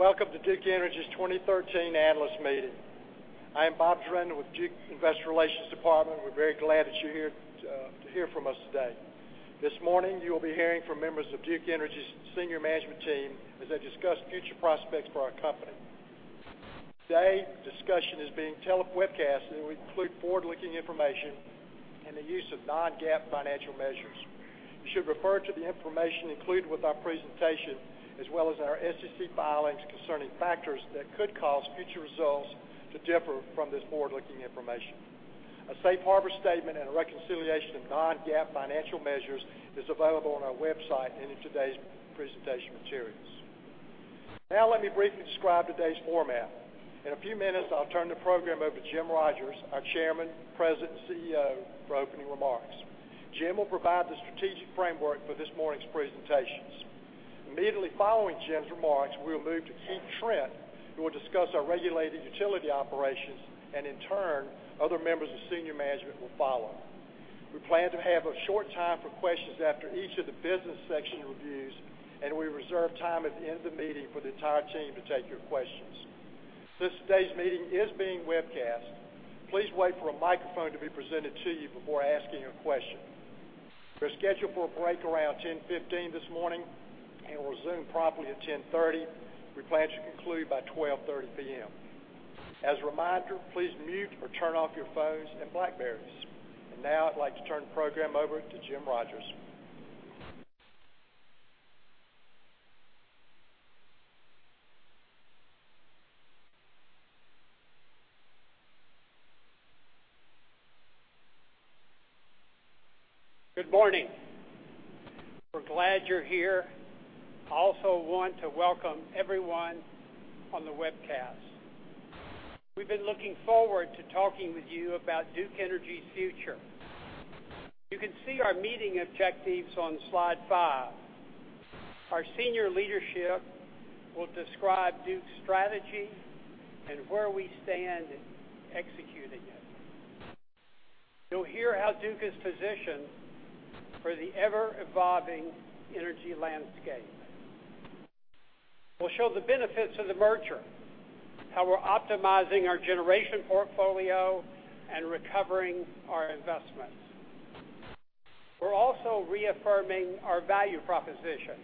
Welcome to Duke Energy's 2013 Analyst Meeting. I am Bob Drennan with Duke Investor Relations Department, we're very glad that you're here to hear from us today. This morning, you'll be hearing from members of Duke Energy's senior management team as they discuss future prospects for our company. Today's discussion is being telewebcast, we include forward-looking information and the use of non-GAAP financial measures. You should refer to the information included with our presentation, as well as our SEC filings concerning factors that could cause future results to differ from this forward-looking information. A safe harbor statement and a reconciliation of non-GAAP financial measures is available on our website and in today's presentation materials. Let me briefly describe today's format. In a few minutes, I'll turn the program over to Jim Rogers, our Chairman, President, and CEO, for opening remarks. Jim will provide the strategic framework for this morning's presentations. Immediately following Jim's remarks, we'll move to Keith Trent, who will discuss our regulated utility operations, in turn, other members of senior management will follow. We plan to have a short time for questions after each of the business section reviews, we reserve time at the end of the meeting for the entire team to take your questions. Since today's meeting is being webcast, please wait for a microphone to be presented to you before asking a question. We're scheduled for a break around 10:15 this morning and will resume promptly at 10:30 A.M. We plan to conclude by 12:30 P.M. As a reminder, please mute or turn off your phones and BlackBerries. I'd like to turn the program over to Jim Rogers. Good morning. We're glad you're here. I also want to welcome everyone on the webcast. We've been looking forward to talking with you about Duke Energy's future. You can see our meeting objectives on slide five. Our senior leadership will describe Duke's strategy and where we stand in executing it. You'll hear how Duke is positioned for the ever-evolving energy landscape. We'll show the benefits of the merger, how we're optimizing our generation portfolio, recovering our investments. We're also reaffirming our value proposition.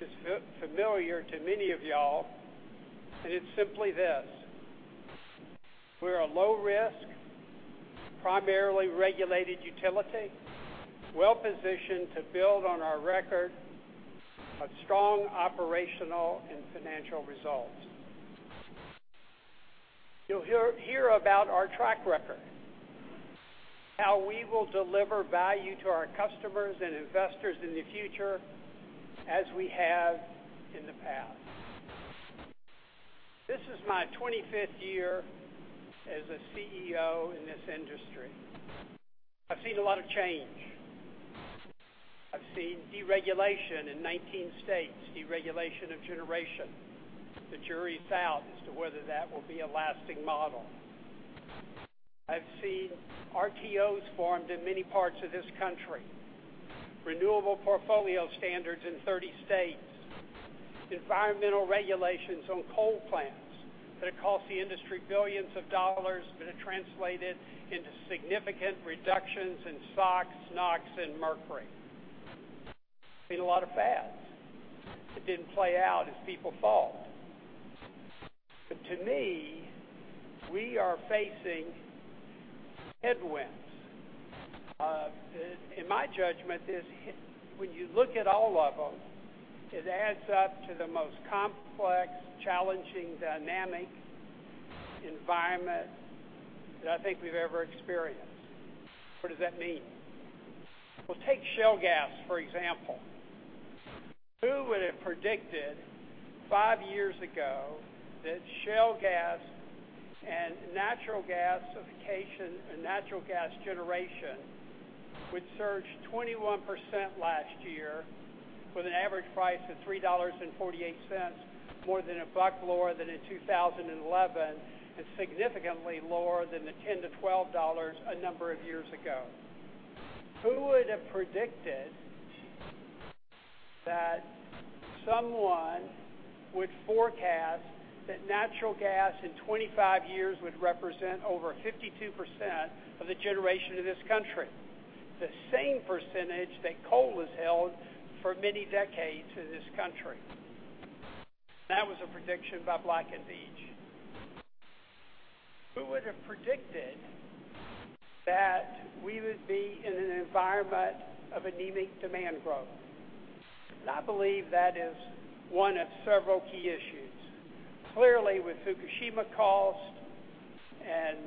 It's familiar to many of you all, it's simply this: We're a low risk, primarily regulated utility, well-positioned to build on our record of strong operational and financial results. You'll hear about our track record, how we will deliver value to our customers and investors in the future, as we have in the past. This is my 25th year as a CEO in this industry. I've seen a lot of change. I've seen deregulation in 19 states, deregulation of generation. The jury's out as to whether that will be a lasting model. I've seen RTOs formed in many parts of this country, renewable portfolio standards in 30 states, environmental regulations on coal plants that have cost the industry billions of dollars, have translated into significant reductions in SOx, NOx and mercury. Seen a lot of fads that didn't play out as people thought. But to me, we are facing headwinds. In my judgment is when you look at all of them, it adds up to the most complex, challenging, dynamic environment that I think we've ever experienced. What does that mean? Well, take shale gas, for example. Who would have predicted five years ago that shale gas and natural gasification and natural gas generation would surge 21% last year with an average price of $3.48, more than a buck lower than in 2011, and significantly lower than the $10 to $12 a number of years ago? Who would have predicted that someone would forecast that natural gas in 25 years would represent over 52% of the generation of this country, the same percentage that coal has held for many decades in this country? That was a prediction by Black & Veatch. Who would have predicted that we would be in an environment of anemic demand growth? I believe that is one of several key issues. Clearly, with Fukushima costs and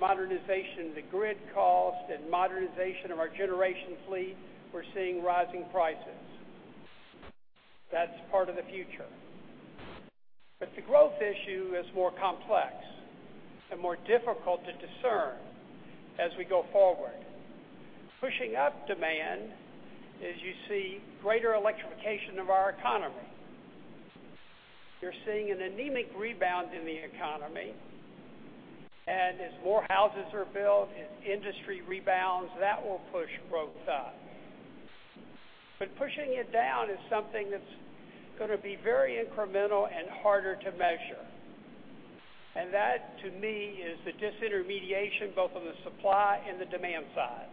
modernization of the grid cost and modernization of our generation fleet, we're seeing rising prices. That's part of the future. The growth issue is more complex and more difficult to discern as we go forward. Pushing up demand is you see greater electrification of our economy. You're seeing an anemic rebound in the economy. As more houses are built, as industry rebounds, that will push growth up. Pushing it down is something that's going to be very incremental and harder to measure. That, to me, is the disintermediation both on the supply and the demand side.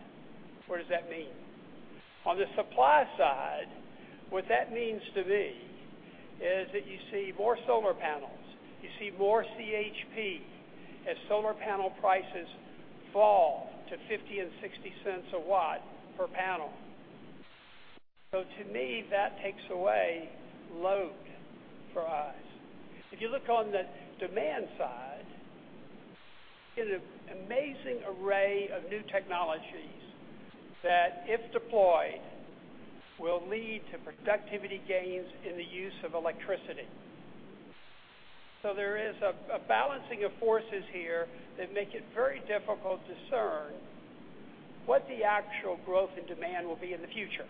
What does that mean? On the supply side, what that means to me is that you see more solar panels, you see more CHP as solar panel prices fall to $0.50 and $0.60 a watt per panel. To me, that takes away load for us. If you look on the demand side, an amazing array of new technologies that, if deployed, will lead to productivity gains in the use of electricity. There is a balancing of forces here that make it very difficult to discern what the actual growth in demand will be in the future.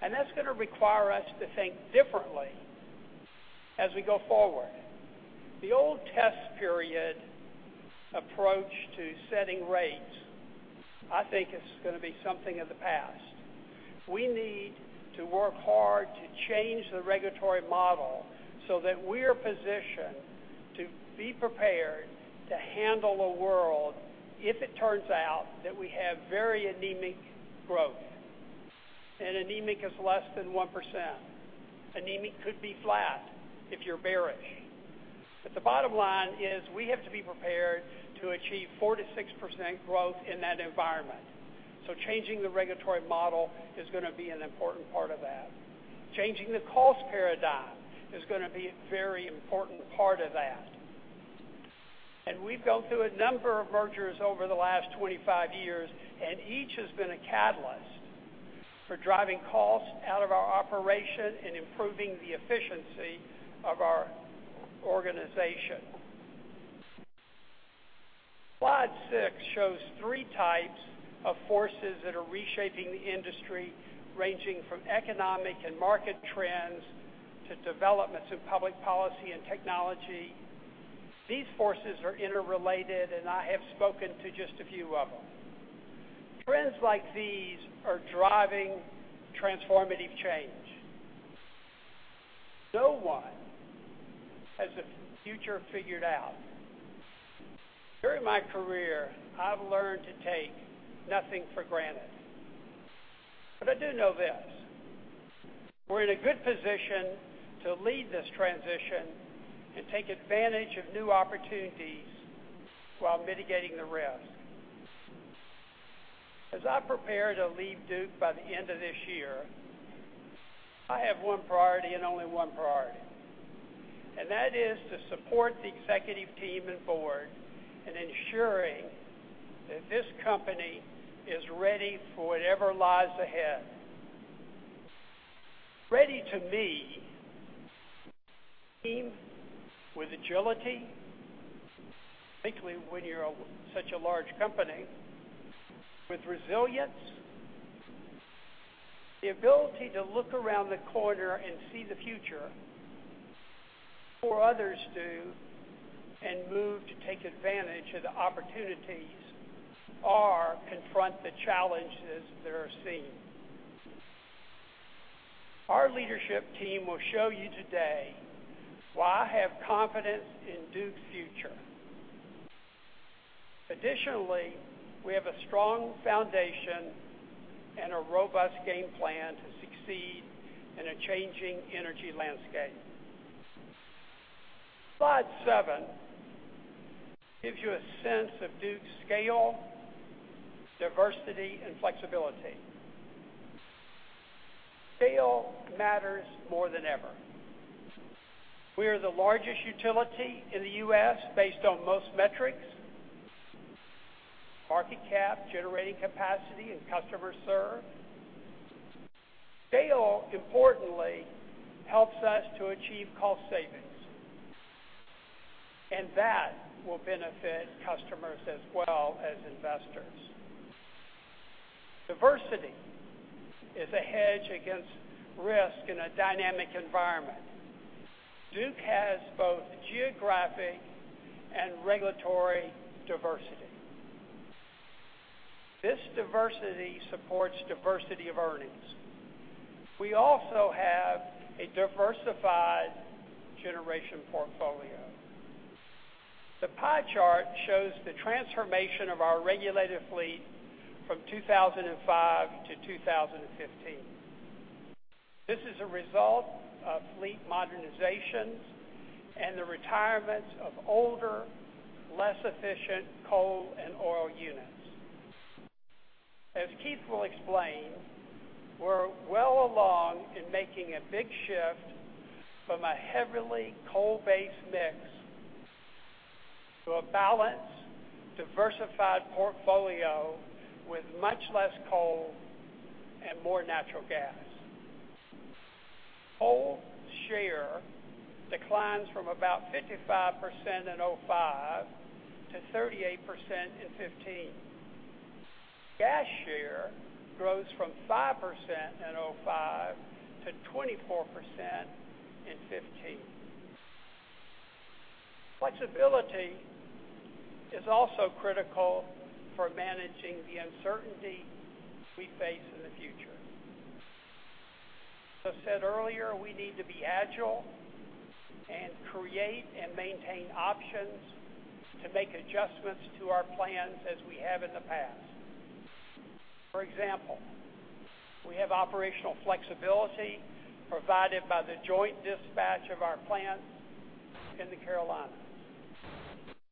That's going to require us to think differently as we go forward. The old test period approach to setting rates, I think, is going to be something of the past. We need to work hard to change the regulatory model so that we're positioned to be prepared to handle a world if it turns out that we have very anemic growth. Anemic is less than 1%. Anemic could be flat if you're bearish. The bottom line is we have to be prepared to achieve 4%-6% growth in that environment. Changing the regulatory model is going to be an important part of that. Changing the cost paradigm is going to be a very important part of that. We've gone through a number of mergers over the last 25 years, and each has been a catalyst for driving costs out of our operation and improving the efficiency of our organization. Slide six shows 3 types of forces that are reshaping the industry, ranging from economic and market trends to developments in public policy and technology. These forces are interrelated, and I have spoken to just a few of them. Trends like these are driving transformative change. No one has the future figured out. During my career, I've learned to take nothing for granted. I do know this: we're in a good position to lead this transition and take advantage of new opportunities while mitigating the risk. As I prepare to leave Duke by the end of this year, I have one priority and only one priority. That is to support the executive team and board in ensuring that this company is ready for whatever lies ahead. Ready, to me, means with agility, particularly when you're such a large company, with resilience, the ability to look around the corner and see the future before others do and move to take advantage of the opportunities or confront the challenges that are seen. Our leadership team will show you today why I have confidence in Duke's future. Additionally, we have a strong foundation and a robust game plan to succeed in a changing energy landscape. Slide seven gives you a sense of Duke's scale, diversity, and flexibility. Scale matters more than ever. We are the largest utility in the U.S. based on most metrics, market cap, generating capacity, customers served. Scale importantly helps us to achieve cost savings, that will benefit customers as well as investors. Diversity is a hedge against risk in a dynamic environment. Duke has both geographic and regulatory diversity. This diversity supports diversity of earnings. We also have a diversified generation portfolio. The pie chart shows the transformation of our regulated fleet from 2005 to 2015. This is a result of fleet modernizations and the retirements of older, less efficient coal and oil units. As Keith Trent will explain, we're well along in making a big shift from a heavily coal-based mix to a balanced, diversified portfolio with much less coal and more natural gas. Coal share declines from about 55% in 2005 to 38% in 2015. Gas share grows from 5% in 2005 to 24% in 2015. Flexibility is also critical for managing the uncertainty we face in the future. As I said earlier, we need to be agile and create and maintain options to make adjustments to our plans as we have in the past. For example, we have operational flexibility provided by the joint dispatch of our plants in the Carolinas.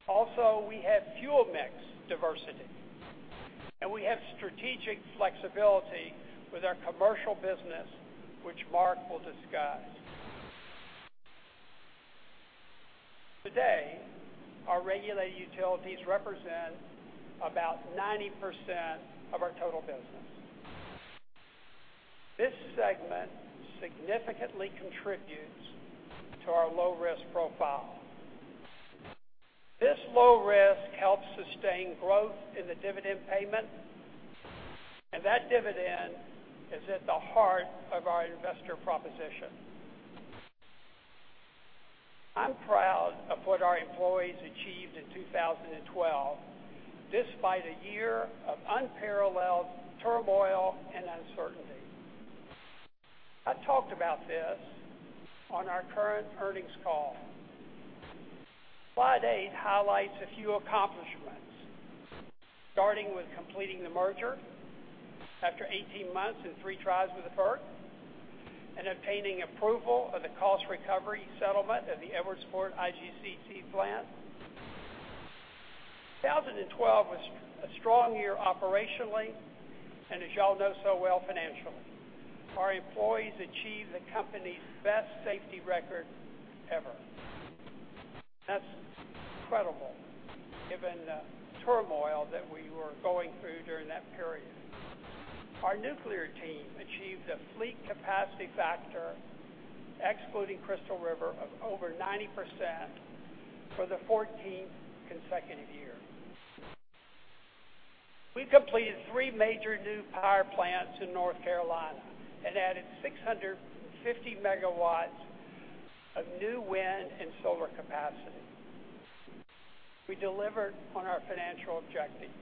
Also, we have fuel mix diversity. We have strategic flexibility with our commercial business, which Mark will discuss. Today, our regulated utilities represent about 90% of our total business. This segment significantly contributes to our low-risk profile. This low risk helps sustain growth in the dividend payment, that dividend is at the heart of our investor proposition. I'm proud of what our employees achieved in 2012, despite a year of unparalleled turmoil and uncertainty. I talked about this on our current earnings call. Slide eight highlights a few accomplishments, starting with completing the merger after 18 months and three tries with the FERC and obtaining approval of the cost recovery settlement at the Edwardsport IGCC plant. 2012 was a strong year operationally, as y'all know so well financially. Our employees achieved the company's best safety record ever. That's incredible given the turmoil that we were going through during that period. Our nuclear team achieved a fleet capacity factor, excluding Crystal River, of over 90% for the 14th consecutive year. We completed three major new power plants in North Carolina and added 650 megawatts of new wind and solar capacity. We delivered on our financial objectives,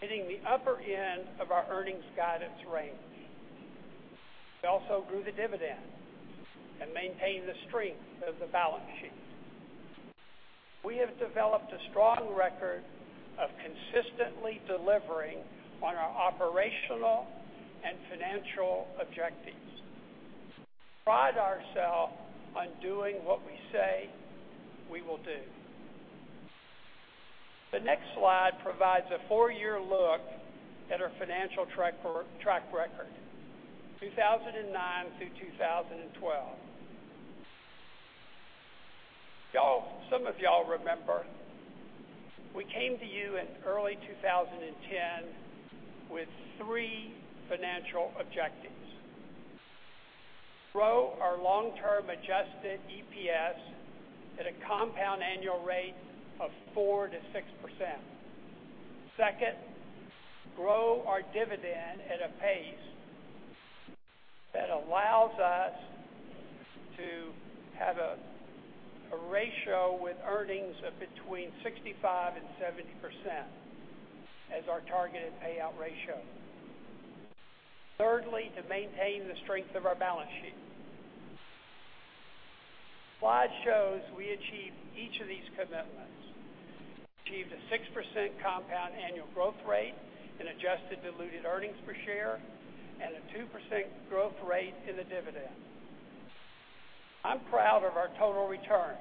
hitting the upper end of our earnings guidance range. We also grew the dividend and maintained the strength of the balance sheet. We have developed a strong record of consistently delivering on our operational and financial objectives. We pride ourselves on doing what we say we will do. The next slide provides a four-year look at our financial track record, 2009 through 2012. Some of y'all remember, we came to you in early 2010 with three financial objectives. Grow our long-term adjusted EPS at a compound annual rate of 4%-6%. Second, grow our dividend at a pace that allows us to have a ratio with earnings of between 65% and 70% as our targeted payout ratio. Thirdly, to maintain the strength of our balance sheet. Slide shows we achieved each of these commitments. Achieved a 6% compound annual growth rate in adjusted diluted earnings per share and a 2% growth rate in the dividend. I'm proud of our total return,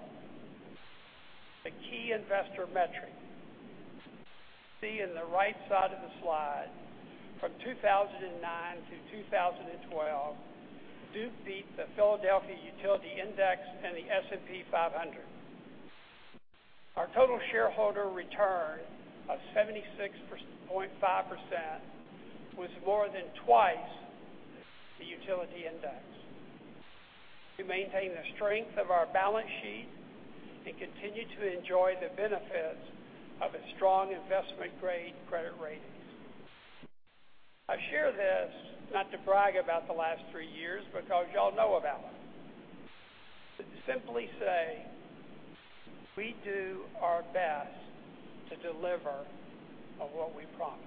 the key investor metric. See in the right side of the slide, from 2009 to 2012, Duke beat the Philadelphia Utility Index and the S&P 500. Our total shareholder return of 76.5% was more than twice the utility index. We maintain the strength of our balance sheet and continue to enjoy the benefits of a strong investment-grade credit rating. I share this not to brag about the last three years, because y'all know about it. Simply say we do our best to deliver on what we promise.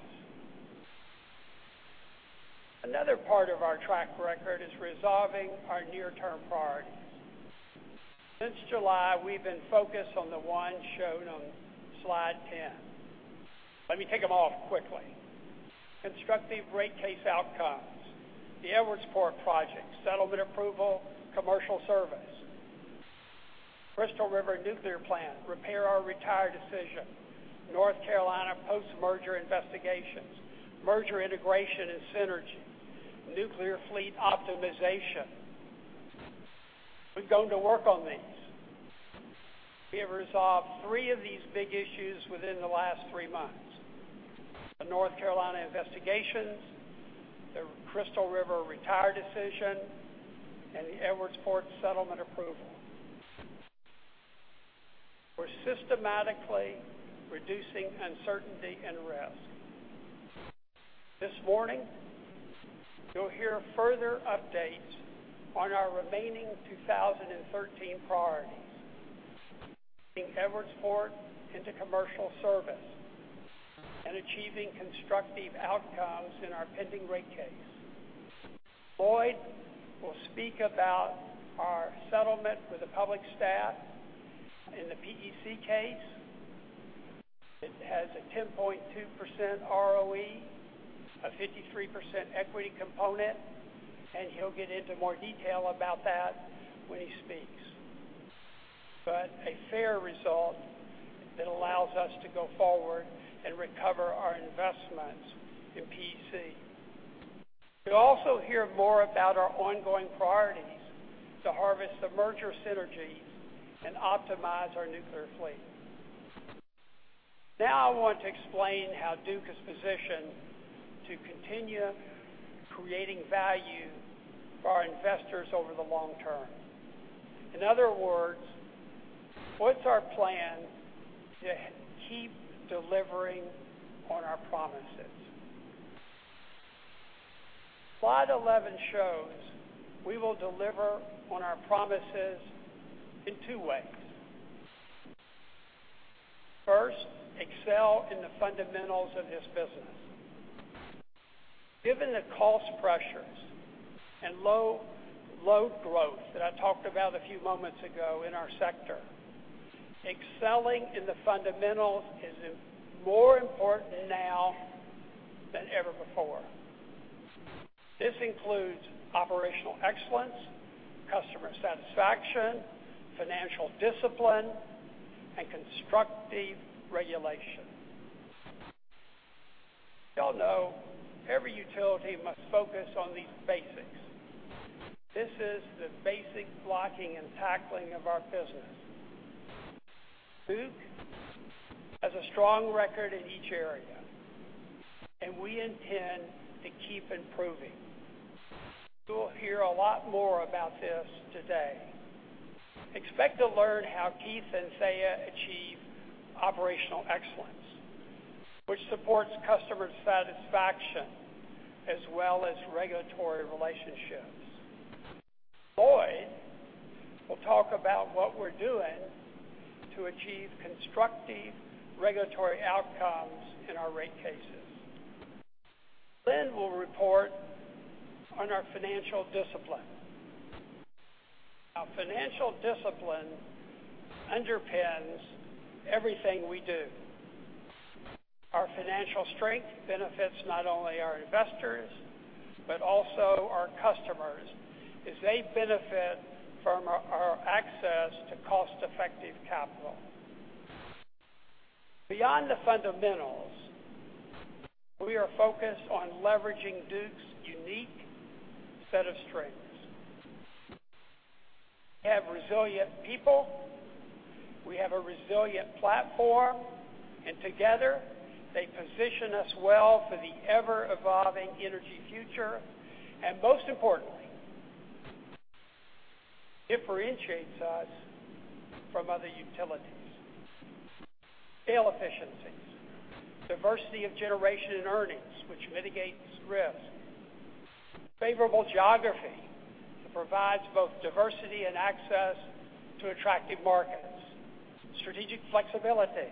Another part of our track record is resolving our near-term priorities. Since July, we've been focused on the ones shown on slide 10. Let me tick them off quickly. Constructive rate case outcomes. The Edwardsport project settlement approval, commercial service. Crystal River Nuclear Plant repair or retire decision. North Carolina post-merger investigations. Merger integration and synergy. Nuclear fleet optimization. We've gone to work on these. We have resolved three of these big issues within the last three months. The North Carolina investigations, the Crystal River retire decision, and the Edwardsport settlement approval. We're systematically reducing uncertainty and risk. This morning, you'll hear further updates on our remaining 2013 priorities, getting Edwardsport into commercial service and achieving constructive outcomes in our pending rate case. Lloyd will speak about our settlement with the public staff in the PEC case. It has a 10.2% ROE, a 53% equity component, and he'll get into more detail about that when he speaks. A fair result that allows us to go forward and recover our investments in PEC. You'll also hear more about our ongoing priorities to harvest the merger synergies and optimize our nuclear fleet. Now I want to explain how Duke is positioned to continue creating value for our investors over the long term. In other words, what's our plan to keep delivering on our promises? Slide 11 shows we will deliver on our promises in two ways. First, excel in the fundamentals of this business. Given the cost pressures and low growth that I talked about a few moments ago in our sector, excelling in the fundamentals is more important now than ever before. This includes operational excellence, customer satisfaction, financial discipline, and constructive regulation. You all know every utility must focus on these basics. This is the basic blocking and tackling of our business. Duke has a strong record in each area, and we intend to keep improving. You'll hear a lot more about this today. Expect to learn how Keith and Seiya achieve operational excellence, which supports customer satisfaction as well as regulatory relationships. Lloyd will talk about what we're doing to achieve constructive regulatory outcomes in our rate cases. Lynn will report on our financial discipline. Our financial discipline underpins everything we do. Our financial strength benefits not only our investors, but also our customers, as they benefit from our access to cost-effective capital. Beyond the fundamentals, we are focused on leveraging Duke's unique set of strengths. We have resilient people, we have a resilient platform. Together, they position us well for the ever-evolving energy future. Most importantly, differentiates us from other utilities. Scale efficiencies, diversity of generation and earnings, which mitigates risks. Favorable geography that provides both diversity and access to attractive markets. Strategic flexibility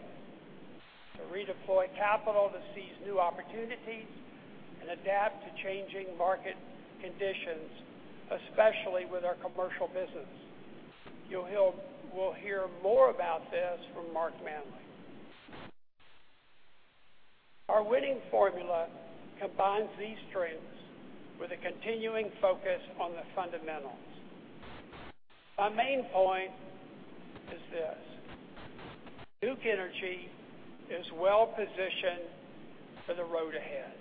to redeploy capital to seize new opportunities and adapt to changing market conditions, especially with our commercial business. You will hear more about this from Marc Manly. Our winning formula combines these strengths with a continuing focus on the fundamentals. My main point is this. Duke Energy is well-positioned for the road ahead.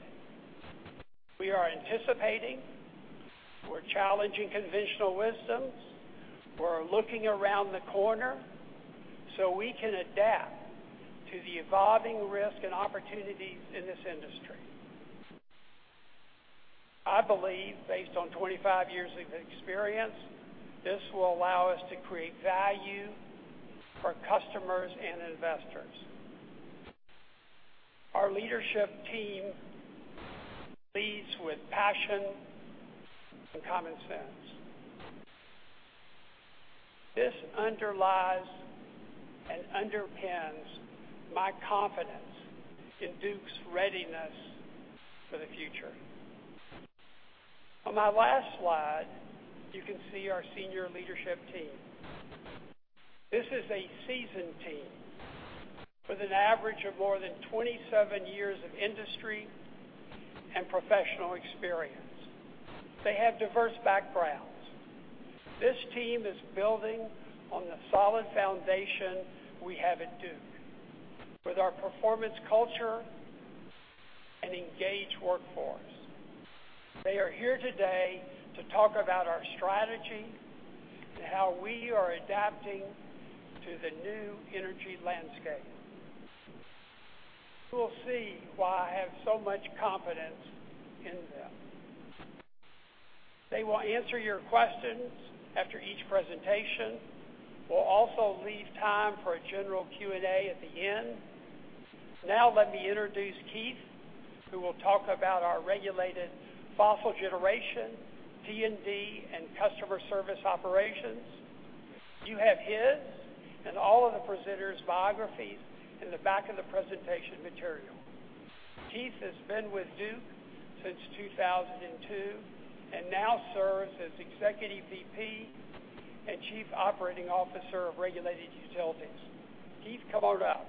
We are anticipating, we're challenging conventional wisdoms, we're looking around the corner so we can adapt to the evolving risk and opportunities in this industry. I believe, based on 25 years of experience, this will allow us to create value for customers and investors. Our leadership team leads with passion and common sense. This underlies and underpins my confidence in Duke's readiness for the future. On my last slide, you can see our senior leadership team. This is a seasoned team with an average of more than 27 years of industry and professional experience. They have diverse backgrounds. This team is building on the solid foundation we have at Duke with our performance culture and engaged workforce. They are here today to talk about our strategy and how we are adapting to the new energy landscape. You will see why I have so much confidence in them. They will answer your questions after each presentation. We'll also leave time for a general Q&A at the end. Now let me introduce Keith, who will talk about our regulated fossil generation, T&D, and customer service operations. You have his and all of the presenters' biographies in the back of the presentation material. Keith has been with Duke since 2002 and now serves as Executive VP and Chief Operating Officer of Regulated Utilities. Keith, come on up.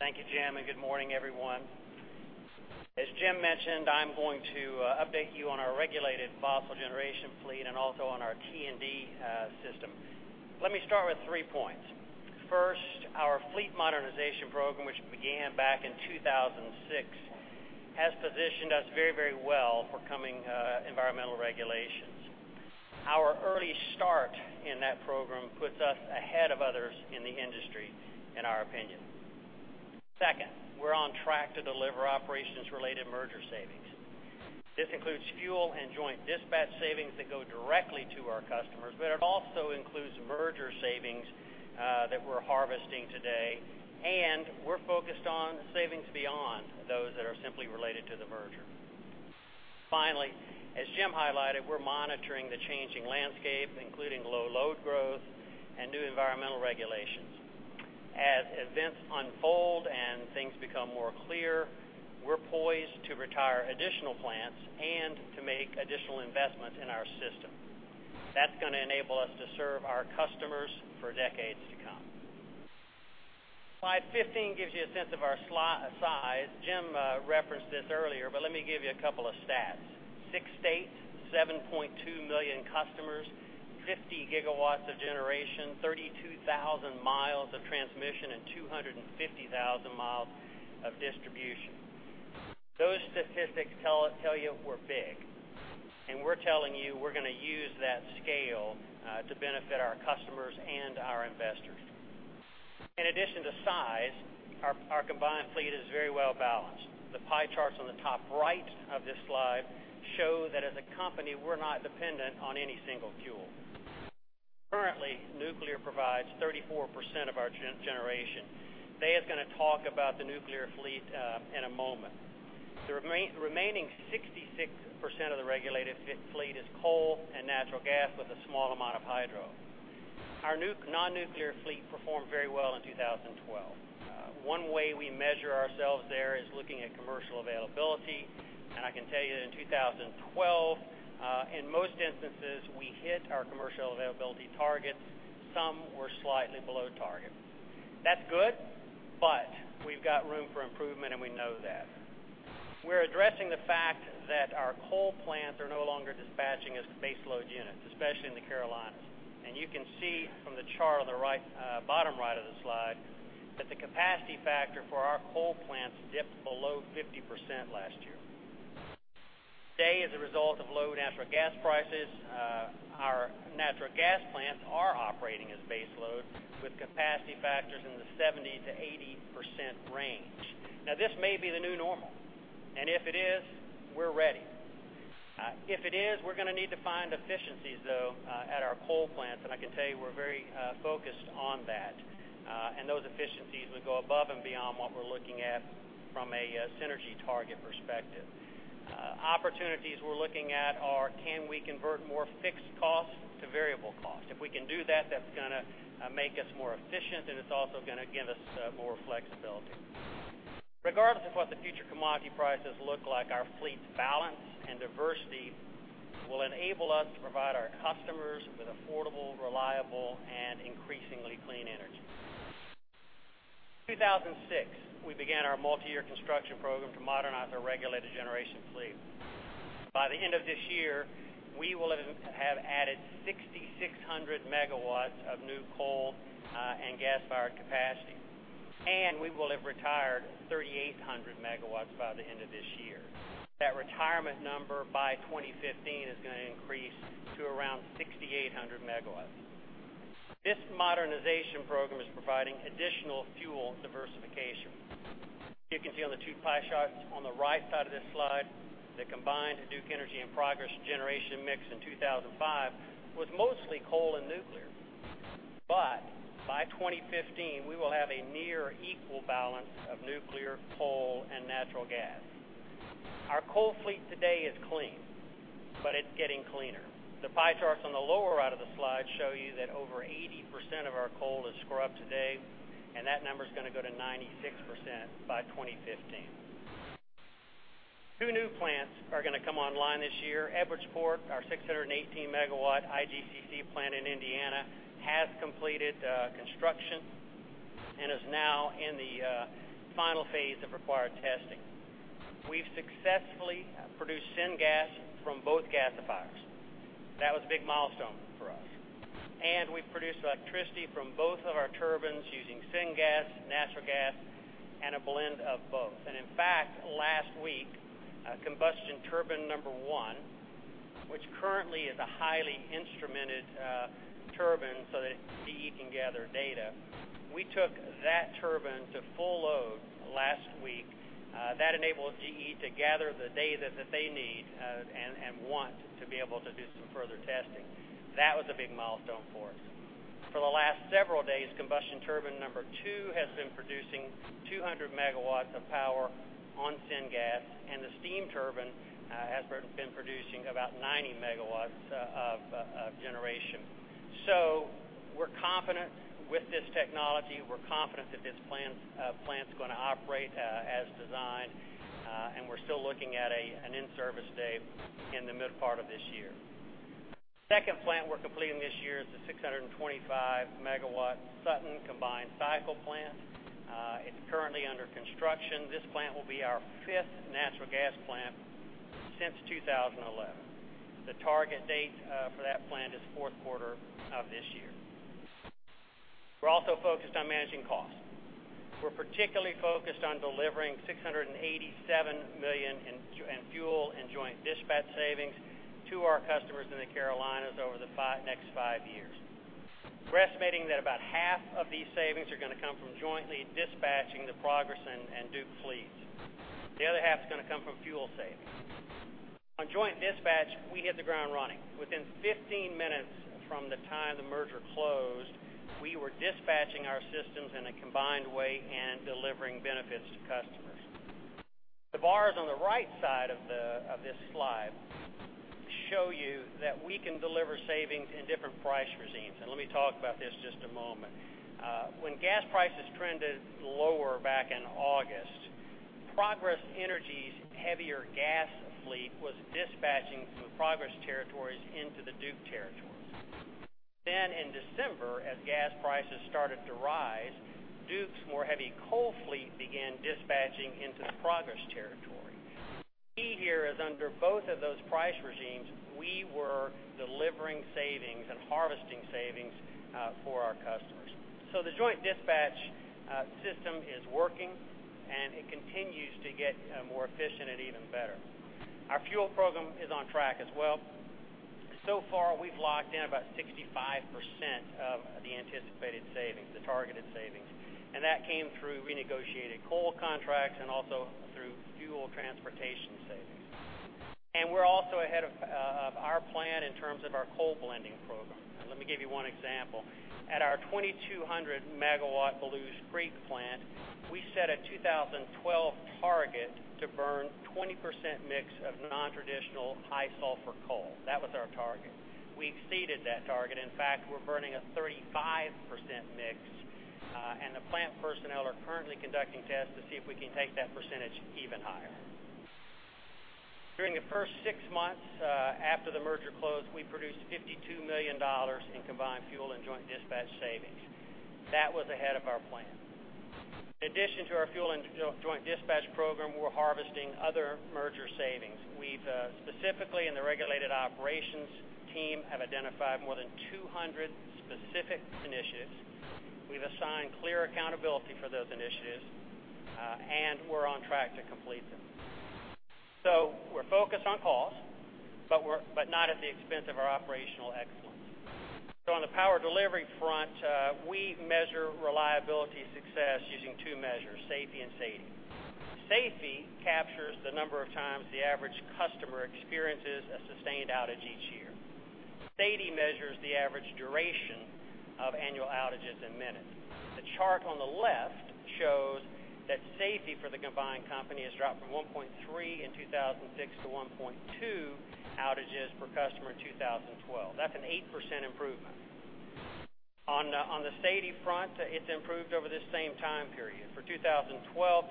Thank you, Jim. Good morning, everyone. As Jim mentioned, I'm going to update you on our regulated fossil generation fleet and also on our T&D system. Let me start with three points. First, our fleet modernization program, which began back in 2006, has positioned us very well for coming environmental regulations. Our early start in that program puts us ahead of others in the industry, in our opinion. Second, we're on track to deliver operations-related merger savings. This includes fuel and joint dispatch savings that go directly to our customers. It also includes merger savings that we're harvesting today. We're focused on savings beyond those that are simply related to the merger. Finally, as Jim highlighted, we're monitoring the changing landscape, including low load growth and new environmental regulations. As events unfold and things become more clear, we're poised to retire additional plants and to make additional investments in our system. That's going to enable us to serve our customers for decades to come. Slide 15 gives you a sense of our size. Jim referenced this earlier, but let me give you a couple of stats. Six states, 7.2 million customers, 50 gigawatts of generation, 32,000 miles of transmission, and 250,000 miles of distribution. Those statistics tell you we're big, and we're telling you we're going to use that scale to benefit our customers and our investors. In addition to size, our combined fleet is very well-balanced. The pie charts on the top right of this slide show that as a company, we're not dependent on any single fuel. Currently, nuclear provides 34% of our generation. Dave is going to talk about the nuclear fleet in a moment. The remaining 66% of the regulated fleet is coal and natural gas with a small amount of hydro. Our non-nuclear fleet performed very well in 2012. One way we measure ourselves there is looking at commercial availability, and I can tell you that in 2012, in most instances, we hit our commercial availability targets. Some were slightly below target. That's good, but we've got room for improvement, and we know that. We're addressing the fact that our coal plants are no longer dispatching as base load units, especially in the Carolinas. You can see from the chart on the bottom right of the slide that the capacity factor for our coal plants dipped below 50% last year. Today, as a result of low natural gas prices, our natural gas plants are operating as base load with capacity factors in the 70%-80% range. This may be the new normal, and if it is, we're ready. If it is, we're going to need to find efficiencies, though, at our coal plants. I can tell you we're very focused on that. Those efficiencies would go above and beyond what we're looking at from a synergy target perspective. Opportunities we're looking at are can we convert more fixed cost to variable cost? If we can do that's gonna make us more efficient, and it's also gonna give us more flexibility. Regardless of what the future commodity prices look like, our fleet's balance and diversity will enable us to provide our customers with affordable, reliable, and increasingly clean energy. 2006, we began our multi-year construction program to modernize our regulated generation fleet. By the end of this year, we will have added 6,600 megawatts of new coal and gas-fired capacity, and we will have retired 3,800 megawatts by the end of this year. That retirement number by 2015 is going to increase to around 6,800 megawatts. This modernization program is providing additional fuel diversification. You can see on the two pie charts on the right side of this slide that combined Duke Energy and Progress generation mix in 2005 was mostly coal and nuclear. By 2015, we will have a near equal balance of nuclear, coal, and natural gas. Our coal fleet today is clean, but it's getting cleaner. The pie charts on the lower right of the slide show you that over 80% of our coal is scrubbed today, and that number's gonna go to 96% by 2015. Two new plants are gonna come online this year. Edwardsport, our 618 MW IGCC plant in Indiana, has completed construction and is now in the final phase of required testing. We've successfully produced syngas from both gasifiers. That was a big milestone for us. We've produced electricity from both of our turbines using syngas, natural gas, and a blend of both. Last week, combustion turbine number one, which currently is a highly instrumented turbine so that GE can gather data. We took that turbine to full load last week. That enabled GE to gather the data that they need and want to be able to do some further testing. That was a big milestone for us. For the last several days, combustion turbine number 2 has been producing 200 MW of power on syngas, and the steam turbine has been producing about 90 MW of generation. We're confident with this technology. We're confident that this plant's going to operate as designed, we're still looking at an in-service date in the mid part of this year. Second plant we're completing this year is the 625 MW Sutton combined cycle plant. It's currently under construction. This plant will be our fifth natural gas plant since 2011. The target date for that plant is the 4th quarter of this year. We're also focused on managing costs. We're particularly focused on delivering $687 million in fuel and joint dispatch savings to our customers in the Carolinas over the next five years. We're estimating that about half of these savings are going to come from jointly dispatching the Progress and Duke fleets. The other half is going to come from fuel savings. On joint dispatch, we hit the ground running. Within 15 minutes from the time the merger closed, we were dispatching our systems in a combined way and delivering benefits to customers. The bars on the right side of this slide show you that we can deliver savings in different price regimes, let me talk about this just a moment. When gas prices trended lower back in August, Progress Energy's heavier gas fleet was dispatching from Progress territories into the Duke territories. In December, as gas prices started to rise, Duke's more heavy coal fleet began dispatching into the Progress territory. The key here is under both of those price regimes, we were delivering savings and harvesting savings for our customers. The joint dispatch system is working, it continues to get more efficient and even better. Our fuel program is on track as well. So far, we've locked in about 65% of the anticipated savings, the targeted savings, that came through renegotiated coal contracts and also through fuel transportation savings. We're also ahead of our plan in terms of our coal blending program. Let me give you one example. At our 2,200 MW Belews Creek plant, we set a 2012 target to burn 20% mix of non-traditional high sulfur coal. That was our target. We exceeded that target. In fact, we're burning a 35% mix, the plant personnel are currently conducting tests to see if we can take that percentage even higher. During the first six months after the merger closed, we produced $52 million in combined fuel and joint dispatch savings. That was ahead of our plan. In addition to our fuel and joint dispatch program, we're harvesting other merger savings. We've specifically in the regulated operations team have identified more than 200 specific initiatives. We've assigned clear accountability for those initiatives, and we're on track to complete them. We're focused on cost, but not at the expense of our operational excellence. On the power delivery front, we measure reliability success using two measures, SAIFI and SAIDI. SAIFI captures the number of times the average customer experiences a sustained outage each year. SAIDI measures the average duration of annual outages in minutes. The chart on the left shows that SAIFI for the combined company has dropped from 1.3 in 2006 to 1.2 outages per customer in 2012. That's an 8% improvement. On the SAIDI front, it's improved over this same time period. For 2012,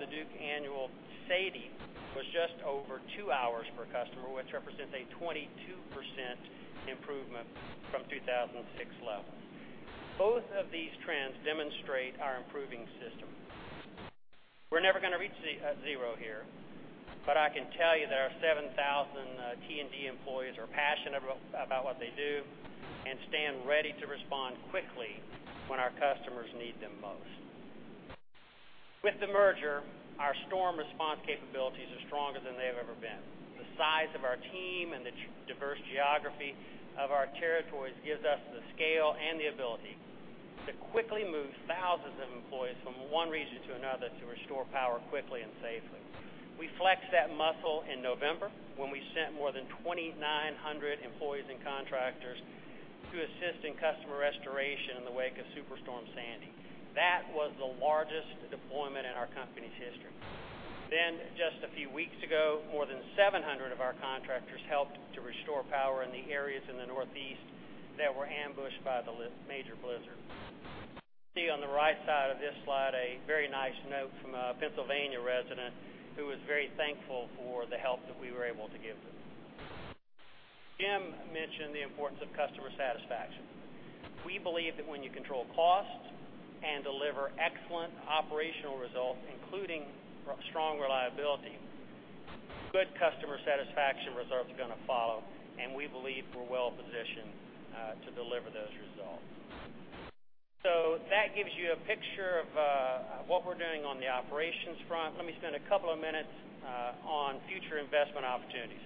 the Duke annual SAIDI was just over two hours per customer, which represents a 22% improvement from 2006 levels. Both of these trends demonstrate our improving system. We're never going to reach zero here, but I can tell you that our 7,000 T&D employees are passionate about what they do and stand ready to respond quickly when our customers need them most. With the merger, our storm response capabilities are stronger than they've ever been. The size of our team and the diverse geography of our territories gives us the scale and the ability to quickly move thousands of employees from one region to another to restore power quickly and safely. We flexed that muscle in November when we sent more than 2,900 employees and contractors to assist in customer restoration in the wake of Superstorm Sandy. That was the largest deployment in our company's history. Just a few weeks ago, more than 700 of our contractors helped to restore power in the areas in the Northeast that were ambushed by the major blizzard. You see on the right side of this slide a very nice note from a Pennsylvania resident who was very thankful for the help that we were able to give them. Jim mentioned the importance of customer satisfaction. We believe that when you control costs and deliver excellent operational results, including strong reliability, good customer satisfaction results are going to follow, and we believe we're well positioned to deliver those results. That gives you a picture of what we're doing on the operations front. Let me spend a couple of minutes on future investment opportunities.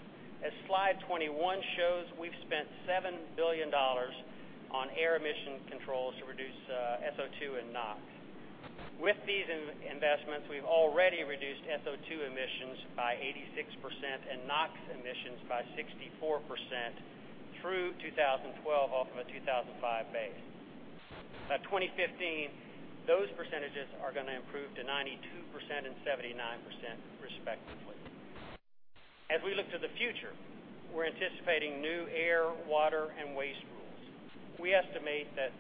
As slide 21 shows, we've spent $7 billion on air emission controls to reduce SO2 and NOx. With these investments, we've already reduced SO2 emissions by 86% and NOx emissions by 64% through 2012 off of a 2005 base. By 2015, those percentages are going to improve to 92% and 79% respectively. As we look to the future, we're anticipating new air, water, and waste rules. We estimate that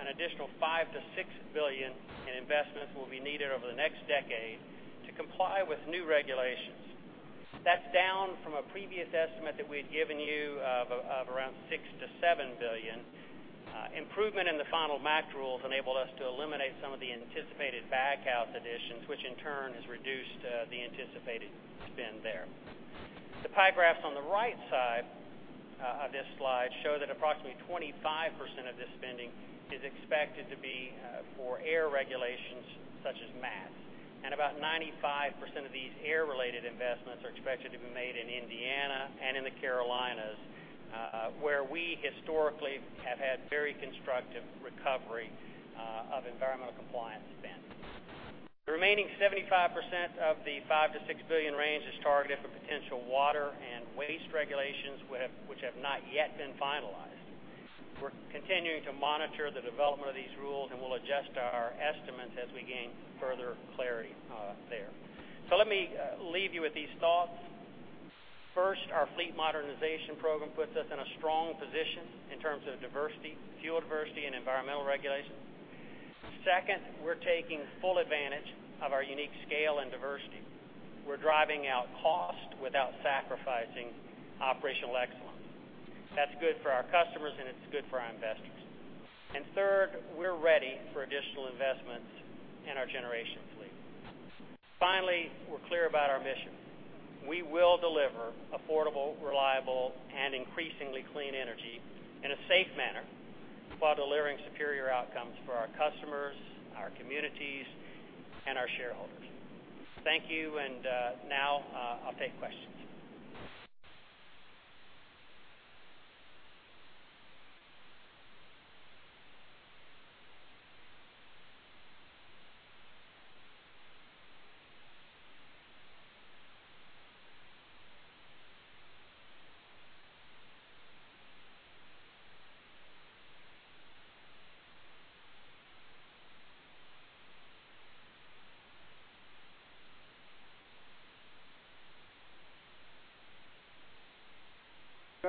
an additional $5 billion-$6 billion in investments will be needed over the next decade to comply with new regulations. That's down from a previous estimate that we had given you of around $6 billion-$7 billion. Improvement in the final MACT rules enabled us to eliminate some of the anticipated baghouse additions, which in turn has reduced the anticipated spend there. The pie graphs on the right side of this slide show that approximately 25% of this spending is expected to be for air regulations such as MATS, and about 95% of these air-related investments are expected to be made in Indiana and in the Carolinas, where we historically have had very constructive recovery of environmental compliance spend. The remaining 75% of the $5 billion-$6 billion range is targeted for potential water and waste regulations, which have not yet been finalized. We're continuing to monitor the development of these rules, and we'll adjust our estimates as we gain further clarity there. Let me leave you with these thoughts. First, our fleet modernization program puts us in a strong position in terms of diversity, fuel diversity, and environmental regulation. Second, we're taking full advantage of our unique scale and diversity. We're driving out cost without sacrificing operational excellence. That's good for our customers and it's good for our investors. Third, we're ready for additional investments in our generation fleet. Finally, we're clear about our mission. We will deliver affordable, reliable, and increasingly clean energy in a safe manner while delivering superior outcomes for our customers, our communities, and our shareholders. Thank you. I'll take questions.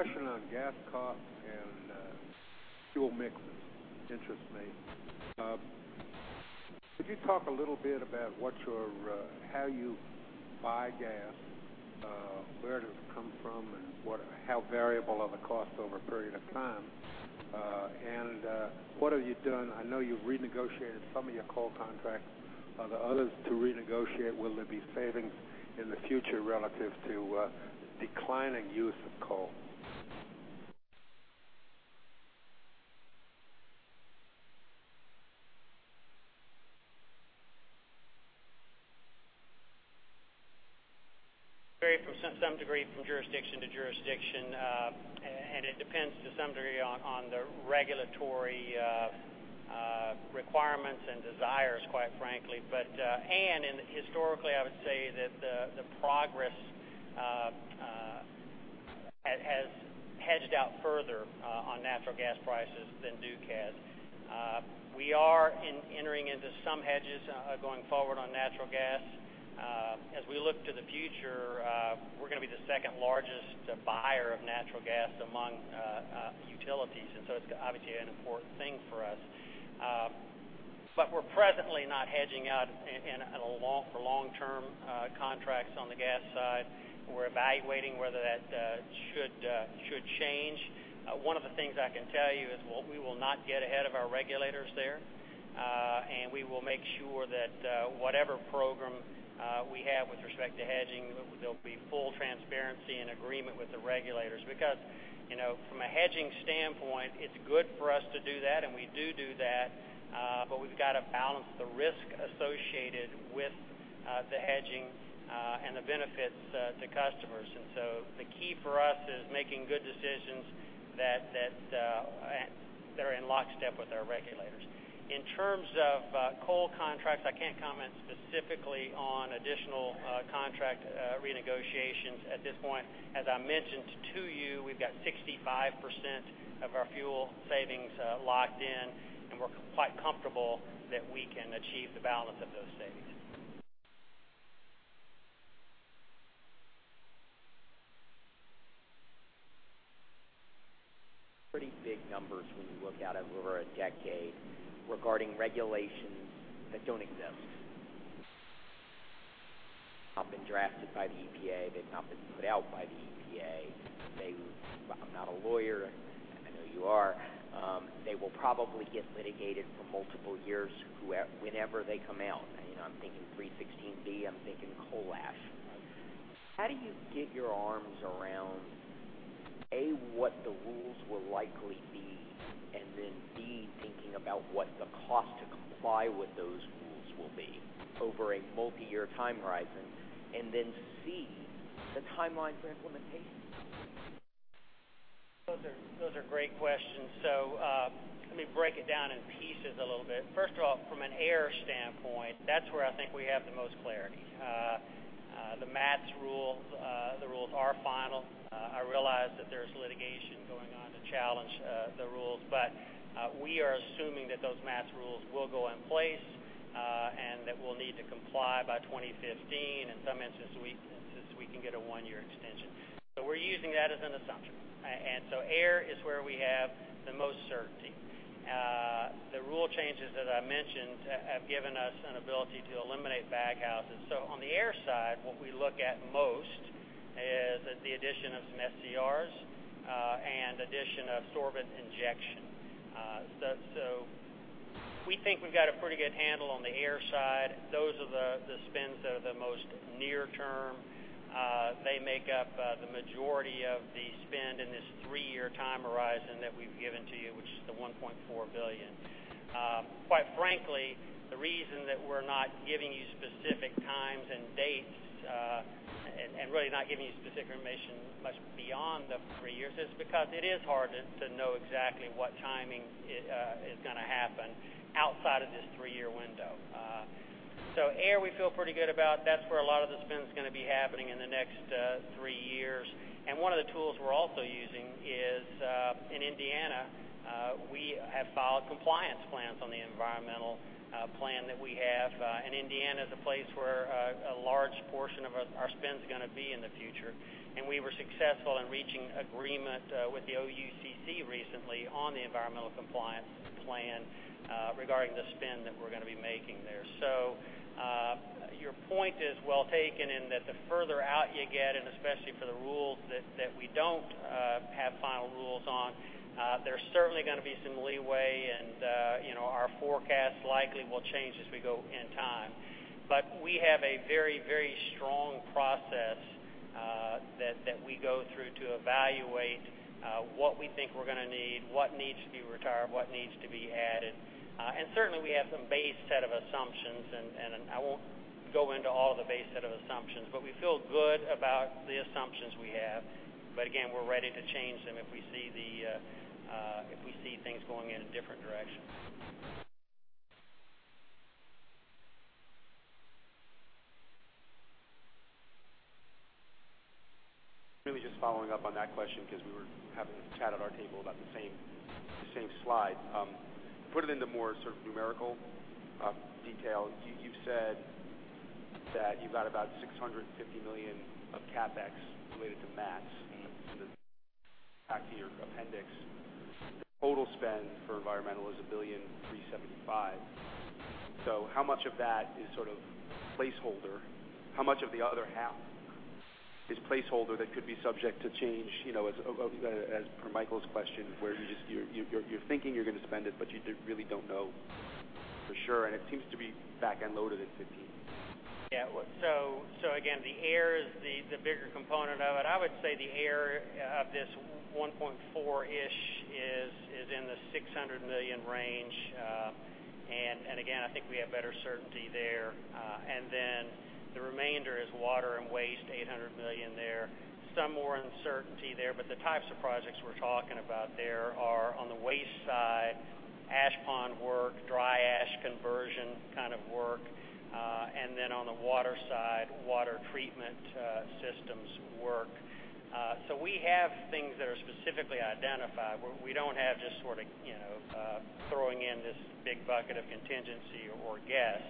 Question on gas cost and fuel mix interests me. Could you talk a little bit about how you buy gas, where does it come from, and how variable are the costs over a period of time? What have you done? I know you've renegotiated some of your coal contracts. Are there others to renegotiate? Will there be savings in the future relative to declining use of coal? Vary from some degree from jurisdiction to jurisdiction, and it depends to some degree on the regulatory requirements and desires, quite frankly. Historically, I would say that the Progress has hedged out further on natural gas prices than Duke has. We are entering into some hedges going forward on natural gas. As we look to the future, we're going to be the second-largest buyer of natural gas among utilities. It's obviously an important thing for us. We're presently not hedging out for long-term contracts on the gas side. We're evaluating whether that should change. One of the things I can tell you is we will not get ahead of our regulators there, and we will make sure that whatever program we have with respect to hedging, there'll be full transparency and agreement with the regulators. From a hedging standpoint, it's good for us to do that, and we do do that, but we've got to balance the risk associated with the hedging and the benefits to customers. The key for us is making good decisions that are in lockstep with our regulators. In terms of coal contracts, I can't comment specifically on additional contract renegotiations at this point. As I mentioned to you, we've got 65% of our fuel savings locked in, and we're quite comfortable that we can achieve the balance of those savings. Pretty big numbers when you look out over a decade regarding regulations that don't exist. Have been drafted by the EPA, that have not been put out by the EPA. I'm not a lawyer. You are. They will probably get litigated for multiple years whenever they come out. I'm thinking 316, I'm thinking COLA. How do you get your arms around, A, what the rules will likely be, and then, B, thinking about what the cost to comply with those rules will be over a multiyear time horizon, and then, C, the timeline for implementation? Those are great questions. Let me break it down in pieces a little bit. First of all, from an air standpoint, that's where I think we have the most clarity. The MATS rule. The rules are final. I realize that there's litigation going on to challenge the rules, but we are assuming that those MATS rules will go in place, and that we'll need to comply by 2015. In some instances, we can get a one-year extension. We're using that as an assumption. Air is where we have the most certainty. The rule changes that I mentioned have given us an ability to eliminate baghouses. On the air side, what we look at most is the addition of some SCRs, and addition of sorbent injection. We think we've got a pretty good handle on the air side. Those are the spends that are the most near term. They make up the majority of the spend in this three-year time horizon that we've given to you, which is the $1.4 billion. Quite frankly, the reason that we're not giving you specific times and dates, and really not giving you specific information much beyond the three years, is because it is hard to know exactly what timing is going to happen outside of this three-year window. Air we feel pretty good about. That's where a lot of the spend's going to be happening in the next three years. One of the tools we're also using is, in Indiana, we have filed compliance plans on the environmental plan that we have, and Indiana is a place where a large portion of our spend's going to be in the future. We were successful in reaching agreement with the Indiana Office of Utility Consumer Counselor recently on the environmental compliance plan regarding the spend that we're going to be making there. Your point is well taken in that the further out you get, and especially for the rules that we don't have final rules on, there's certainly going to be some leeway and our forecast likely will change as we go in time. We have a very strong process that we go through to evaluate what we think we're going to need, what needs to be retired, what needs to be added. Certainly, we have some base set of assumptions, and I won't go into all of the base set of assumptions. We feel good about the assumptions we have. Again, we're ready to change them if we see things going in a different direction. Really just following up on that question because we were having a chat at our table about the same slide. Put it into more sort of numerical detail. You said that you've got about $650 million of CapEx related to MATS in the back of your appendix. The total spend for environmental is $1,375 million. How much of that is sort of placeholder? How much of the other half is placeholder that could be subject to change, as per Michael's question, where you're thinking you're going to spend it, but you really don't know for sure, and it seems to be back-end loaded in 2015? Again, the air is the bigger component of it. I would say the air of this 1.4 is in the $600 million range. Again, I think we have better certainty there. The remainder is water and waste, $800 million there. Some more uncertainty there, but the types of projects we're talking about there are on the waste side, ash pond work, dry ash conversion kind of work. On the water side, water treatment systems work. We have things that are specifically identified where we don't have just sort of throwing in this big bucket of contingency or guess.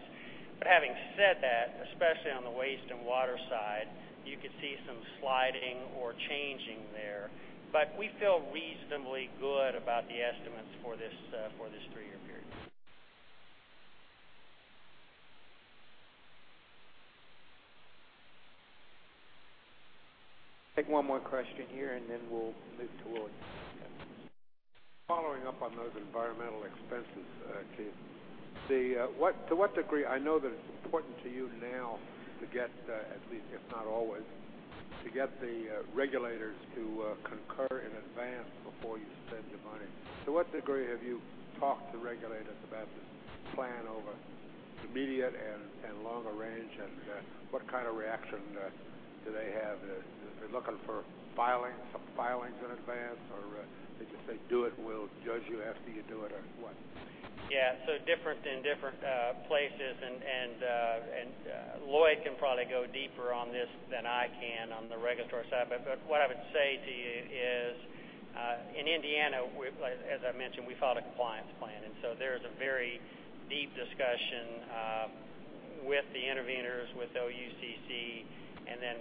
Having said that, especially on the waste and water side, you could see some sliding or changing there. We feel reasonably good about the estimates for this three-year period. Take one more question here, and then we'll move to Lloyd. Following up on those environmental expenses, Keith. I know that it's important to you now to get, at least if not always, to get the regulators to concur in advance before you spend your money. To what degree have you talked to regulators about this plan over the immediate and longer range, and what kind of reaction do they have? Are they looking for filings, some filings in advance, or they just say, "Do it, we'll judge you after you do it," or what? Different in different places, and Lloyd can probably go deeper on this than I can on the regulatory side. What I would say to you is, in Indiana, as I mentioned, we filed a compliance plan. There is a very deep discussion with the interveners, with OUCC, and then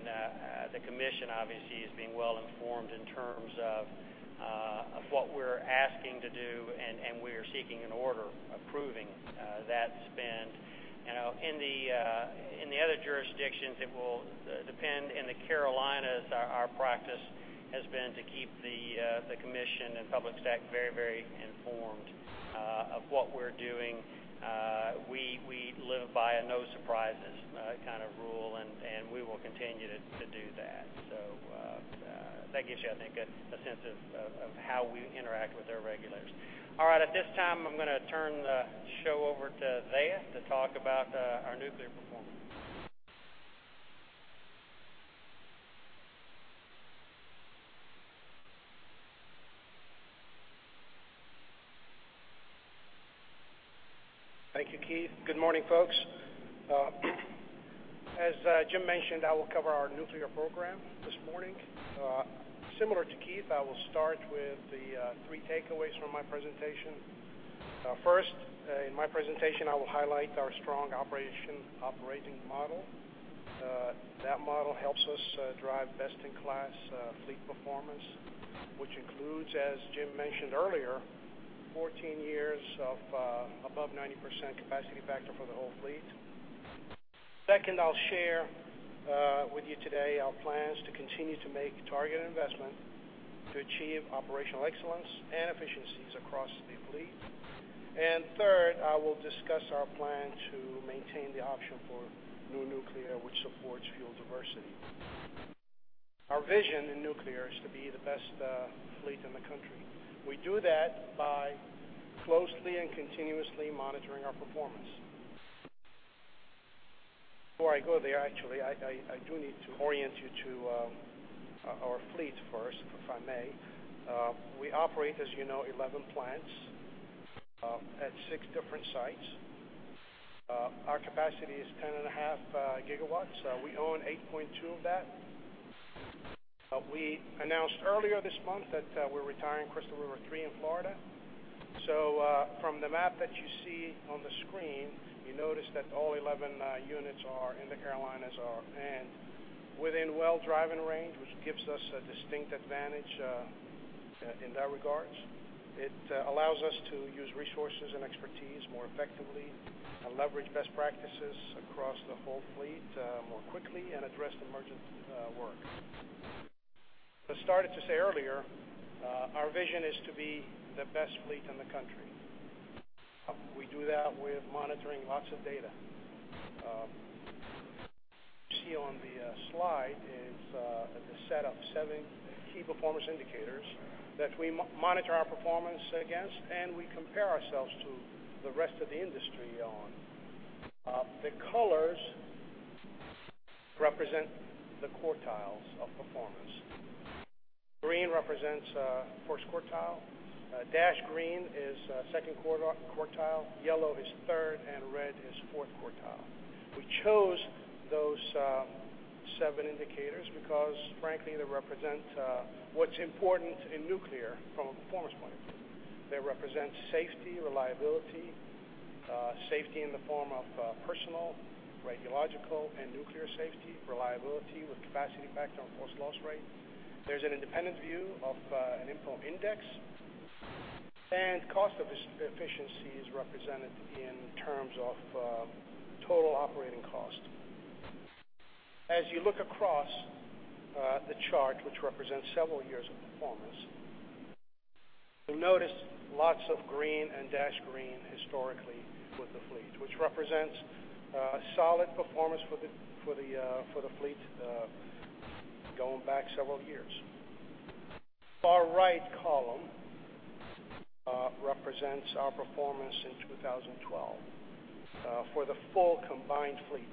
the commission obviously is being well-informed in terms of what we're seeking to do, and we are seeking an order approving that spend. In the other jurisdictions, it will depend. In the Carolinas, our practice has been to keep the commission and public staff very informed of what we're doing. We live by a no surprises kind of rule, and we will continue to do that. That gives you, I think, a sense of how we interact with our regulators. All right, at this time, I'm going to turn the show over to Dhiaa to talk about our nuclear performance. Thank you, Keith. Good morning, folks. As Jim mentioned, I will cover our nuclear program this morning. Similar to Keith, I will start with the three takeaways from my presentation. First, in my presentation, I will highlight our strong operating model. That model helps us drive best-in-class fleet performance, which includes, as Jim mentioned earlier, 14 years of above 90% capacity factor for the whole fleet. Second, I'll share with you today our plans to continue to make targeted investment to achieve operational excellence and efficiencies across the fleet. Third, I will discuss our plan to maintain the option for new nuclear, which supports fuel diversity. Our vision in nuclear is to be the best fleet in the country. We do that by closely and continuously monitoring our performance. Before I go there, actually, I do need to orient you to our fleet first, if I may. We operate, as you know, 11 plants at six different sites. Our capacity is 10.5 gigawatts. We own 8.2 of that. We announced earlier this month that we're retiring Crystal River 3 in Florida. From the map that you see on the screen, you notice that all 11 units are in the Carolinas and within well-driving range, which gives us a distinct advantage in that regards. It allows us to use resources and expertise more effectively and leverage best practices across the whole fleet more quickly and address emergent work. As I started to say earlier, our vision is to be the best fleet in the country. We do that with monitoring lots of data. You see on the slide is the set of seven key performance indicators that we monitor our performance against, and we compare ourselves to the rest of the industry on. The colors represent the quartiles of performance. Green represents first quartile, dash green is second quartile, yellow is third, and red is fourth quartile. We chose those seven indicators because frankly, they represent what is important in nuclear from a performance point of view. They represent safety, reliability. Safety in the form of personal, radiological, and nuclear safety. Reliability with capacity factor and forced loss rate. There is an independent view of an info index, and cost efficiency is represented in terms of total operating cost. As you look across the chart, which represents several years of performance, you will notice lots of green and dash green historically with the fleet, which represents solid performance for the fleet going back several years. Far right column represents our performance in 2012 for the full combined fleet.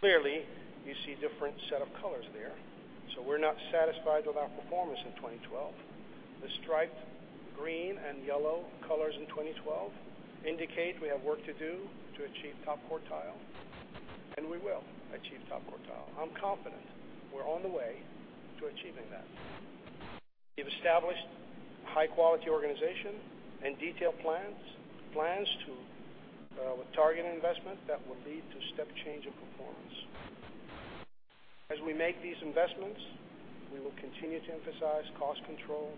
Clearly, you see different set of colors there. We are not satisfied with our performance in 2012. The striped green and yellow colors in 2012 indicate we have work to do to achieve top quartile, we will achieve top quartile. I am confident we are on the way to achieving that. We have established high-quality organization and detailed plans to with targeted investment that will lead to step change of performance. As we make these investments, we will continue to emphasize cost control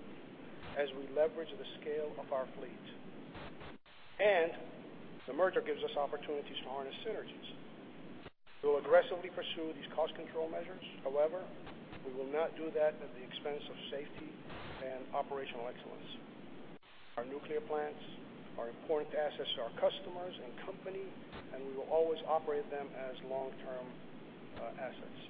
as we leverage the scale of our fleet. The merger gives us opportunities to harness synergies. We will aggressively pursue these cost control measures. However, we will not do that at the expense of safety and operational excellence. Our nuclear plants are important assets to our customers and company, and we will always operate them as long-term assets.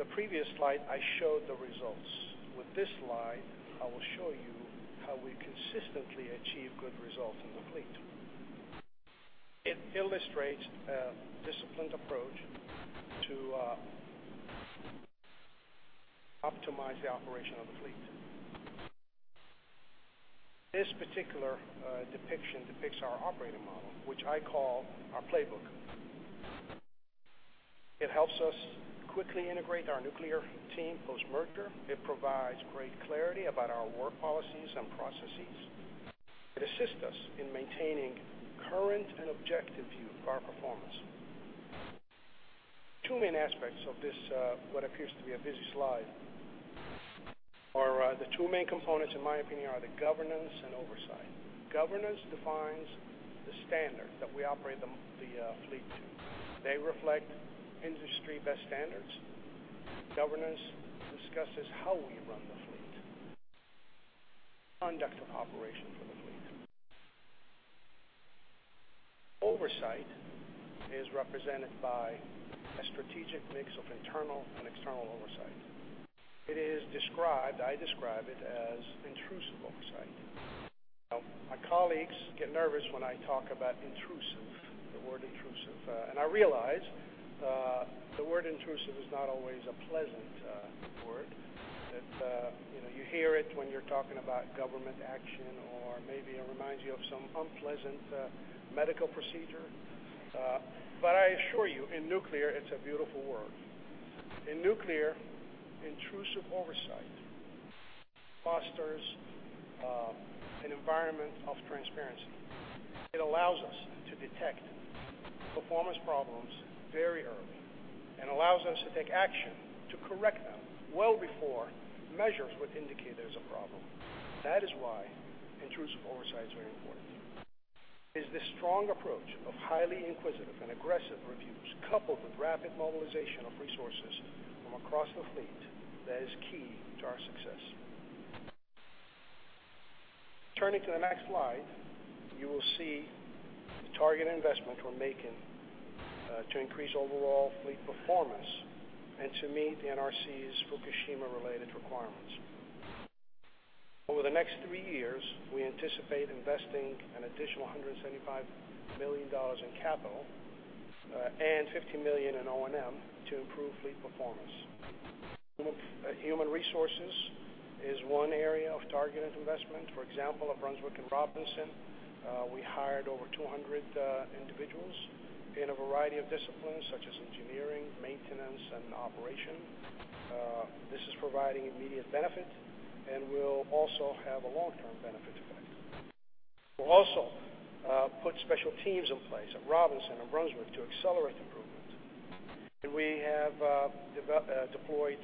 The previous slide, I showed the results. With this slide, I will show you how we consistently achieve good results in the fleet. It illustrates a disciplined approach to optimize the operation of the fleet. This particular depiction depicts our operating model, which I call our playbook. It helps us quickly integrate our nuclear team post-merger. It provides great clarity about our work policies and processes. It assists us in maintaining current and objective view of our performance. Two main aspects of what appears to be a busy slide. The two main components, in my opinion, are the governance and oversight. Governance defines the standard that we operate the fleet to. They reflect industry best standards. Governance discusses how we run the fleet, conduct of operations for the fleet. Oversight is represented by a strategic mix of internal and external oversight. I describe it as intrusive oversight. Now, my colleagues get nervous when I talk about the word intrusive. I realize, the word intrusive is not always a pleasant word, that you hear it when you are talking about government action or maybe it reminds you of some unpleasant medical procedure. I assure you, in nuclear, it is a beautiful word. In nuclear, intrusive oversight fosters an environment of transparency. It allows us to detect performance problems very early and allows us to take action to correct them well before measures would indicate there is a problem. That is why intrusive oversight is very important. It is the strong approach of highly inquisitive and aggressive reviews, coupled with rapid mobilization of resources from across the fleet that is key to our success. Turning to the next slide, you will see the targeted investment we are making to increase overall fleet performance and to meet the NRC's Fukushima-related requirements. Over the next three years, we anticipate investing an additional $175 million in capital, and $15 million in O&M to improve fleet performance. Human resources is one area of targeted investment. For example, at Brunswick and Robinson, we hired over 200 individuals in a variety of disciplines such as engineering, maintenance, and operation. This is providing immediate benefit and will also have a long-term benefit effect. We will also put special teams in place at Robinson and Brunswick to accelerate improvement. We have deployed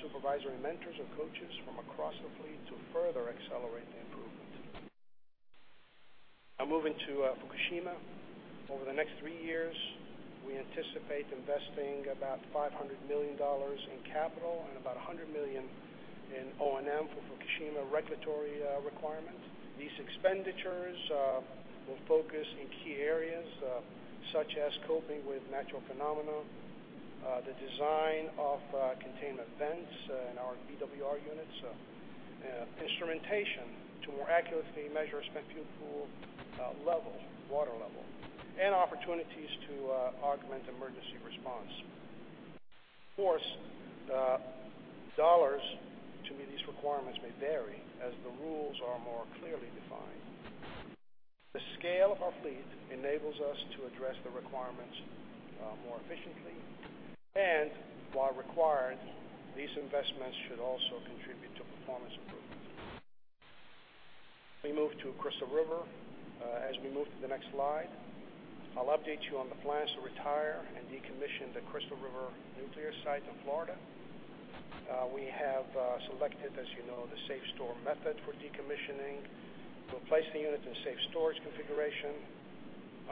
supervisory mentors or coaches from across the fleet to further accelerate the improvement. Moving to Fukushima. Over the next three years, we anticipate investing about $500 million in capital and about $100 million in O&M for Fukushima regulatory requirements. These expenditures will focus in key areas such as coping with natural phenomena, the design of containment vents in our BWR units, instrumentation to more accurately measure spent fuel pool level, water level, and opportunities to augment emergency response. Of course, dollars to meet these requirements may vary as the rules are more clearly defined. The scale of our fleet enables us to address the requirements more efficiently, and while required, these investments should also contribute to performance improvements. We move to Crystal River. As we move to the next slide, I will update you on the plans to retire and decommission the Crystal River nuclear site in Florida. We have selected, as you know, the SAFSTOR method for decommissioning. We will place the unit in safe storage configuration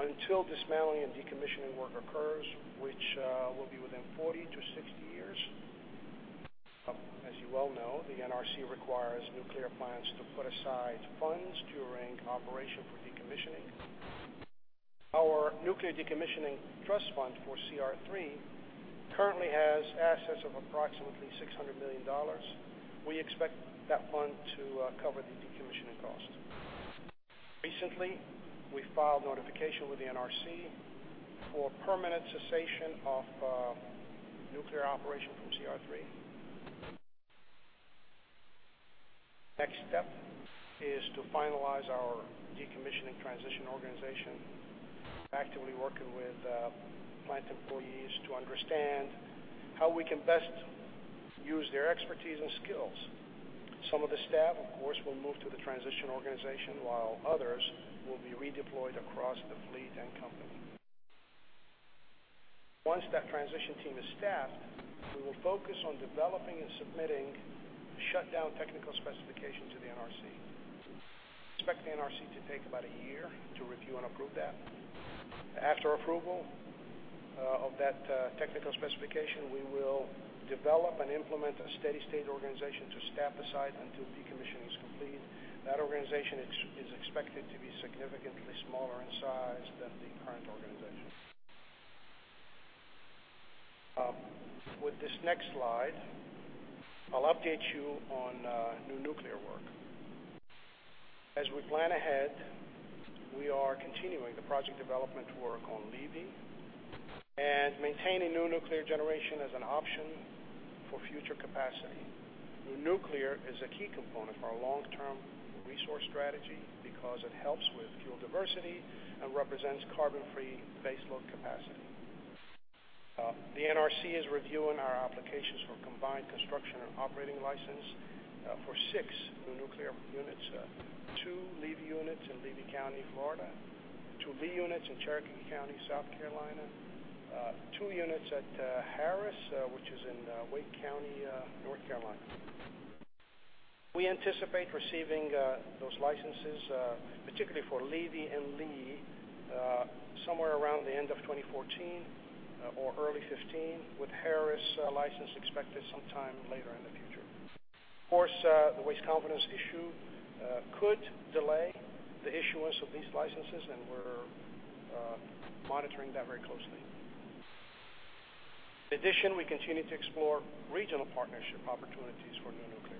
until dismantling and decommissioning work occurs, which will be within 40 to 60 years. As you well know, the NRC requires nuclear plants to put aside funds during operation for decommissioning. Our nuclear decommissioning trust fund for CR3 currently has assets of approximately $600 million. We expect that fund to cover the decommissioning cost. Recently, we filed notification with the NRC for permanent cessation of nuclear operation from CR3. Next step is to finalize our decommissioning transition organization. We are actively working with plant employees to understand how we can best use their expertise and skills. Some of the staff, of course, will move to the transition organization, while others will be redeployed across the fleet and company. Once that transition team is staffed, we will focus on developing and submitting shutdown technical specifications to the NRC. We expect the NRC to take about a year to review and approve that. After approval of that technical specification, we will develop and implement a steady state organization to staff the site until decommissioning is complete. That organization is expected to be significantly smaller in size than the current organization. With this next slide, I will update you on new nuclear work. As we plan ahead, we are continuing the project development work on Levy and maintaining new nuclear generation as an option for future capacity. New nuclear is a key component for our long-term resource strategy because it helps with fuel diversity and represents carbon-free baseload capacity. The NRC is reviewing our applications for combined construction and operating license for six new nuclear units. Two Levy units in Levy County, Florida, two Lee units in Cherokee County, South Carolina, two units at Harris, which is in Wake County, North Carolina. We anticipate receiving those licenses, particularly for Levy and Lee, somewhere around the end of 2014 or early 2015, with Harris license expected sometime later in the future. Of course, the waste confidence issue could delay the issuance of these licenses, and we're monitoring that very closely. In addition, we continue to explore regional partnership opportunities for new nuclear.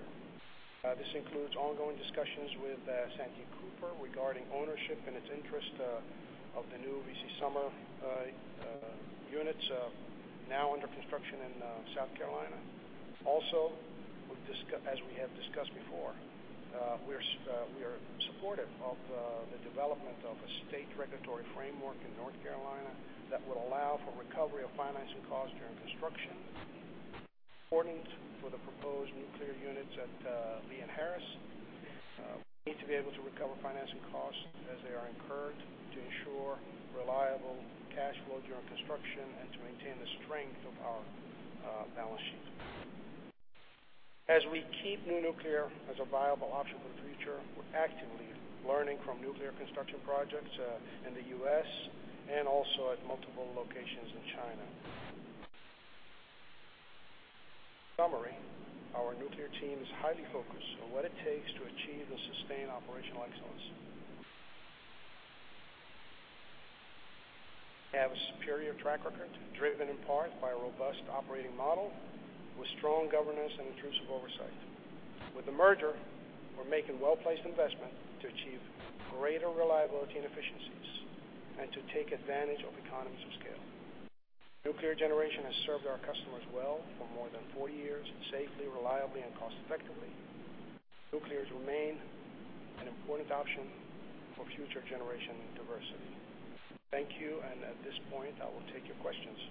This includes ongoing discussions with Santee Cooper regarding ownership and its interest of the new VC Summer units now under construction in South Carolina. Also, as we have discussed before, we are supportive of the development of a state regulatory framework in North Carolina that will allow for recovery of financing costs during construction. Important for the proposed nuclear units at Lee and Harris, we need to be able to recover financing costs as they are incurred to ensure reliable cash flow during construction and to maintain the strength of our balance sheet. As we keep new nuclear as a viable option for the future, we're actively learning from nuclear construction projects in the U.S. and also at multiple locations in China. In summary, our nuclear team is highly focused on what it takes to achieve and sustain operational excellence. We have a superior track record driven in part by a robust operating model with strong governance and intrusive oversight. With the merger, we're making well-placed investment to achieve greater reliability and efficiencies and to take advantage of economies of scale. Nuclear generation has served our customers well for more than 40 years, safely, reliably, and cost effectively. Nuclear's remain an important option for future generation diversity. Thank you, and at this point, I will take your questions.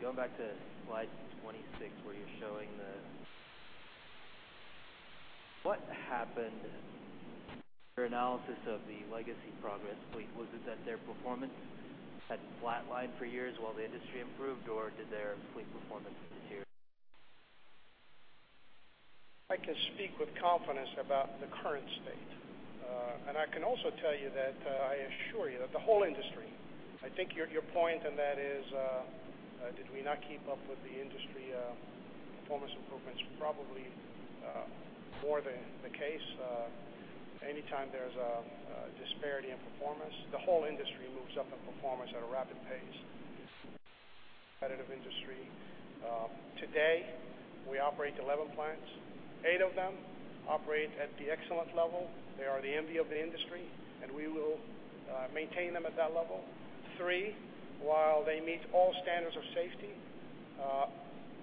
Quick question. Going back to slide 26, where you're showing the, what happened in your analysis of the legacy Progress fleet? Was it that their performance had flatlined for years while the industry improved, or did their fleet performance deteriorate? I can speak with confidence about the current state. I can also tell you that I assure you that the whole industry, I think your point on that is, did we not keep up with the industry performance improvements? Probably more than the case. Anytime there's a disparity in performance, the whole industry moves up in performance at a rapid pace. Competitive industry. Today, we operate 11 plants. Eight of them operate at the excellent level. They are the envy of the industry, and we will maintain them at that level. Three, while they meet all standards of safety,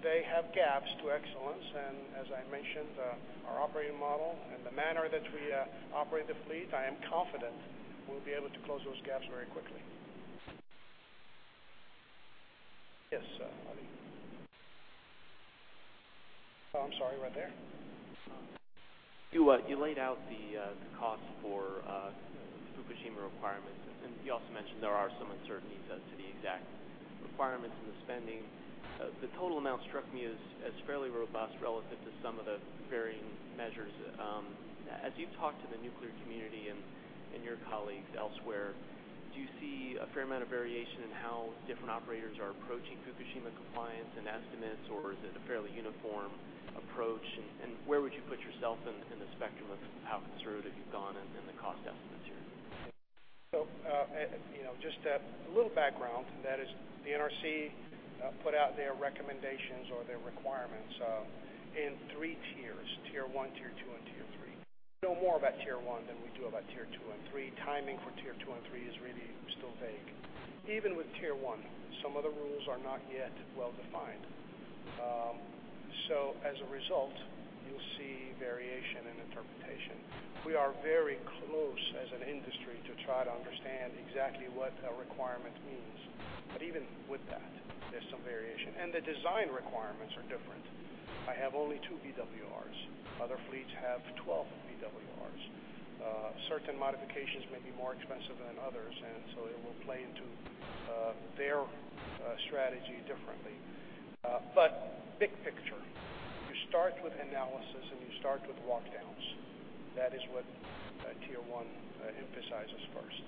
they have gaps to excellence, and as I mentioned, our operating model and the manner that we operate the fleet, I am confident we'll be able to close those gaps very quickly. Yes. I'm sorry, right there. You laid out the cost for Fukushima requirements. You also mentioned there are some uncertainties as to the exact requirements and the spending. The total amount struck me as fairly robust relative to some of the varying measures. As you talk to the nuclear community and your colleagues elsewhere, do you see a fair amount of variation in how different operators are approaching Fukushima compliance and estimates, or is it a fairly uniform approach? Where would you put yourself in the spectrum of how conservative you've gone in the cost estimates here? Just a little background, that is the NRC put out their recommendations or their requirements in 3 tiers, tier 1, tier 2, and tier 3. We know more about tier 1 than we do about tier 2 and 3. Timing for tier 2 and 3 is really still vague. Even with tier 1, some of the rules are not yet well-defined. As a result, you'll see variation in interpretation. We are very close as an industry to try to understand exactly what a requirement means. Even with that, there's some variation, and the design requirements are different. I have only 2 BWRs. Other fleets have 12 BWRs. Certain modifications may be more expensive than others. It will play into their strategy differently. Big picture, you start with analysis, and you start with walk downs. That is what tier 1 emphasizes first.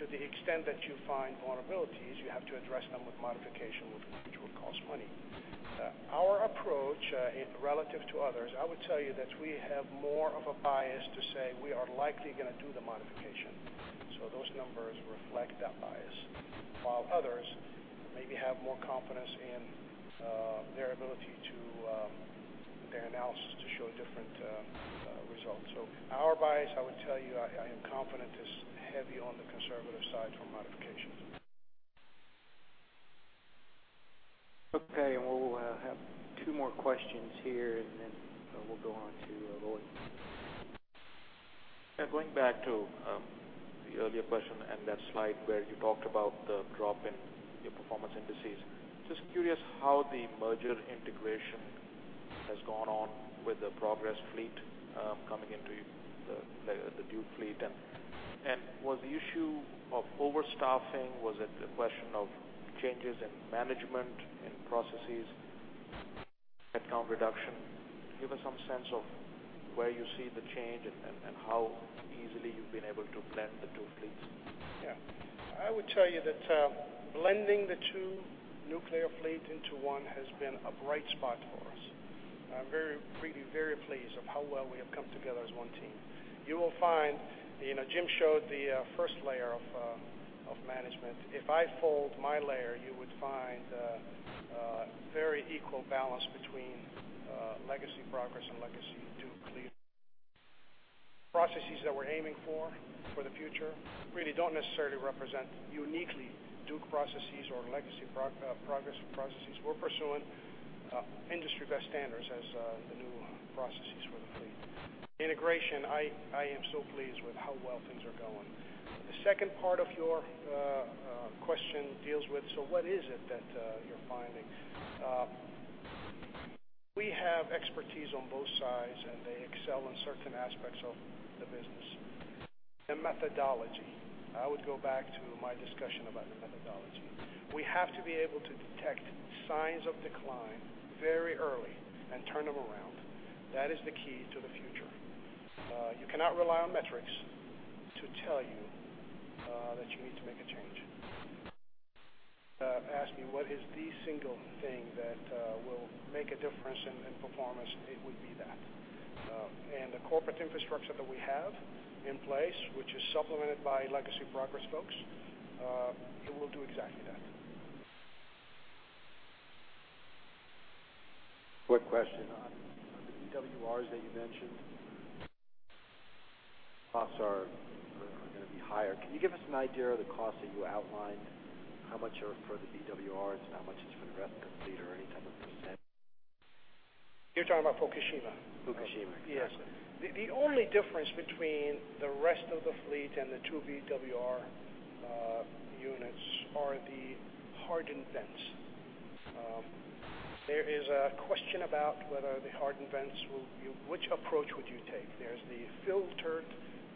To the extent that you find vulnerabilities, you have to address them with modification, which will cost money. Our approach relative to others, I would tell you that we have more of a bias to say we are likely going to do the modification. Those numbers reflect that bias. While others maybe have more confidence in their ability to their analysis to show a different result. Our bias, I would tell you, I am confident is heavy on the conservative side for modifications. Okay, we'll have two more questions here, then we'll go on to Lloyd. Going back to the earlier question and that slide where you talked about the drop in your performance indices. Just curious how the merger integration has gone on with the Progress fleet coming into the Duke fleet. Was the issue of overstaffing, was it a question of changes in management, in processes, headcount reduction? Give us some sense of where you see the change and how easily you've been able to blend the two fleets. Yeah. I would tell you that blending the two nuclear fleet into one has been a bright spot for us. I'm really very pleased of how well we have come together as one team. Jim showed the first layer of management. If I fold my layer, you would find a very equal balance between legacy Progress and legacy Duke fleet. Processes that we're aiming for the future, really don't necessarily represent uniquely Duke processes or legacy Progress processes. We're pursuing industry best standards as the new processes for the fleet. Integration, I am so pleased with how well things are going. The second part of your question deals with, what is it that you're finding? We have expertise on both sides, they excel in certain aspects of the business. The methodology, I would go back to my discussion about the methodology. We have to be able to detect signs of decline very early and turn them around. That is the key to the future. You cannot rely on metrics to tell you that you need to make a change. If you asked me what is the single thing that will make a difference in performance, it would be that. The corporate infrastructure that we have in place, which is supplemented by legacy Progress folks, it will do exactly that. Quick question on the BWRs that you mentioned. Costs are going to be higher. Can you give us an idea of the cost that you outlined? How much are for the BWRs and how much is for the rest of the fleet or any type of %? You're talking about Fukushima? Fukushima. Yes. The only difference between the rest of the fleet and the 2 BWR units are the hardened vents. There is a question about whether the hardened vents, which approach would you take? There's the filtered,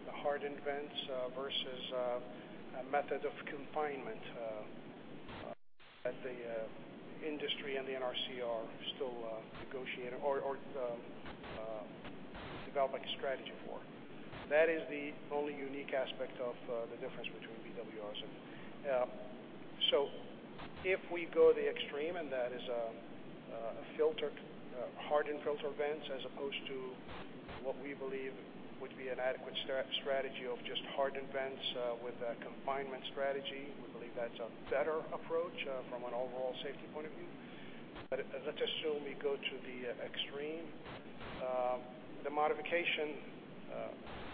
the hardened vents, versus a method of confinement that the industry and the NRC are still negotiating or developing a strategy for. That is the only unique aspect of the difference between BWRs. If we go the extreme, and that is a hardened filter vents as opposed to what we believe would be an adequate strategy of just hardened vents with a confinement strategy, we believe that's a better approach from an overall safety point of view. Let's assume we go to the extreme. The modification,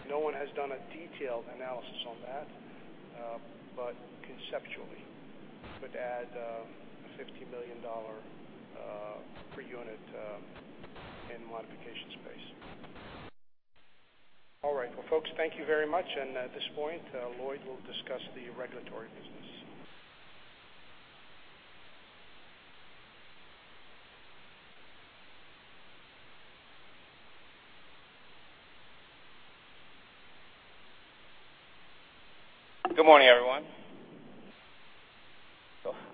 no one has done a detailed analysis on that. Conceptually, it could add a $50 million per unit in the modification space. All right. Well, folks, thank you very much. At this point, Lloyd will discuss the regulatory business. Good morning, everyone.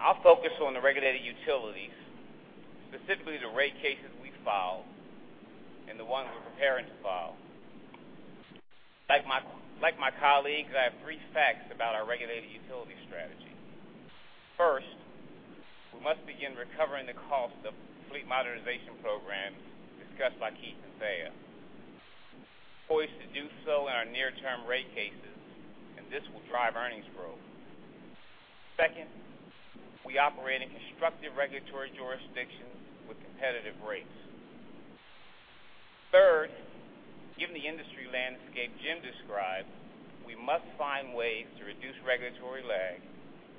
I'll focus on the regulated utilities, specifically the rate cases we filed and the one we're preparing to file. Like my colleagues, I have three facts about our regulated utility strategy. First, we must begin recovering the cost of fleet modernization programs discussed by Keith and Dhiaa. Poised to do so in our near-term rate cases, this will drive earnings growth. Second, we operate in constructive regulatory jurisdictions with competitive rates. Third, given the industry landscape Jim described, we must find ways to reduce regulatory lag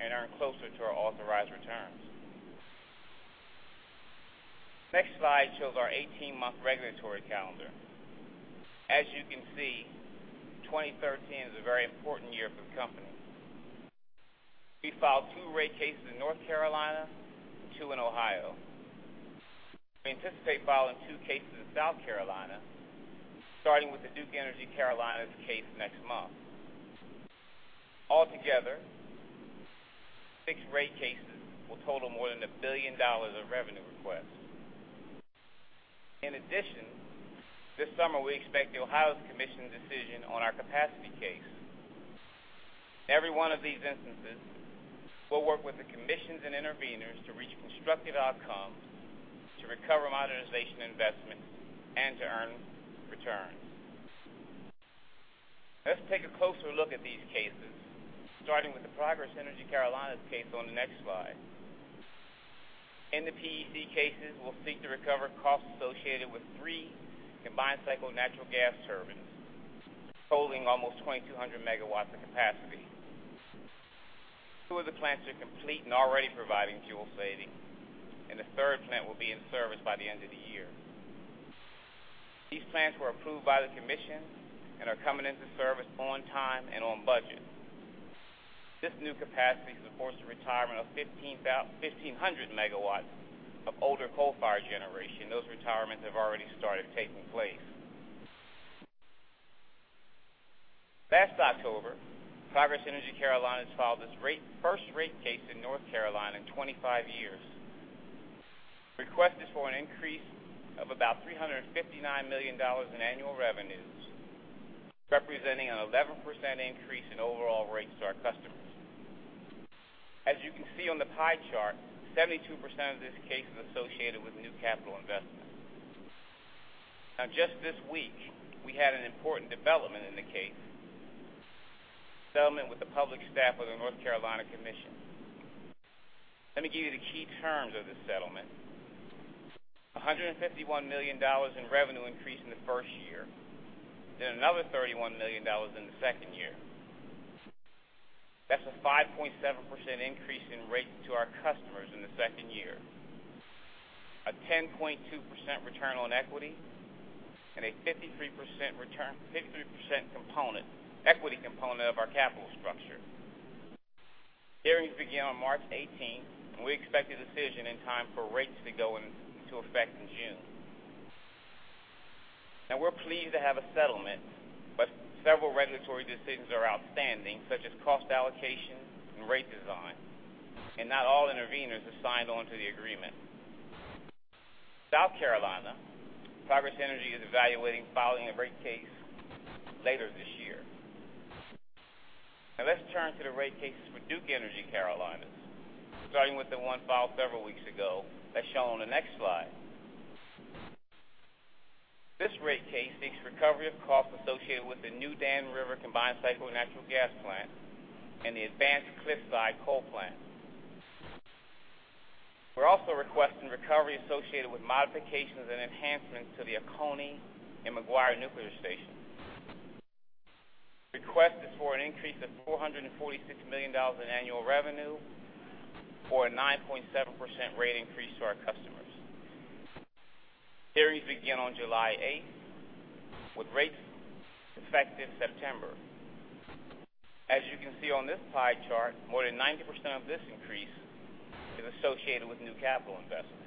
and earn closer to our authorized returns. Next slide shows our 18-month regulatory calendar. As you can see, 2013 is a very important year for the company. We filed two rate cases in North Carolina, two in Ohio. We anticipate filing two cases in South Carolina, starting with the Duke Energy Carolinas case next month. Altogether, six rate cases will total more than a billion dollars of revenue requests. In addition, this summer, we expect the Ohio's commission decision on our capacity case. Every one of these instances will work with the commissions and interveners to reach constructive outcomes to recover modernization investments and to earn returns. Let's take a closer look at these cases, starting with the Progress Energy Carolinas case on the next slide. In the PEC cases, we'll seek to recover costs associated with three combined cycle natural gas turbines, totaling almost 2,200 megawatts of capacity. Two of the plants are complete and already providing fuel savings, and the third plant will be in service by the end of the year. These plants were approved by the commission and are coming into service on time and on budget. This new capacity is of course the retirement of 1,500 megawatts of older coal-fired generation. Those retirements have already started taking place. Last October, Progress Energy Carolinas filed its first rate case in North Carolina in 25 years. Request is for an increase of about $359 million in annual revenues, representing an 11% increase in overall rates to our customers. As you can see on the pie chart, 72% of this case is associated with new capital investments. Just this week, we had an important development in the case, settlement with the public staff of the North Carolina Commission. Let me give you the key terms of this settlement. $151 million in revenue increase in the first year, then another $31 million in the second year. That's a 5.7% increase in rates to our customers in the second year. A 10.2% return on equity and a 53% equity component of our capital structure. Hearings begin on March 18th, and we expect a decision in time for rates to go into effect in June. We're pleased to have a settlement, but several regulatory decisions are outstanding, such as cost allocation and rate design, and not all interveners have signed on to the agreement. South Carolina. Progress Energy is evaluating filing a rate case later this year. Let's turn to the rate cases for Duke Energy Carolinas, starting with the one filed several weeks ago, as shown on the next slide. This rate case seeks recovery of costs associated with the new Dan River combined cycle natural gas plant and the advanced Cliffside coal plant. We're also requesting recovery associated with modifications and enhancements to the Oconee and McGuire nuclear stations. Request is for an increase of $446 million in annual revenue or a 9.7% rate increase to our customers. Hearings begin on July 8th, with rates effective September. As you can see on this pie chart, more than 90% of this increase is associated with new capital investment.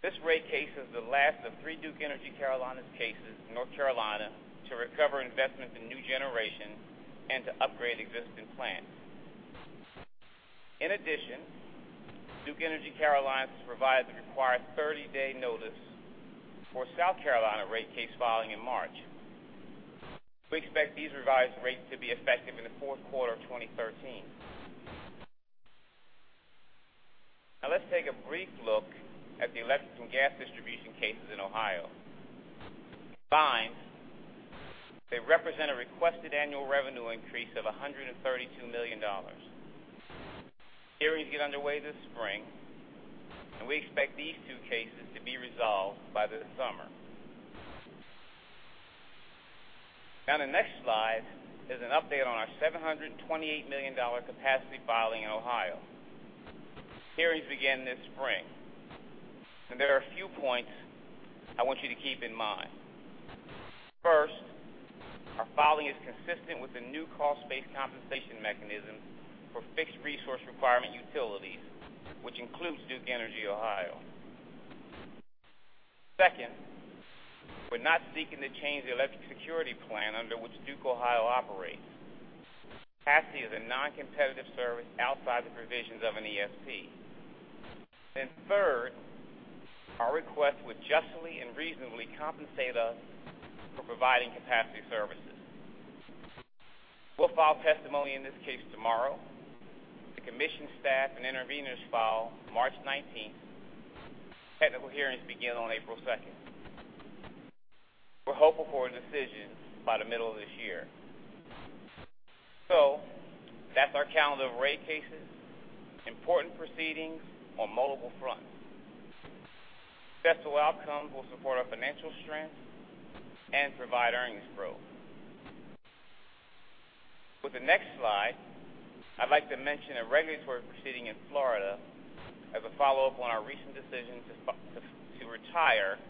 This rate case is the last of three Duke Energy Carolinas cases in North Carolina to recover investments in new generation and to upgrade existing plants. In addition, Duke Energy Carolinas has provided the required 30-day notice for South Carolina rate case filing in March. We expect these revised rates to be effective in the fourth quarter of 2013. Let's take a brief look at the electric and gas distribution cases in Ohio. Combined, they represent a requested annual revenue increase of $132 million. Hearings get underway this spring. We expect these two cases to be resolved by the summer. On the next slide is an update on our $728 million capacity filing in Ohio. Hearings begin this spring, and there are a few points I want you to keep in mind. First, our filing is consistent with the new cost-based compensation mechanism for fixed resource requirement utilities, which includes Duke Energy Ohio. Second, we're not seeking to change the electric security plan under which Duke Ohio operates. Capacity is a non-competitive service outside the provisions of an ESP. Third, our request would justly and reasonably compensate us for providing capacity services. We'll file testimony in this case tomorrow. The commission staff and interveners file March 19th. Technical hearings begin on April 2nd. We're hopeful for a decision by the middle of this year. That's our calendar of rate cases, important proceedings on multiple fronts. Successful outcomes will support our financial strength and provide earnings growth. With the next slide, I'd like to mention a regulatory proceeding in Florida as a follow-up on our recent decision to retire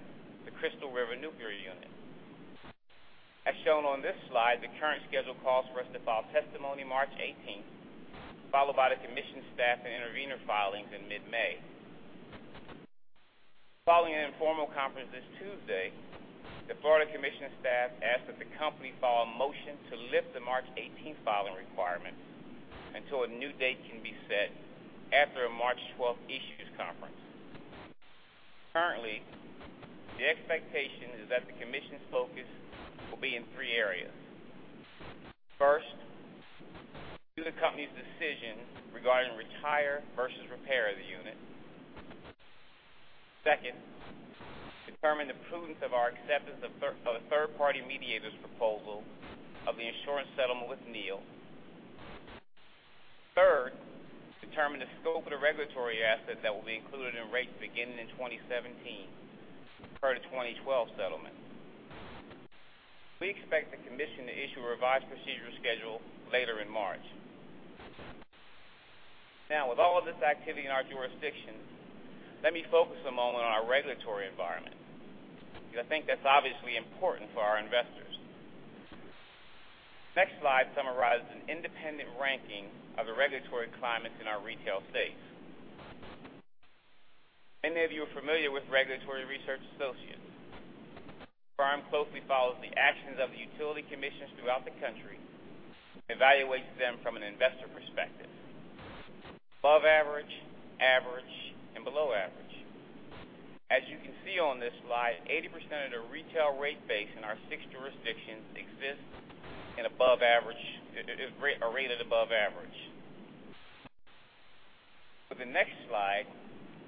the Crystal River nuclear unit. As shown on this slide, the current schedule calls for us to file testimony March 18th, followed by the commission staff and intervener filings in mid-May. Following an informal conference this Tuesday, the Florida Commission staff asked that the company file a motion to lift the March 18th filing requirement until a new date can be set after a March 12th issues conference. Currently, the expectation is that the commission's focus will be in three areas. First, the company's decision regarding retire versus repair the unit. Second, determine the prudence of our acceptance of the third-party mediator's proposal of the insurance settlement with NEI. Third, determine the scope of the regulatory assets that will be included in rates beginning in 2017, per the 2012 settlement. We expect the commission to issue a revised procedural schedule later in March. With all of this activity in our jurisdiction, let me focus a moment on our regulatory environment, because I think that's obviously important for our investors. Next slide summarizes an independent ranking of the regulatory climates in our retail states. Many of you are familiar with Regulatory Research Associates. The firm closely follows the actions of the utility commissions throughout the country, evaluates them from an investor perspective: above average, and below average. As you can see on this slide, 80% of the retail rate base in our six jurisdictions exist in above average, are rated above average. The next slide,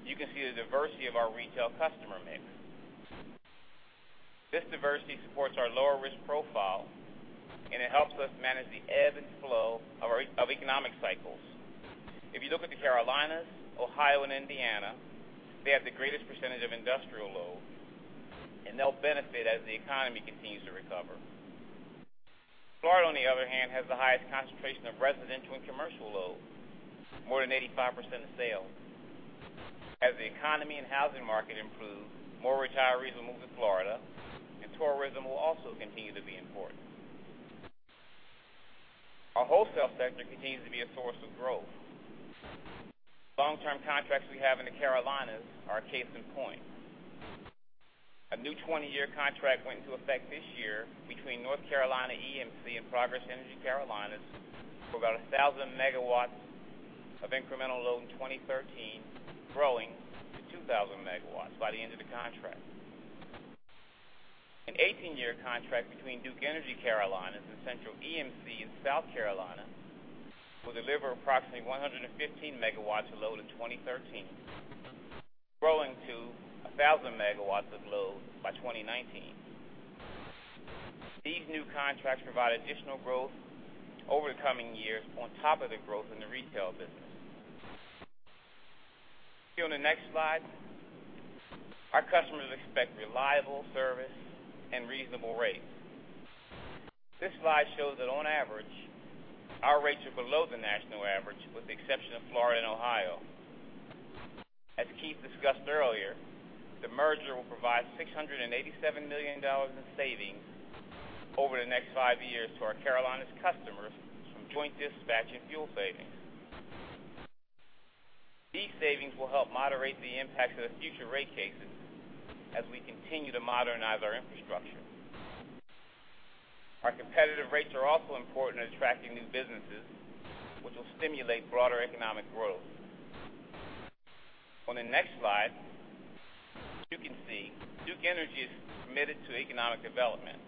you can see the diversity of our retail customer mix. This diversity supports our lower risk profile, and it helps us manage the ebb and flow of economic cycles. If you look at the Carolinas, Ohio, and Indiana, they have the greatest percentage of industrial load, and they'll benefit as the economy continues to recover. Florida, on the other hand, has the highest concentration of residential and commercial load, more than 85% of sales. As the economy and housing market improve, more retirees will move to Florida, and tourism will also continue to be important. Our wholesale sector continues to be a source of growth. Long-term contracts we have in the Carolinas are a case in point. A new 20-year contract went into effect this year between North Carolina EMC and Progress Energy Carolinas for about 1,000 megawatts of incremental load in 2013, growing to 2,000 megawatts by the end of the contract. An 18-year contract between Duke Energy Carolinas and Central EMC in South Carolina will deliver approximately 115 megawatts of load in 2013, growing to 1,000 megawatts of load by 2019. These new contracts provide additional growth over the coming years on top of the growth in the retail business. On the next slide, our customers expect reliable service and reasonable rates. This slide shows that on average, our rates are below the national average, with the exception of Florida and Ohio. As Keith discussed earlier, the merger will provide $687 million in savings over the next five years to our Carolinas customers from joint dispatch and fuel savings. These savings will help moderate the impact of the future rate cases as we continue to modernize our infrastructure. Our competitive rates are also important in attracting new businesses, which will stimulate broader economic growth. On the next slide, as you can see, Duke Energy is committed to economic development.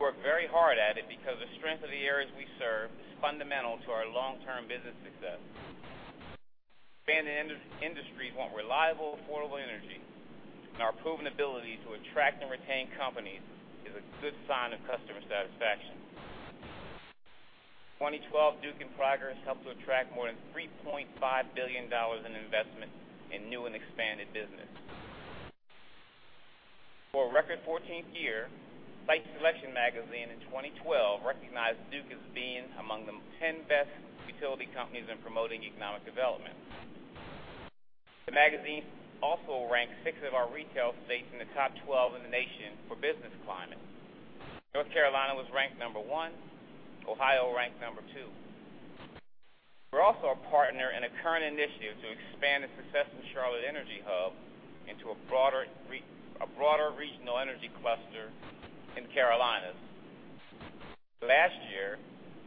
We work very hard at it because the strength of the areas we serve is fundamental to our long-term business success. Expanding industries want reliable, affordable energy, and our proven ability to attract and retain companies is a good sign of customer satisfaction. 2012, Duke and Progress helped to attract more than $3.5 billion in investment in new and expanded business. For a record 14th year, Site Selection Magazine in 2012 recognized Duke as being among the 10 best utility companies in promoting economic development. The magazine also ranked six of our retail states in the top 12 in the nation for business climate. North Carolina was ranked number one. Ohio ranked number two. We're also a partner in a current initiative to expand the success of the Charlotte Energy Hub into a broader regional energy cluster in Carolinas. Last year,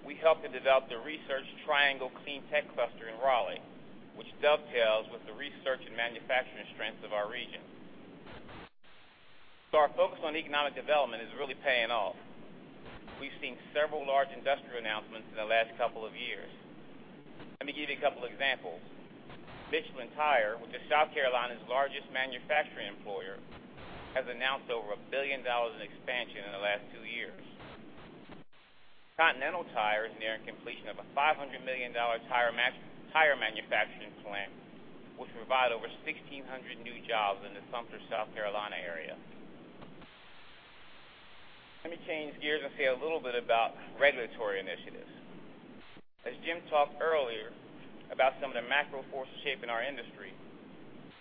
we helped to develop the Research Triangle Cleantech Cluster in Raleigh, which dovetails with the research and manufacturing strengths of our region. Our focus on economic development is really paying off. We've seen several large industrial announcements in the last couple of years. Let me give you a couple examples. Michelin Tire, which is South Carolina's largest manufacturing employer, has announced over $1 billion in expansion in the last two years. Continental Tire is nearing completion of a $500 million tire manufacturing plant, which will provide over 1,600 new jobs in the Sumter, South Carolina area. Let me change gears and say a little bit about regulatory initiatives. As Jim talked earlier about some of the macro forces shaping our industry,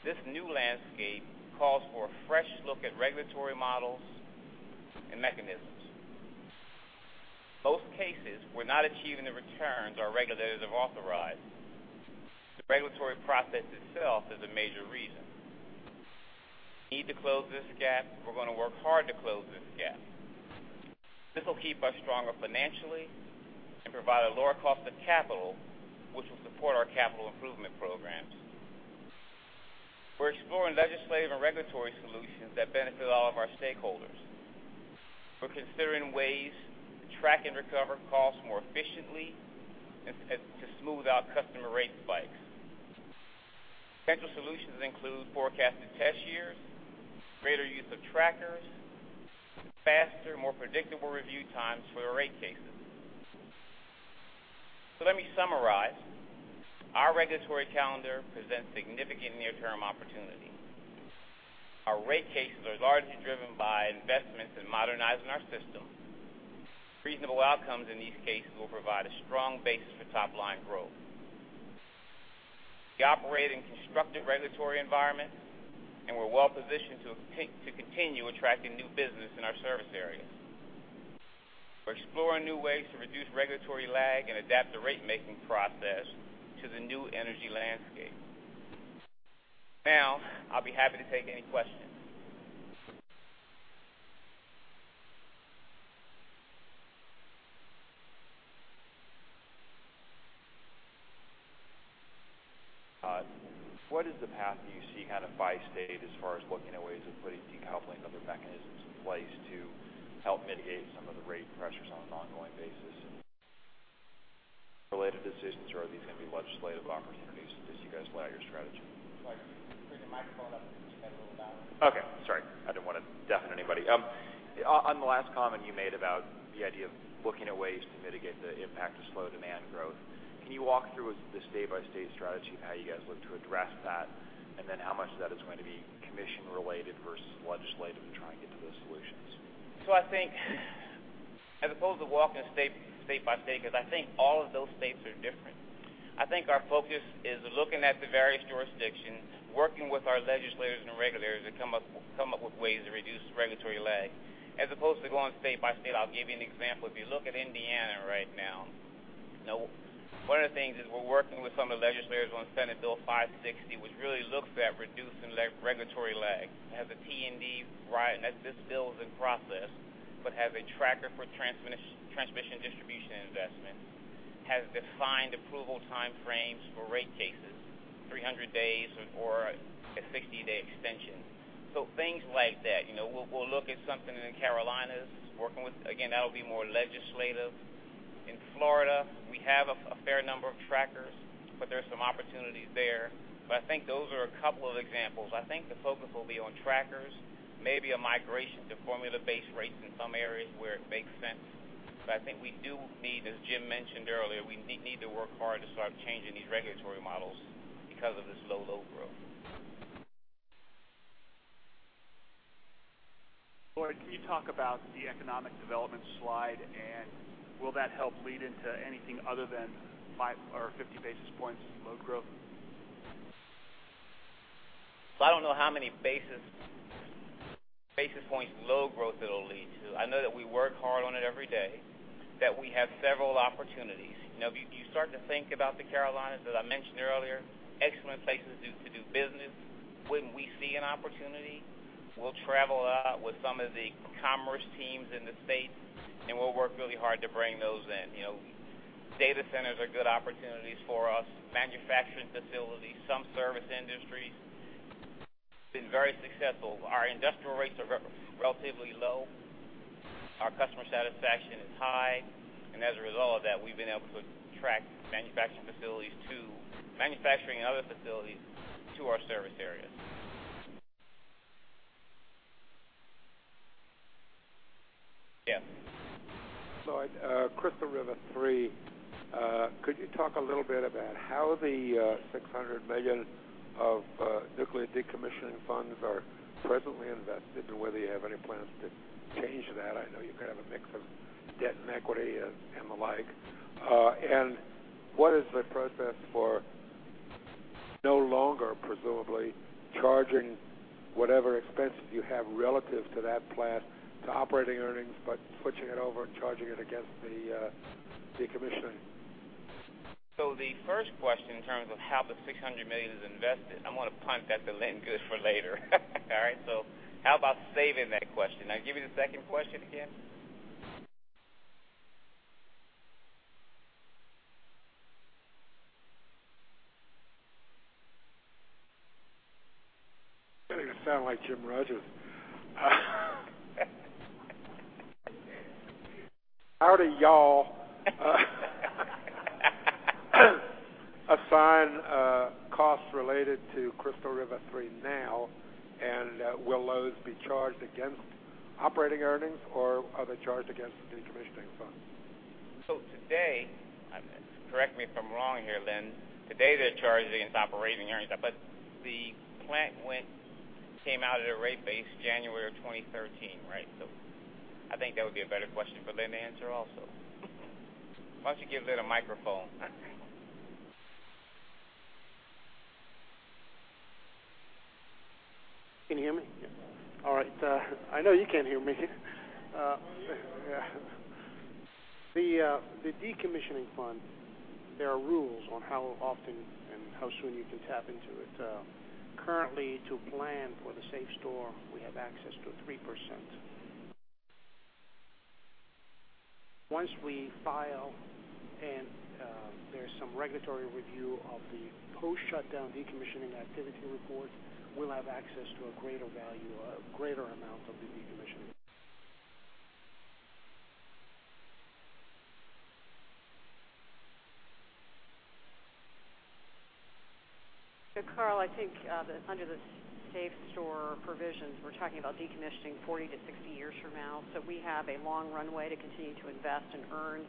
this new landscape calls for a fresh look at regulatory models and mechanisms. In most cases, we're not achieving the returns our regulators have authorized. The regulatory process itself is a major reason. We need to close this gap. We're going to work hard to close this gap. This will keep us stronger financially and provide a lower cost of capital, which will support our capital improvement programs. We're exploring legislative and regulatory solutions that benefit all of our stakeholders. We're considering ways to track and recover costs more efficiently and to smooth out customer rate spikes. Potential solutions include forecasted test years, greater use of trackers, faster, more predictable review times for our rate cases. Let me summarize. Our regulatory calendar presents significant near-term opportunity. Our rate cases are largely driven by investments in modernizing our system. Reasonable outcomes in these cases will provide a strong basis for top-line growth. We operate in a constructive regulatory environment, and we're well-positioned to continue attracting new business in our service areas. We're exploring new ways to reduce regulatory lag and adapt the rate-making process to the new energy landscape. I'll be happy to take any questions. What is the path that you see by state as far as looking at ways of putting decoupling, other mechanisms in place to help mitigate some of the rate pressures on an ongoing basis? Related decisions, or are these going to be legislative opportunities as you guys lay out your strategy? Lloyd, bring the microphone up so you can get a little louder. Okay. Sorry. I didn't want to deafen anybody. On the last comment you made about the idea of looking at ways to mitigate the impact of slow demand growth, can you walk through the state-by-state strategy of how you guys look to address that, and then how much of that is going to be commission-related versus legislative in trying to get to those solutions? I think as opposed to walking state by state, because I think all of those states are different. I think our focus is looking at the various jurisdictions, working with our legislators and regulators to come up with ways to reduce regulatory lag, as opposed to going state by state. I'll give you an example. If you look at Indiana right now, one of the things is we're working with some of the legislators on Senate Bill 560, which really looks at reducing regulatory lag. This bill is in process but has a tracker for transmission distribution investment, has defined approval time frames for rate cases, 300 days or a 60-day extension. Things like that. We'll look at something in the Carolinas. Again, that'll be more legislative. In Florida, we have a fair number of trackers, but there's some opportunities there. I think those are a couple of examples. I think the focus will be on trackers, maybe a migration to formula-based rates in some areas where it makes sense. I think we do need, as Jim mentioned earlier, we need to work hard to start changing these regulatory models because of this low load growth. Lloyd, can you talk about the economic development slide, and will that help lead into anything other than 50 basis points load growth? I don't know how many basis points load growth it'll lead to. I know that we work hard on it every day, that we have several opportunities. If you start to think about the Carolinas, as I mentioned earlier, excellent places to do business. When we see an opportunity, we'll travel out with some of the commerce teams in the state, and we'll work really hard to bring those in. Data centers are good opportunities for us, manufacturing facilities, some service industries have been very successful. Our industrial rates are relatively low, our customer satisfaction is high, and as a result of that, we've been able to attract manufacturing and other facilities to our service areas. Yeah. Lloyd, Crystal River 3. Could you talk a little bit about how the $600 million of nuclear decommissioning funds are presently invested and whether you have any plans to change that? I know you could have a mix of debt and equity and the like. What is the process for no longer presumably charging whatever expenses you have relative to that plant to operating earnings, but switching it over and charging it against the decommissioning? The first question in terms of how the $600 million is invested, I'm going to punt that to Lynn Good for later. All right? How about saving that question? Now give me the second question again. Getting to sound like Jim Rogers. How do you all assign costs related to Crystal River 3 now, will those be charged against operating earnings or are they charged against the decommissioning fund? Today, correct me if I'm wrong here, Lynn, today they're charged against operating earnings. The plant came out at a rate base January of 2013, right? I think that would be a better question for Lynn to answer also. Why don't you give Lynn a microphone? Can you hear me? All right. I know you can't hear me. We can hear you. The decommissioning fund, there are rules on how often and how soon you can tap into it. Currently, to plan for the SAFSTOR, we have access to 3%. Once we file and there's some regulatory review of the post-shutdown decommissioning activity report, we'll have access to a greater amount of the decommissioning. Carl, I think under the SAFSTOR provisions, we're talking about decommissioning 40-60 years from now. We have a long runway to continue to invest and earn,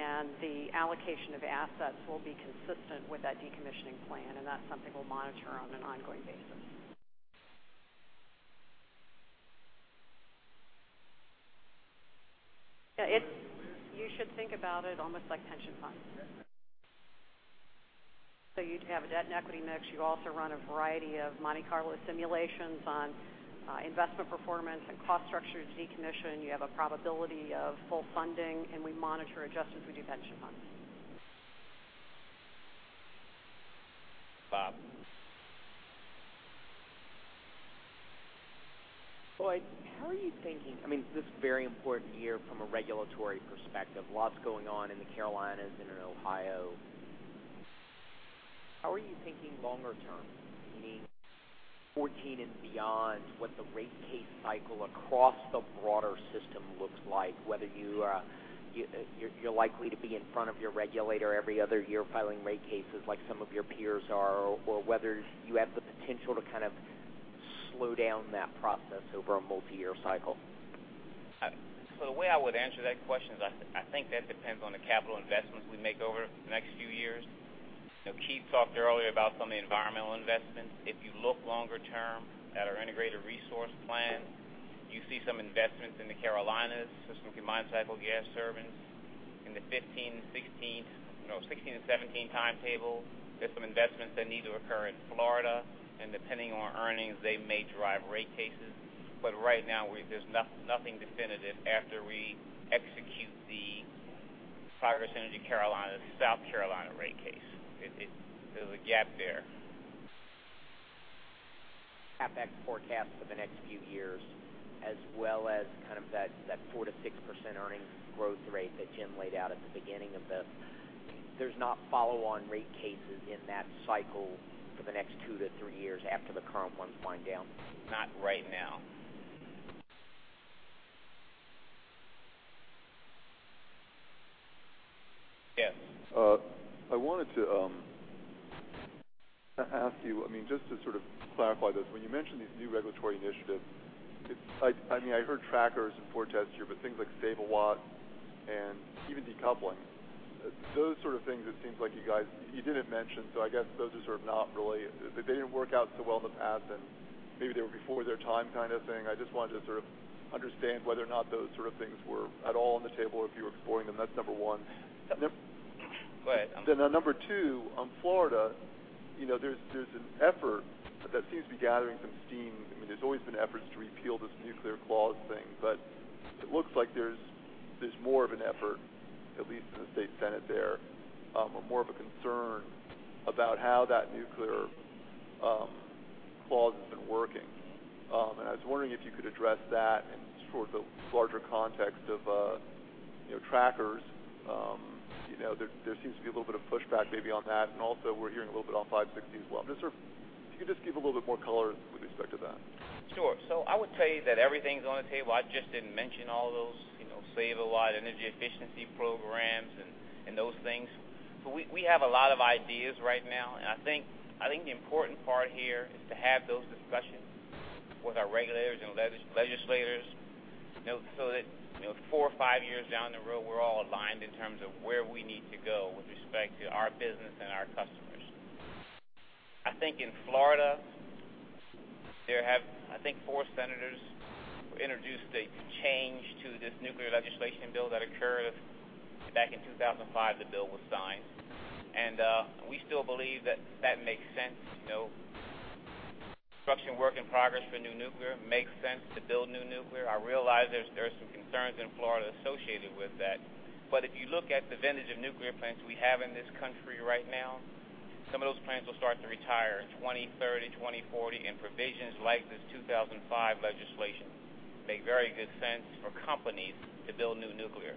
and the allocation of assets will be consistent with that decommissioning plan, and that's something we'll monitor on an ongoing basis. Yeah. You should think about it almost like pension funds. You'd have a debt and equity mix. You also run a variety of Monte Carlo simulations on investment performance and cost structure to decommission. You have a probability of full funding, and we monitor it just as we do pension funds. Bob. Lloyd, how are you thinking? This is a very important year from a regulatory perspective. Lots going on in the Carolinas and in Ohio. How are you thinking longer term, meaning 2014 and beyond, what the rate case cycle across the broader system looks like, whether you're likely to be in front of your regulator every other year filing rate cases like some of your peers are, or whether you have the potential to slow down that process over a multi-year cycle? The way I would answer that question is I think that depends on the capital investments we make over the next few years. Keith talked earlier about some of the environmental investments. If you look longer term at our integrated resource plan, you see some investments in the Carolinas. Some combined cycle gas turbines in the 2016 and 2017 timetable. There's some investments that need to occur in Florida, and depending on earnings, they may drive rate cases. Right now, there's nothing definitive after we execute the Progress Energy South Carolina rate case. There's a gap there. CapEx forecast for the next few years, as well as that 4%-6% earnings growth rate that Jim laid out at the beginning of this. There's no follow-on rate cases in that cycle for the next two to three years after the current ones wind down? Not right now. Ken. I wanted to ask you, just to sort of clarify this, when you mention these new regulatory initiatives, I heard trackers and forecasts here, but things like Save-a-Watt and even decoupling. Those sort of things it seems like you guys didn't mention, so I guess those are sort of not really, they didn't work out so well in the past, and maybe they were before their time kind of thing. I just wanted to understand whether or not those sort of things were at all on the table or if you were exploring them. That's number one. Go ahead. Number 2, Florida, there's an effort that seems to be gathering some steam. There's always been efforts to repeal this nuclear clause thing, but it looks like there's more of an effort, at least in the state Senate there, or more of a concern about how that nuclear clause has been working. I was wondering if you could address that in sort of the larger context of trackers. There seems to be a little bit of pushback maybe on that, and also we're hearing a little bit on 560 as well. If you could just give a little bit more color with respect to that. Sure. I would say that everything's on the table. I just didn't mention all those, Save-a-Watt, energy efficiency programs and those things. We have a lot of ideas right now, and I think the important part here is to have those discussions with our regulators and legislators, so that four or five years down the road, we're all aligned in terms of where we need to go with respect to our business and our customers. I think in Florida, there have, I think four senators introduced a change to this nuclear legislation bill that occurred back in 2005, the bill was signed. We still believe that that makes sense. Construction work in progress for new nuclear makes sense to build new nuclear. I realize there's some concerns in Florida associated with that. If you look at the vintage of nuclear plants we have in this country right now, some of those plants will start to retire in 2030, 2040, and provisions like this 2005 legislation make very good sense for companies to build new nuclear.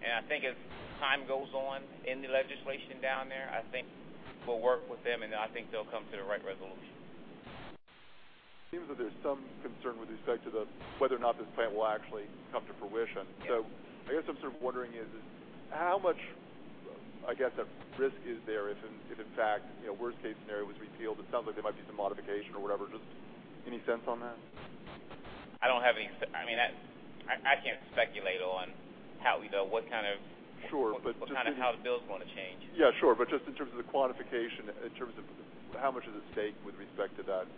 I think as time goes on in the legislation down there, I think we'll work with them, then I think they'll come to the right resolution. It seems that there's some concern with respect to the whether or not this plant will actually come to fruition. Yeah. I guess I'm sort of wondering is, how much, I guess, a risk is there if in fact, worst-case scenario was repealed? It sounds like there might be some modification or whatever. Just any sense on that? I don't have any. I can't speculate on- Sure how the bill's going to change. Yeah, sure. Just in terms of the quantification, in terms of how much is at stake with respect to that.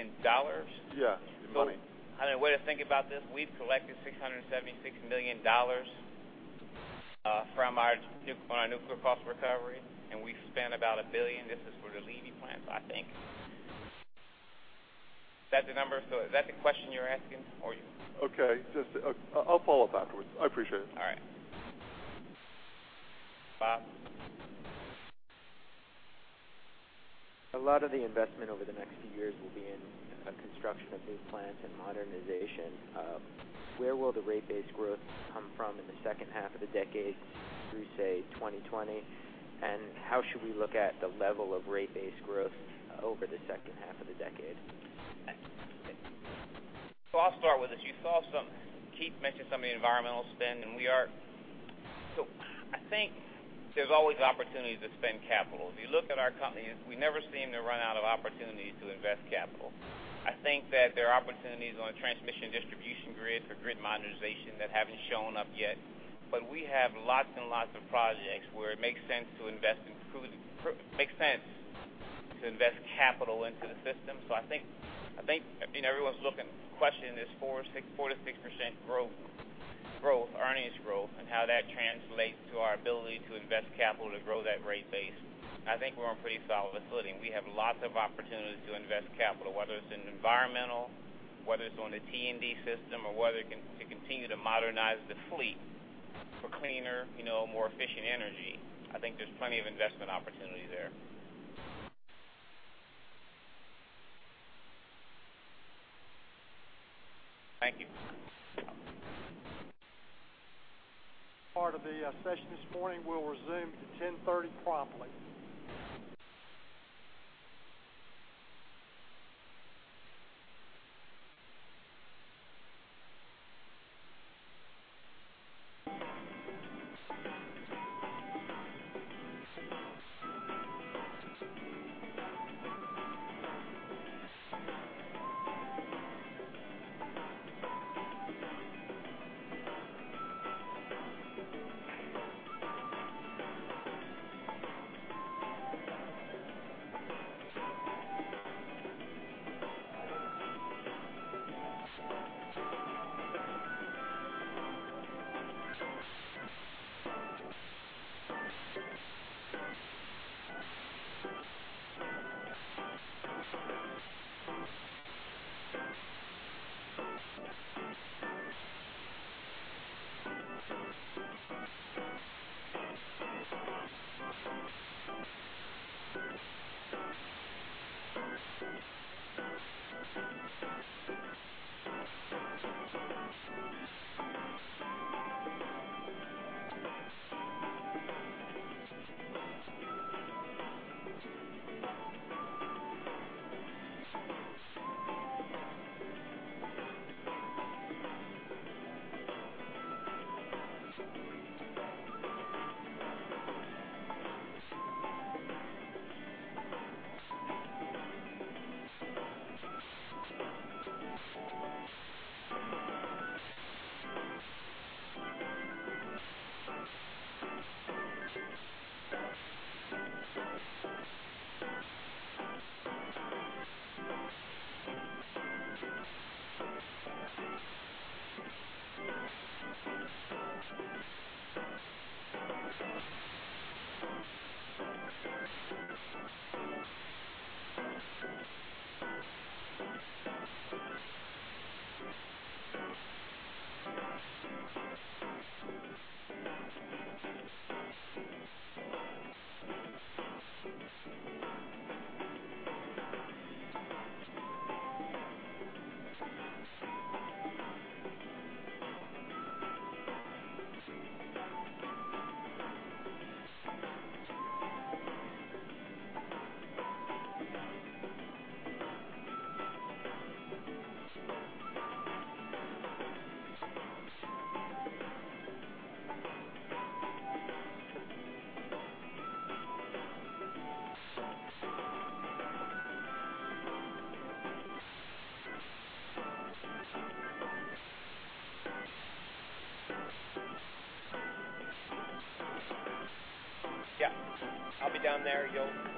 In dollars? Yeah, in money. I don't know, a way to think about this, we've collected $676 million from our nuclear cost recovery, and we've spent about $1 billion. This is for the Lee plants, I think. Is that the number? Is that the question you're asking? Okay. I'll follow up afterwards. I appreciate it. All right. Bob. A lot of the investment over the next few years will be in construction of new plants and modernization. Where will the rate base growth come from in the second half of the decade through, say, 2020? How should we look at the level of rate base growth over the second half of the decade? I'll start with this. You saw some, Keith mentioned some of the environmental spend, and we are. I think there's always opportunities to spend capital. If you look at our company, we never seem to run out of opportunity to invest capital. I think that there are opportunities on the transmission distribution grid for grid modernization that haven't shown up yet. We have lots and lots of projects where it makes sense to invest capital into the system. I think everyone's question is 4%-6% earnings growth and how that translates to our ability to invest capital to grow that rate base. I think we're on pretty solid footing. We have lots of opportunities to invest capital, whether it's in environmental, whether it's on the T&D system, or whether to continue to modernize the fleet for cleaner, more efficient energy. I think there's plenty of investment opportunity there. Thank you. Part of the session this morning will resume to 10:30 A.M. promptly. Yeah. I'll be down there. You'll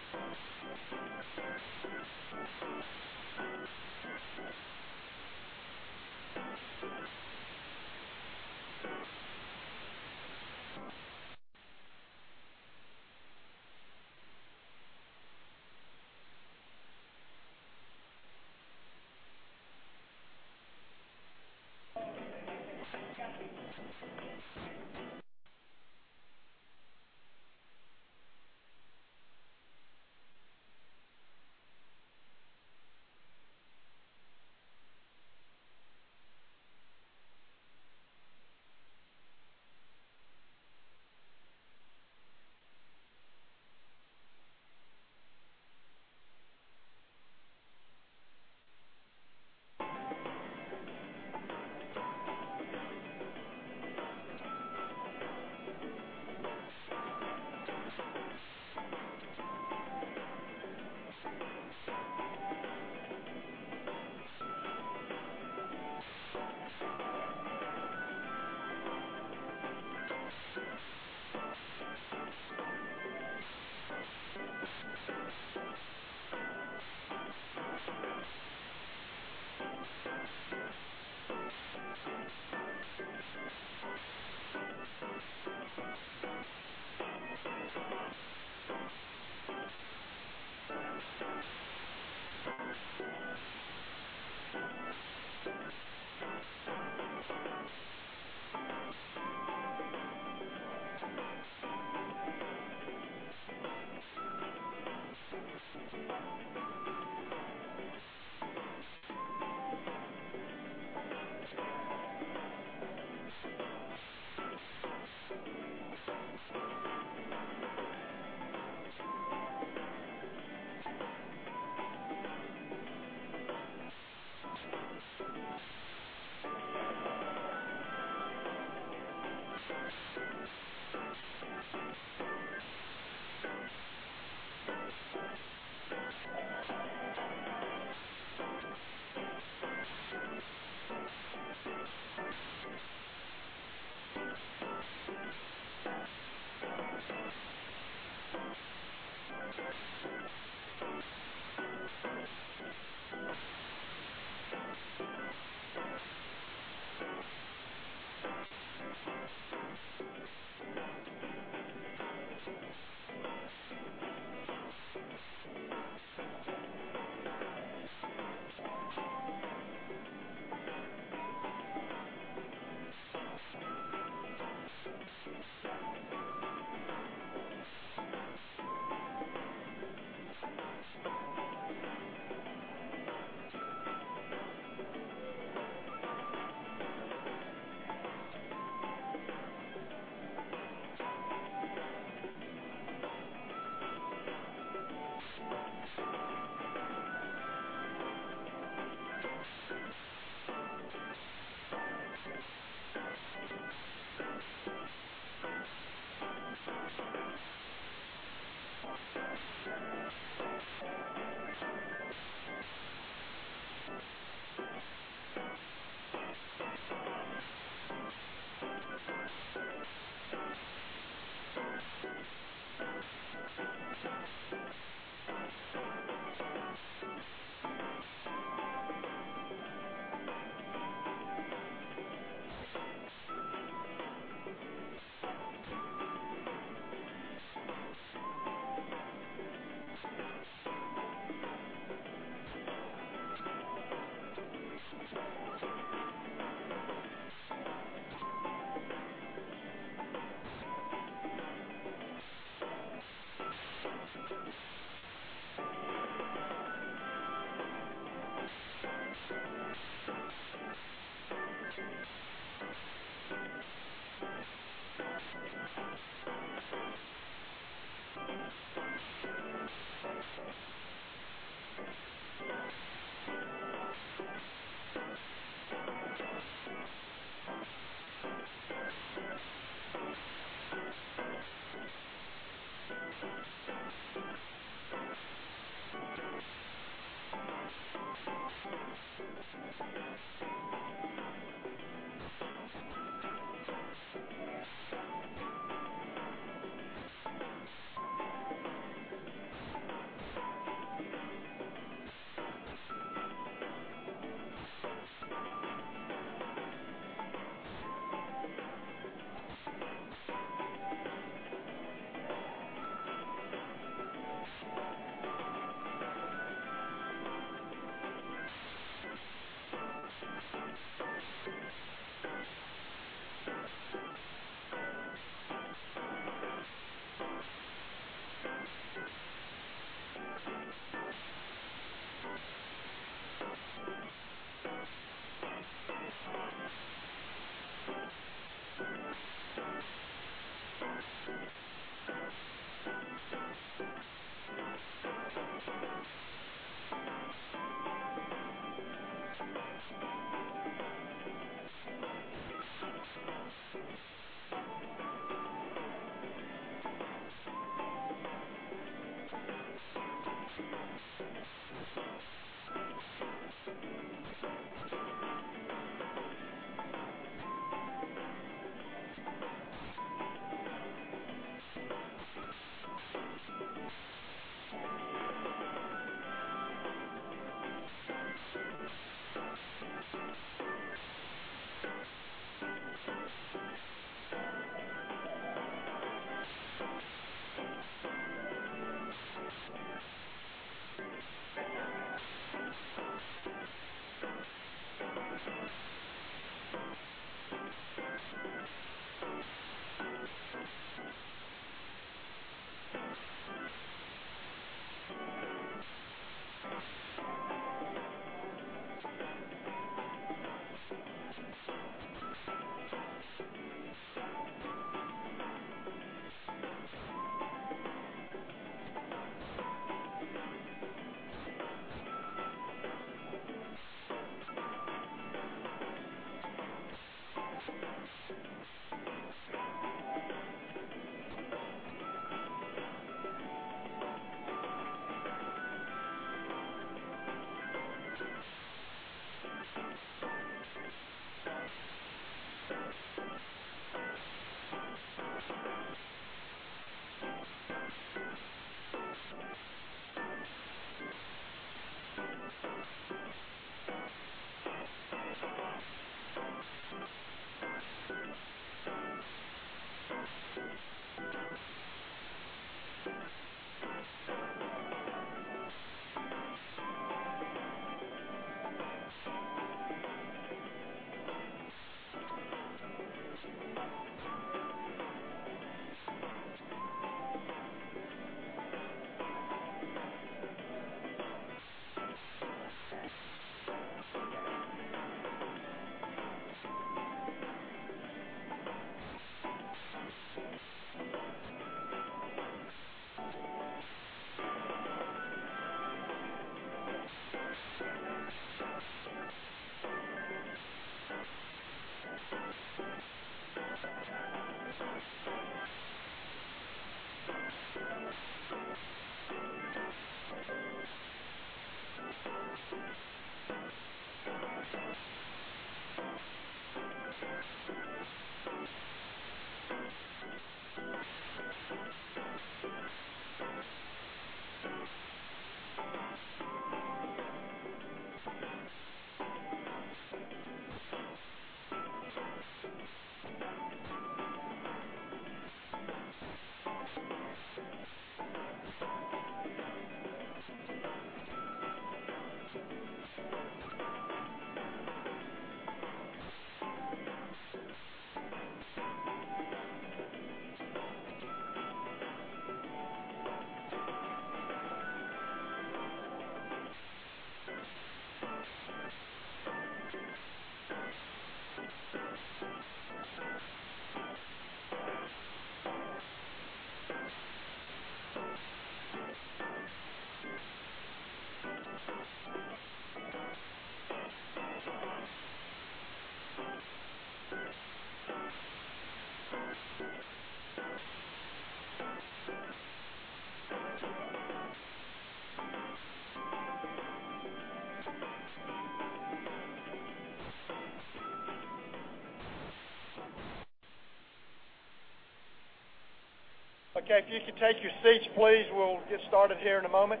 Okay. If you could take your seats, please, we'll get started here in a moment.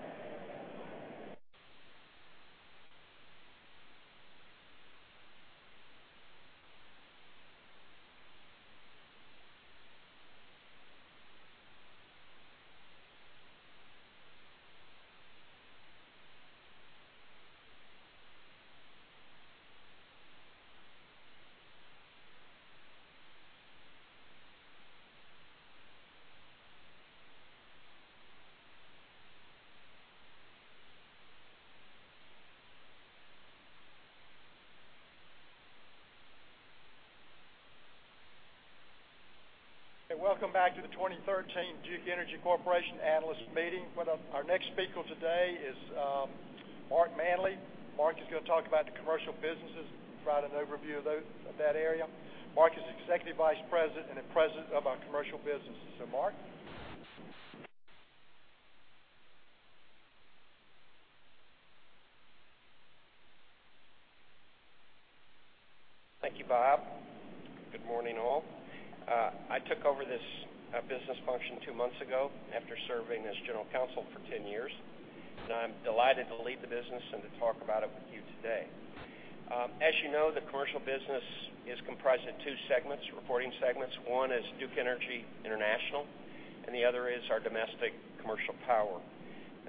Welcome back to the 2013 Duke Energy Corporation Analyst Meeting. Our next speaker today is Marc Manly. Marc is going to talk about the Commercial Businesses, provide an overview of that area. Marc is Executive Vice President and President of our Commercial Businesses. Mark? Thank you, Bob. Good morning, all. I took over this business function two months ago after serving as General Counsel for 10 years. I'm delighted to lead the business and to talk about it with you today. As you know, the commercial business is comprised of two reporting segments. One is Duke Energy International, and the other is our domestic commercial power.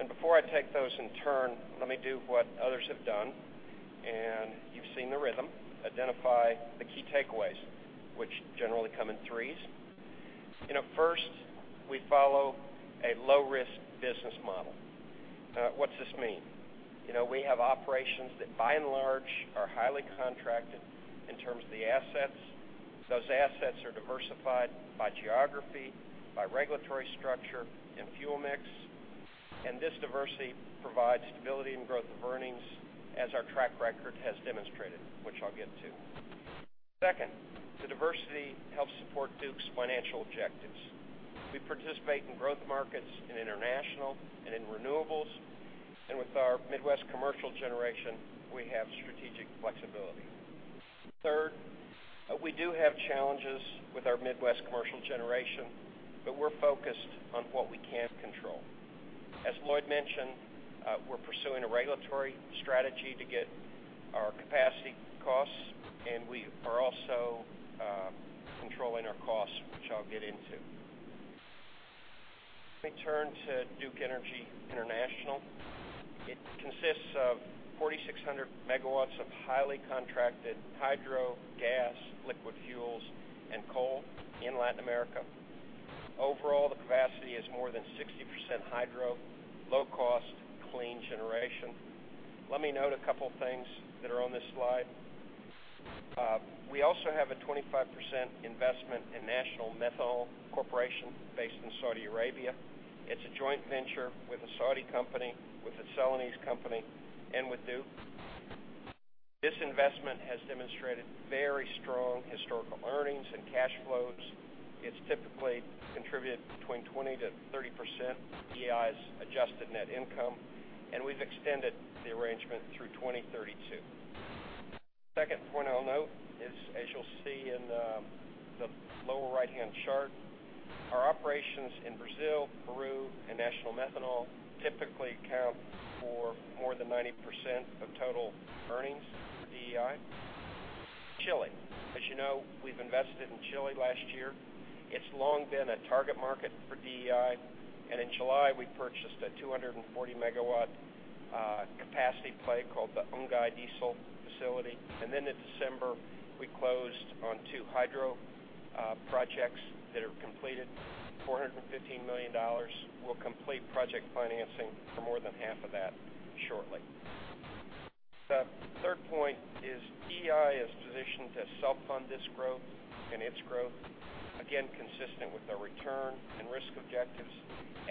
Before I take those in turn, let me do what others have done, and you've seen the rhythm, identify the key takeaways, which generally come in threes. First, we follow a low-risk business model. What's this mean? We have operations that by and large are highly contracted in terms of the assets. Those assets are diversified by geography, by regulatory structure and fuel mix. This diversity provides stability and growth of earnings as our track record has demonstrated, which I'll get to. Second, the diversity helps support Duke's financial objectives. We participate in growth markets in international and in renewables. With our Midwest commercial generation, we have strategic flexibility. Third, we do have challenges with our Midwest commercial generation, but we're focused on what we can control. As Lloyd mentioned, we're pursuing a regulatory strategy to get our capacity costs, and we are also controlling our costs, which I'll get into. Let me turn to Duke Energy International. It consists of 4,600 megawatts of highly contracted hydro, gas, liquid fuels, and coal in Latin America. Overall, the capacity is more than 60% hydro, low cost, clean generation. Let me note a couple of things that are on this slide. We also have a 25% investment in National Methanol Company based in Saudi Arabia. It's a joint venture with a Saudi company, with a Celanese company, and with Duke. This investment has demonstrated very strong historical earnings and cash flows. It's typically contributed between 20%-30% of DEI's adjusted net income. We've extended the arrangement through 2032. Second point I'll note is, as you'll see in the lower right-hand chart, our operations in Brazil, Peru, and National Methanol typically account for more than 90% of total earnings for DEI. Chile. As you know, we've invested in Chile last year. It's long been a target market for DEI. In July, we purchased a 240-megawatt capacity play called the Yungay plant. In December, we closed on two hydro projects that are completed, $415 million. We'll complete project financing for more than half of that shortly. The third point is DEI is positioned to self-fund this growth and its growth, again, consistent with our return and risk objectives.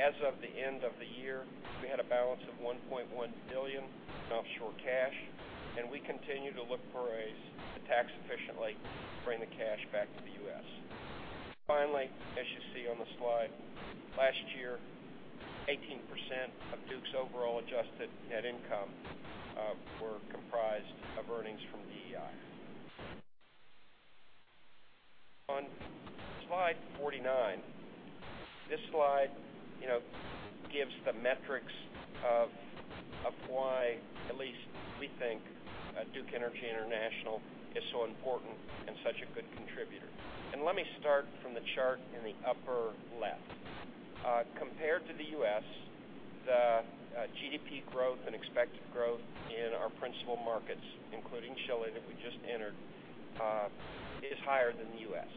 As of the end of the year, we had a balance of $1.1 billion in offshore cash. We continue to look for a tax-efficient way to bring the cash back to the U.S. Finally, as you see on the slide, last year, 18% of Duke's overall adjusted net income were comprised of earnings from DEI. On slide 49, this slide gives the metrics of why at least we think Duke Energy International is so important and such a good contributor. Let me start from the chart in the upper left. Compared to the U.S., the GDP growth and expected growth in our principal markets, including Chile, that we just entered is higher than the U.S.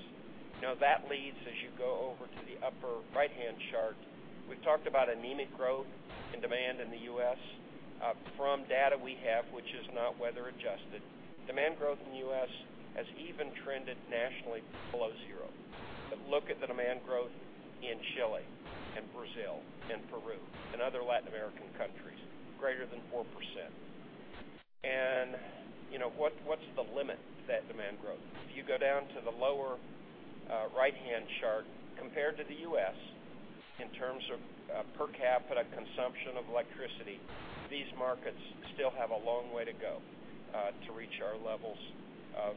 That leads as you go over to the upper right-hand chart. We've talked about anemic growth in demand in the U.S. From data we have, which is not weather adjusted, demand growth in the U.S. has even trended nationally below zero. Look at the demand growth in Chile and Brazil and Peru and other Latin American countries, greater than 4%. What's the limit to that demand growth? If you go down to the lower right-hand chart, compared to the U.S., in terms of per capita consumption of electricity, these markets still have a long way to go to reach our levels of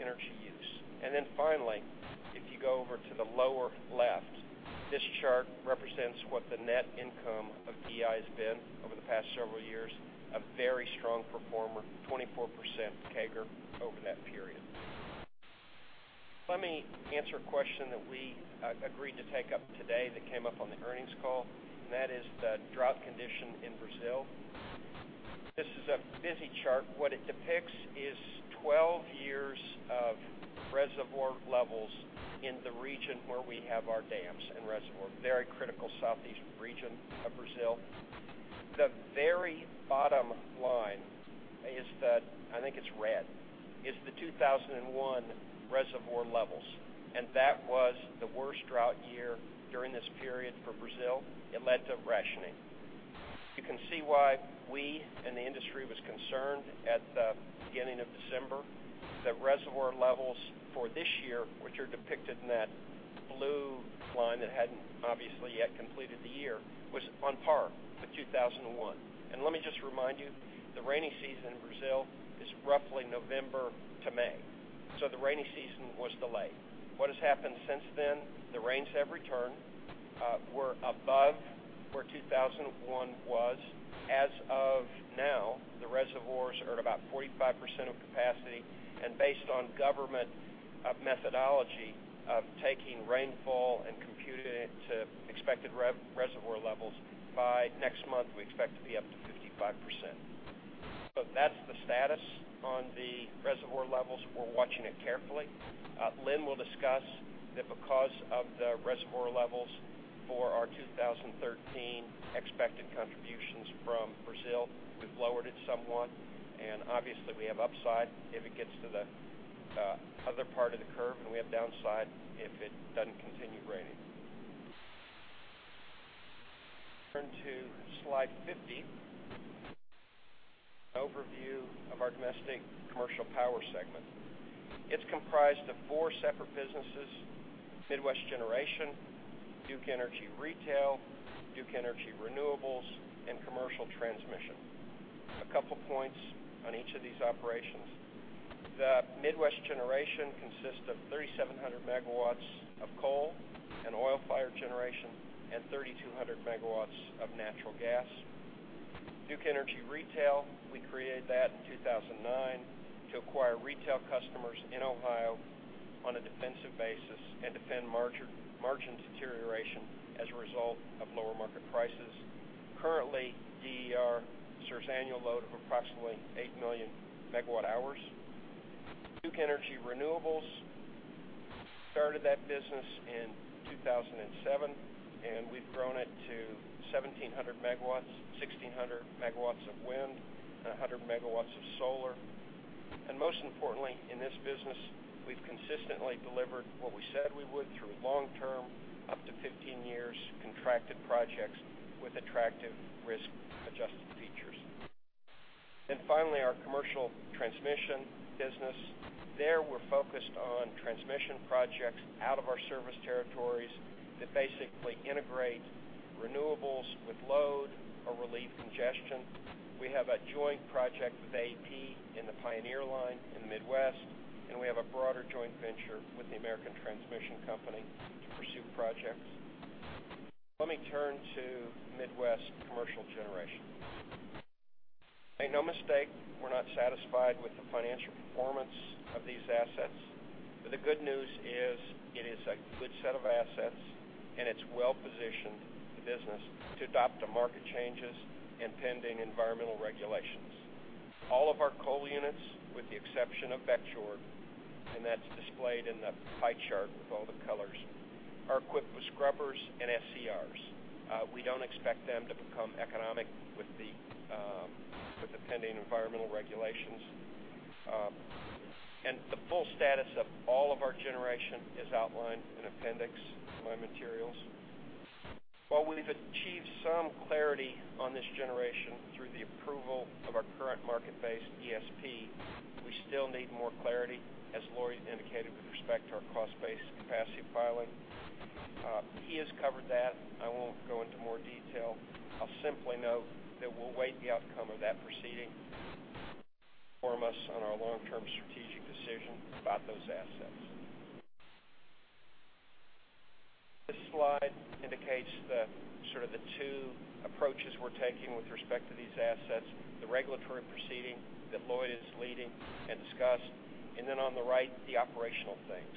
energy use. Finally, if you go over to the lower left, this chart represents what the net income of DEI has been over the past several years, a very strong performer, 24% CAGR over that period. Let me answer a question that we agreed to take up today that came up on the earnings call, and that is the drought condition in Brazil. This is a busy chart. What it depicts is 12 years of reservoir levels in the region where we have our dams and reservoirs. Very critical southeast region of Brazil. The very bottom line is the, I think it's red, is the 2001 reservoir levels, and that was the worst drought year during this period for Brazil. It led to rationing. You can see why we and the industry was concerned at the beginning of December that reservoir levels for this year, which are depicted in that blue line that hadn't obviously yet completed the year, was on par with 2001. Let me just remind you, the rainy season in Brazil is roughly November to May, so the rainy season was delayed. What has happened since then, the rains have returned. We're above where 2001 was. As of now, the reservoirs are at about 45% of capacity, and based on government methodology of taking rainfall and computing it to expected reservoir levels, by next month, we expect to be up to 55%. That's the status on the reservoir levels. We're watching it carefully. Lynn will discuss that because of the reservoir levels for our 2013 expected contributions from Brazil, we've lowered it somewhat, and obviously, we have upside if it gets to the other part of the curve, and we have downside if it doesn't continue raining. Turn to slide 50, an overview of our domestic commercial power segment. It's comprised of four separate businesses, Midwest Generation, Duke Energy Retail, Duke Energy Renewables, and Commercial Transmission. A couple points on each of these operations. The Midwest Generation consists of 3,700 megawatts of coal and oil-fired generation and 3,200 megawatts of natural gas. Duke Energy Retail, we created that in 2009 to acquire retail customers in Ohio on a defensive basis and defend margin deterioration as a result of lower market prices. Currently, DER serves annual load of approximately 8 million megawatt hours. Duke Energy Renewables, started that business in 2007, and we've grown it to 1,700 megawatts, 1,600 megawatts of wind, and 100 megawatts of solar. Most importantly in this business, we've consistently delivered what we said we would through long-term, up to 15 years, contracted projects with attractive risk-adjusted features. Finally, our commercial transmission business. There we're focused on transmission projects out of our service territories that basically integrate renewables with load Or relieve congestion. We have a joint project with AEP in the Pioneer Line in the Midwest, and we have a broader joint venture with the American Transmission Co. to pursue projects. Let me turn to Midwest commercial generation. Make no mistake, we're not satisfied with the financial performance of these assets. The good news is it is a good set of assets and it's well-positioned the business to adopt to market changes and pending environmental regulations. All of our coal units, with the exception of Beckjord, and that's displayed in the pie chart with all the colors, are equipped with scrubbers and SCRs. We don't expect them to become economic with the pending environmental regulations. The full status of all of our generation is outlined in appendix in my materials. While we've achieved some clarity on this generation through the approval of our current market-based ESP, we still need more clarity, as Lloyd indicated with respect to our cost-based capacity filing. He has covered that. I won't go into more detail. I'll simply note that we'll wait the outcome of that proceeding to inform us on our long-term strategic decision about those assets. This slide indicates the two approaches we're taking with respect to these assets, the regulatory proceeding that Lloyd is leading and discussed, and then on the right, the operational things.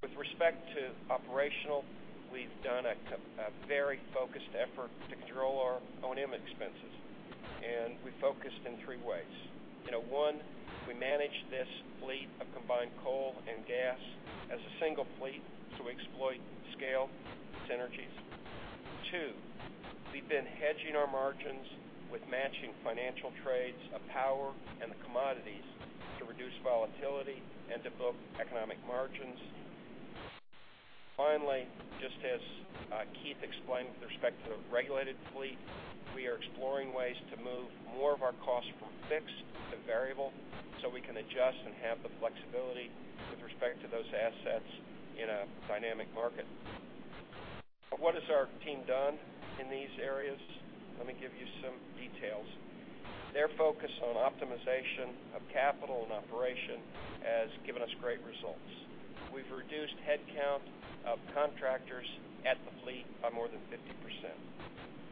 With respect to operational, we've done a very focused effort to control our O&M expenses. We focused in three ways. One, we managed this fleet of combined coal and gas as a single fleet to exploit scale synergies. Two, we've been hedging our margins with matching financial trades of power and the commodities to reduce volatility and to book economic margins. Finally, just as Keith explained with respect to the regulated fleet, we are exploring ways to move more of our costs from fixed to variable so we can adjust and have the flexibility with respect to those assets in a dynamic market. What has our team done in these areas? Let me give you some details. Their focus on optimization of capital and operation has given us great results. We've reduced headcount of contractors at the fleet by more than 50%.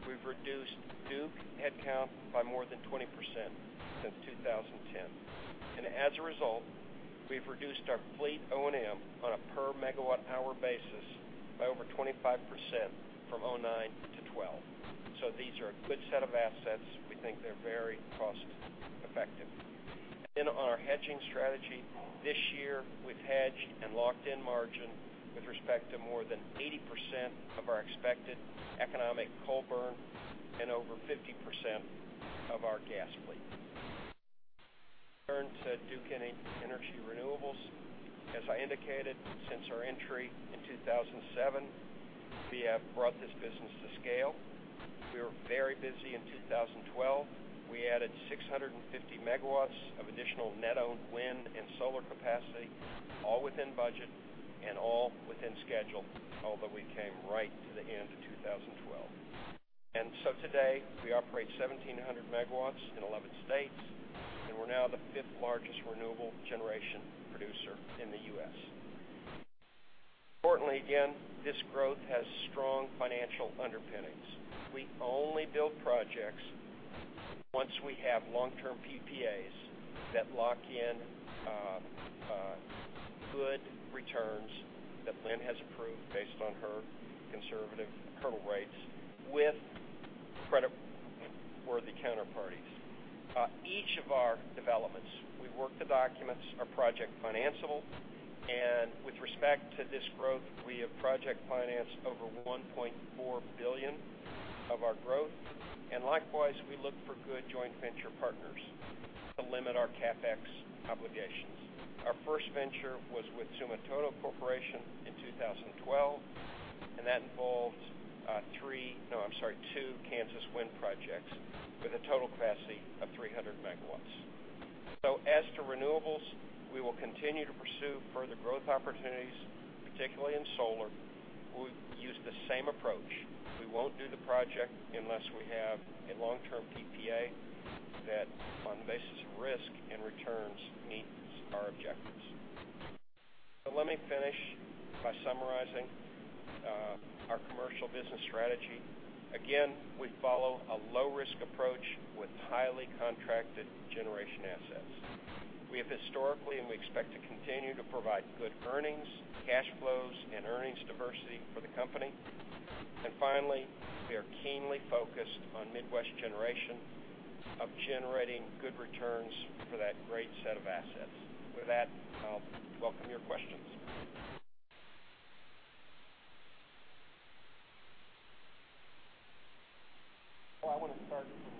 We've reduced Duke headcount by more than 20% since 2010. As a result, we've reduced our fleet O&M on a per megawatt hour basis by over 25% from 2009 to 2012. These are a good set of assets. We think they're very cost-effective. On our hedging strategy, this year we've hedged and locked in margin with respect to more than 80% of our expected economic coal burn and over 50% of our gas fleet. Turn to Duke Energy Renewables. As I indicated, since our entry in 2007, we have brought this business to scale. We were very busy in 2012. We added 650 megawatts of additional net-owned wind and solar capacity, all within budget and all within schedule, although we came right to the end of 2012. Today, we operate 1,700 megawatts in 11 states, and we're now the fifth largest renewable generation producer in the U.S. Importantly, again, this growth has strong financial underpinnings. We only build projects once we have long-term PPAs that lock in good returns that Lynn has approved based on her conservative hurdle rates with creditworthy counterparties. Each of our developments, we work the documents, are project financeable. With respect to this growth, we have project financed over $1.4 billion of our growth. Likewise, we look for good joint venture partners to limit our CapEx obligations. Our first venture was with Sumitomo Corporation in 2012, and that involved two Kansas wind projects with a total capacity of 300 MW. As to renewables, we will continue to pursue further growth opportunities, particularly in solar. We will use the same approach. We will not do the project unless we have a long-term PPA that on the basis of risk and returns, meets our objectives. Let me finish by summarizing our commercial business strategy. Again, we follow a low-risk approach with highly contracted generation assets. We have historically and we expect to continue to provide good earnings, cash flows, and earnings diversity for the company. Finally, we are keenly focused on Midwest Generation of generating good returns for that great set of assets. With that, I will welcome your questions. Paul, I want to start with you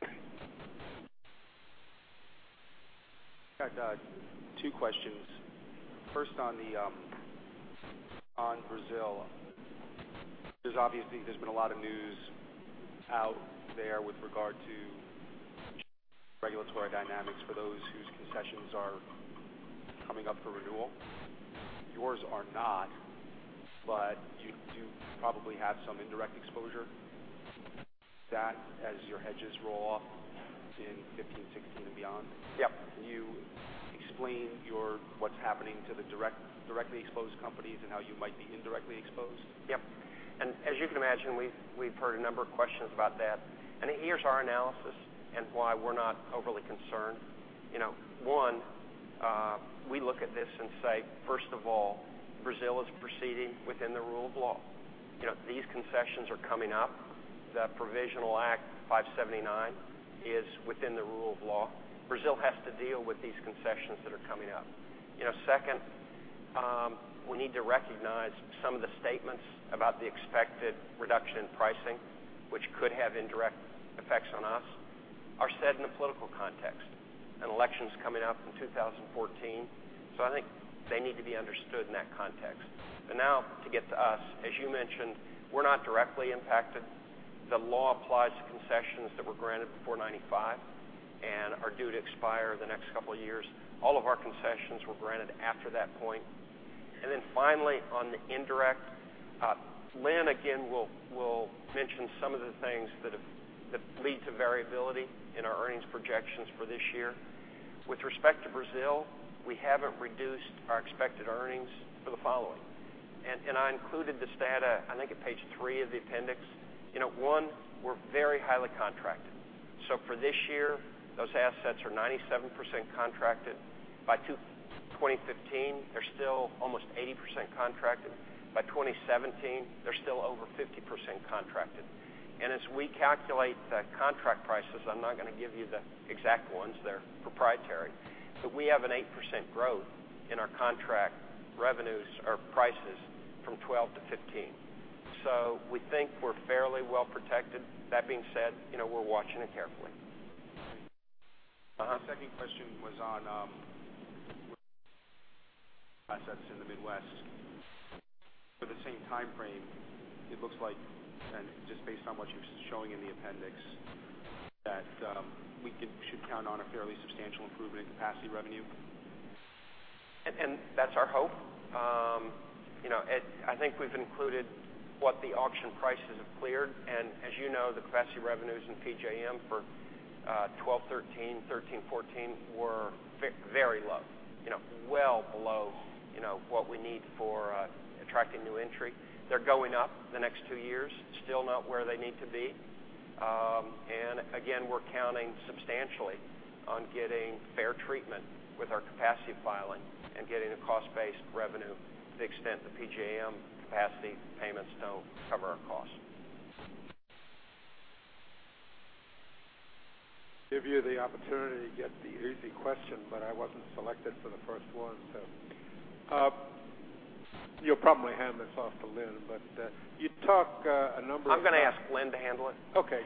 then. I have got two questions. First on Brazil. There is obviously there has been a lot of news out there with regard to Regulatory dynamics for those whose concessions are coming up for renewal. Yours are not, but you probably have some indirect exposure to that as your hedges roll off in 2015, 2016, and beyond. Yep. Can you explain what is happening to the directly exposed companies and how you might be indirectly exposed? Yep. As you can imagine, we've heard a number of questions about that. Here's our analysis and why we're not overly concerned. One, we look at this and say, first of all, Brazil is proceeding within the rule of law. These concessions are coming up. The Provisional Measure 579 is within the rule of law. Brazil has to deal with these concessions that are coming up. Second, we need to recognize some of the statements about the expected reduction in pricing, which could have indirect effects on us, are set in a political context. An election's coming up in 2014. I think they need to be understood in that context. Now to get to us, as you mentioned, we're not directly impacted. The law applies to concessions that were granted before 1995 and are due to expire the next couple of years. All of our concessions were granted after that point. Finally, on the indirect, Lynn, again, will mention some of the things that lead to variability in our earnings projections for this year. With respect to Brazil, we haven't reduced our expected earnings for the following. I included this data, I think on page three of the appendix. One, we're very highly contracted. For this year, those assets are 97% contracted. By 2015, they're still almost 80% contracted. By 2017, they're still over 50% contracted. As we calculate the contract prices, I'm not going to give you the exact ones, they're proprietary, but we have an 8% growth in our contract revenues or prices from 2012 to 2015. We think we're fairly well protected. That being said, we're watching it carefully. Great. My second question was on assets in the Midwest. For the same time frame, it looks like, just based on what you're showing in the appendix, that we should count on a fairly substantial improvement in capacity revenue? That's our hope. I think we've included what the auction prices have cleared, as you know, the capacity revenues in PJM for 2012-2013, 2013-2014 were very low. Well below what we need for attracting new entry. They're going up the next two years. Still not where they need to be. Again, we're counting substantially on getting fair treatment with our capacity filing and getting a cost-based revenue to the extent the PJM capacity payments don't cover our cost. Give you the opportunity to get the easy question, but I wasn't selected for the first one. You'll probably hand this off to Lynn, you talk a number of- I'm going to ask Lynn to handle it. Okay.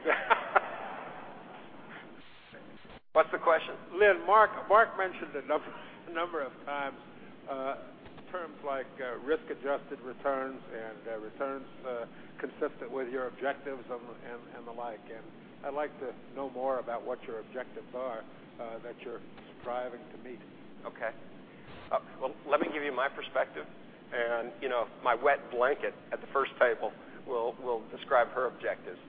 What's the question? Lynn, Mark mentioned a number of times terms like risk-adjusted returns and returns consistent with your objectives and the like. I'd like to know more about what your objectives are that you're striving to meet. Well, let me give you my perspective and my wet blanket at the first table will describe her objectives.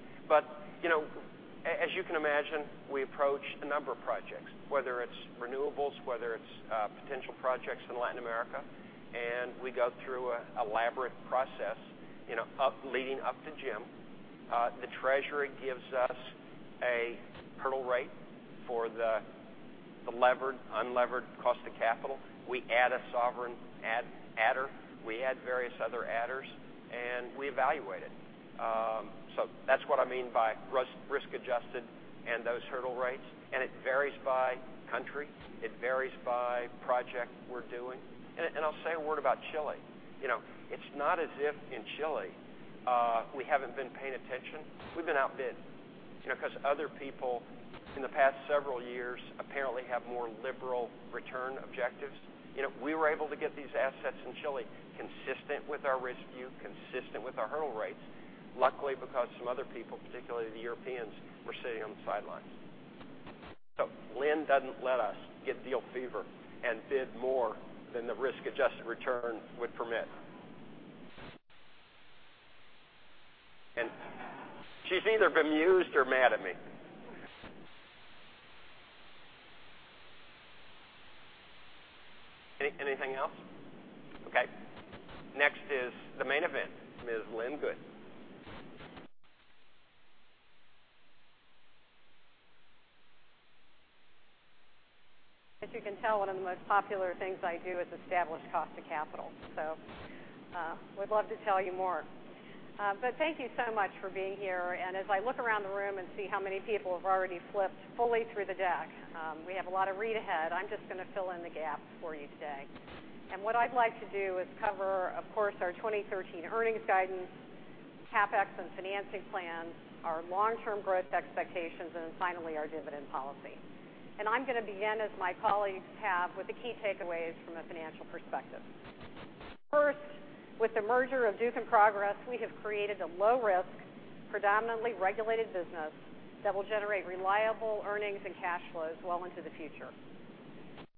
As you can imagine, we approach a number of projects, whether it's renewables, whether it's potential projects in Latin America, and we go through an elaborate process leading up to Jim. The treasury gives us a hurdle rate for the levered, unlevered cost of capital. We add a sovereign adder. We add various other adders, and we evaluate it. That's what I mean by risk-adjusted and those hurdle rates. It varies by country. It varies by project we're doing. I'll say a word about Chile. It's not as if in Chile we haven't been paying attention. We've been outbid because other people in the past several years apparently have more liberal return objectives. We were able to get these assets in Chile consistent with our risk view, consistent with our hurdle rates. Luckily, because some other people, particularly the Europeans, were sitting on the sidelines. Lynn doesn't let us get deal fever and bid more than the risk-adjusted return would permit. She's either bemused or mad at me. Anything else? Next is the main event, Ms. Lynn Good. As you can tell, one of the most popular things I do is establish cost of capital. Would love to tell you more. Thank you so much for being here. As I look around the room and see how many people have already flipped fully through the deck, we have a lot of read ahead. I'm just going to fill in the gaps for you today. What I'd like to do is cover, of course, our 2013 earnings guidance, CapEx and financing plans, our long-term growth expectations, and then finally, our dividend policy. I'm going to begin, as my colleagues have, with the key takeaways from a financial perspective. First, with the merger of Duke and Progress, we have created a low-risk, predominantly regulated business that will generate reliable earnings and cash flows well into the future.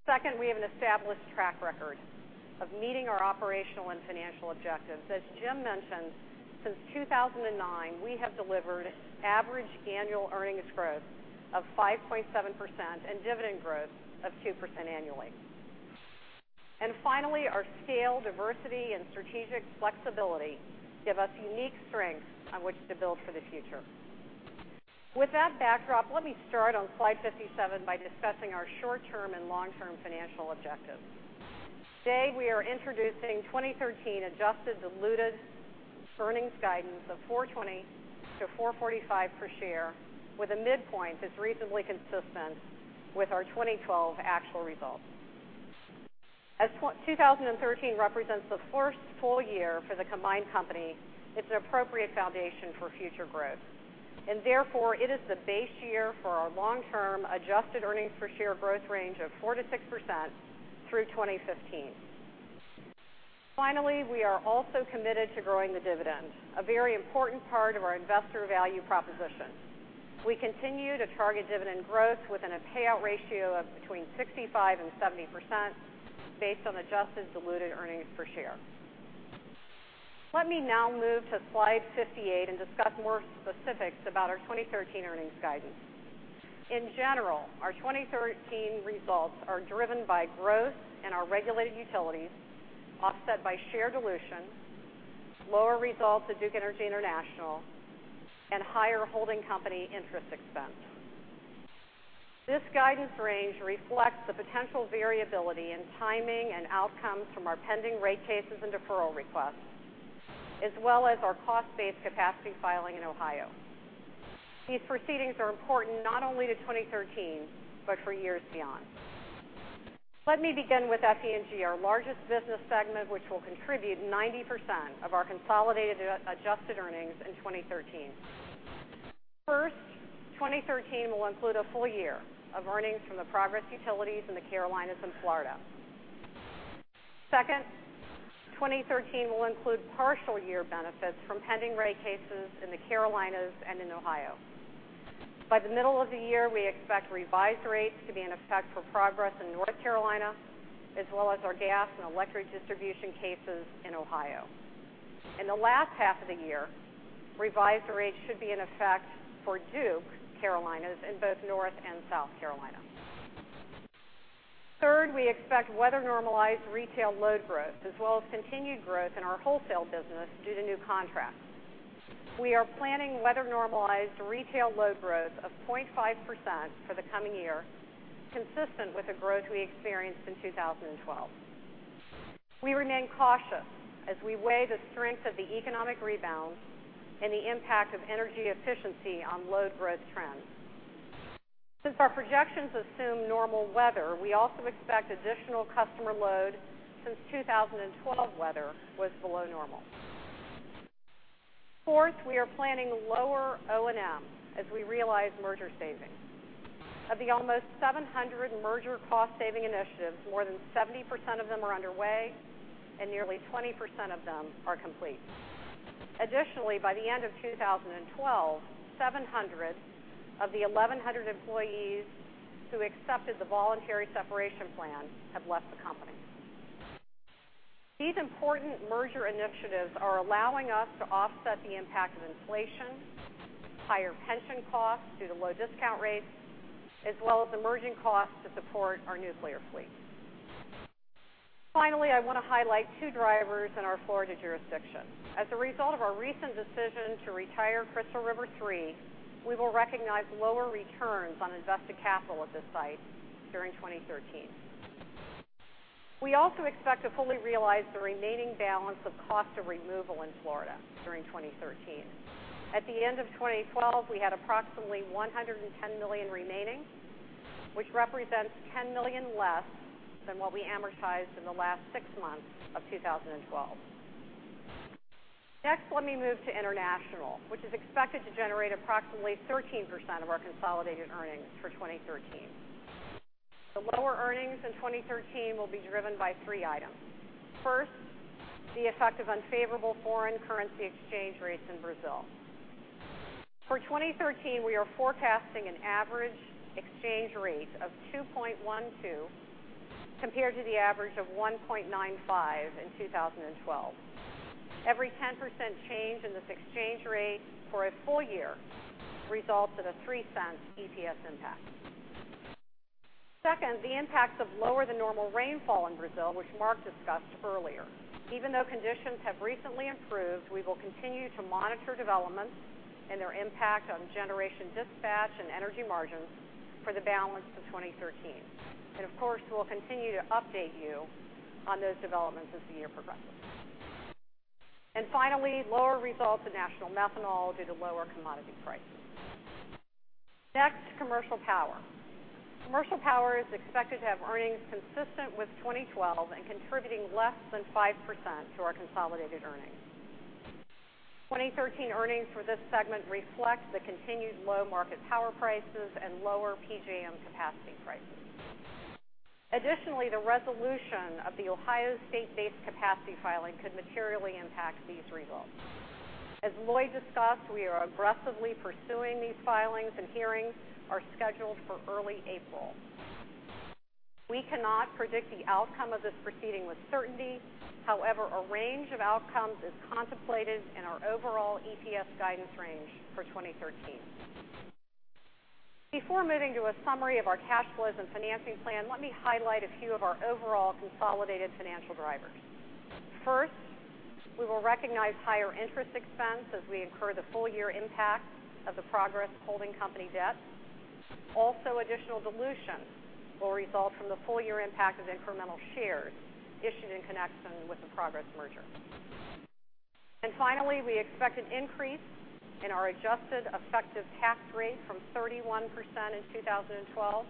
Second, we have an established track record of meeting our operational and financial objectives. As Jim mentioned, since 2009, we have delivered average annual earnings growth of 5.7% and dividend growth of 2% annually. Finally, our scale, diversity, and strategic flexibility give us unique strengths on which to build for the future. With that backdrop, let me start on slide 57 by discussing our short-term and long-term financial objectives. Today, we are introducing 2013 adjusted diluted earnings guidance of $4.20-$4.45 per share with a midpoint that's reasonably consistent with our 2012 actual results. As 2013 represents the first full year for the combined company, it's an appropriate foundation for future growth. Therefore, it is the base year for our long-term adjusted earnings per share growth range of 4%-6% through 2015. We are also committed to growing the dividend, a very important part of our investor value proposition. We continue to target dividend growth within a payout ratio of between 65% and 70% based on adjusted diluted earnings per share. Let me now move to slide 58 and discuss more specifics about our 2013 earnings guidance. In general, our 2013 results are driven by growth in our regulated utilities, offset by share dilution, lower results at Duke Energy International, and higher holding company interest expense. This guidance range reflects the potential variability in timing and outcomes from our pending rate cases and deferral requests, as well as our cost-based capacity filing in Ohio. These proceedings are important not only to 2013 but for years beyond. Let me begin with FE&G, our largest business segment, which will contribute 90% of our consolidated adjusted earnings in 2013. 2013 will include a full year of earnings from the Progress utilities in the Carolinas and Florida. 2013 will include partial year benefits from pending rate cases in the Carolinas and in Ohio. By the middle of the year, we expect revised rates to be in effect for Progress in North Carolina, as well as our gas and electric distribution cases in Ohio. In the last half of the year, revised rates should be in effect for Duke Carolinas in both North and South Carolina. We expect weather-normalized retail load growth as well as continued growth in our wholesale business due to new contracts. We are planning weather-normalized retail load growth of 0.5% for the coming year, consistent with the growth we experienced in 2012. We remain cautious as we weigh the strength of the economic rebound and the impact of energy efficiency on load growth trends. Since our projections assume normal weather, we also expect additional customer load since 2012 weather was below normal. We are planning lower O&M as we realize merger savings. Of the almost 700 merger cost-saving initiatives, more than 70% of them are underway and nearly 20% of them are complete. Additionally, by the end of 2012, 700 of the 1,100 employees who accepted the voluntary separation plan have left the company. These important merger initiatives are allowing us to offset the impact of inflation, higher pension costs due to low discount rates, as well as emerging costs to support our nuclear fleet. I want to highlight two drivers in our Florida jurisdiction. As a result of our recent decision to retire Crystal River 3, we will recognize lower returns on invested capital at this site during 2013. We also expect to fully realize the remaining balance of cost of removal in Florida during 2013. At the end of 2012, we had approximately $110 million remaining, which represents $10 million less than what we amortized in the last six months of 2012. Let me move to International, which is expected to generate approximately 13% of our consolidated earnings for 2013. The lower earnings in 2013 will be driven by three items. The effect of unfavorable foreign currency exchange rates in Brazil. For 2013, we are forecasting an average exchange rate of 2.12 compared to the average of 1.95 in 2012. Every 10% change in this exchange rate for a full year results in a $0.03 EPS impact. The impacts of lower than normal rainfall in Brazil, which Mark discussed earlier. Even though conditions have recently improved, we will continue to monitor developments and their impact on generation dispatch and energy margins for the balance of 2013. Of course, we'll continue to update you on those developments as the year progresses. Finally, lower results at National Methanol due to lower commodity prices. Next, commercial power. Commercial power is expected to have earnings consistent with 2012 and contributing less than 5% to our consolidated earnings. 2013 earnings for this segment reflects the continued low market power prices and lower PJM capacity prices. Additionally, the resolution of the Ohio state-based capacity filing could materially impact these results. As Lloyd discussed, we are aggressively pursuing these filings, and hearings are scheduled for early April. We cannot predict the outcome of this proceeding with certainty. However, a range of outcomes is contemplated in our overall EPS guidance range for 2013. Before moving to a summary of our cash flows and financing plan, let me highlight a few of our overall consolidated financial drivers. First, we will recognize higher interest expense as we incur the full-year impact of the Progress holding company debt. Also, additional dilution will result from the full-year impact of incremental shares issued in connection with the Progress merger. Finally, we expect an increase in our adjusted effective tax rate from 31% in 2012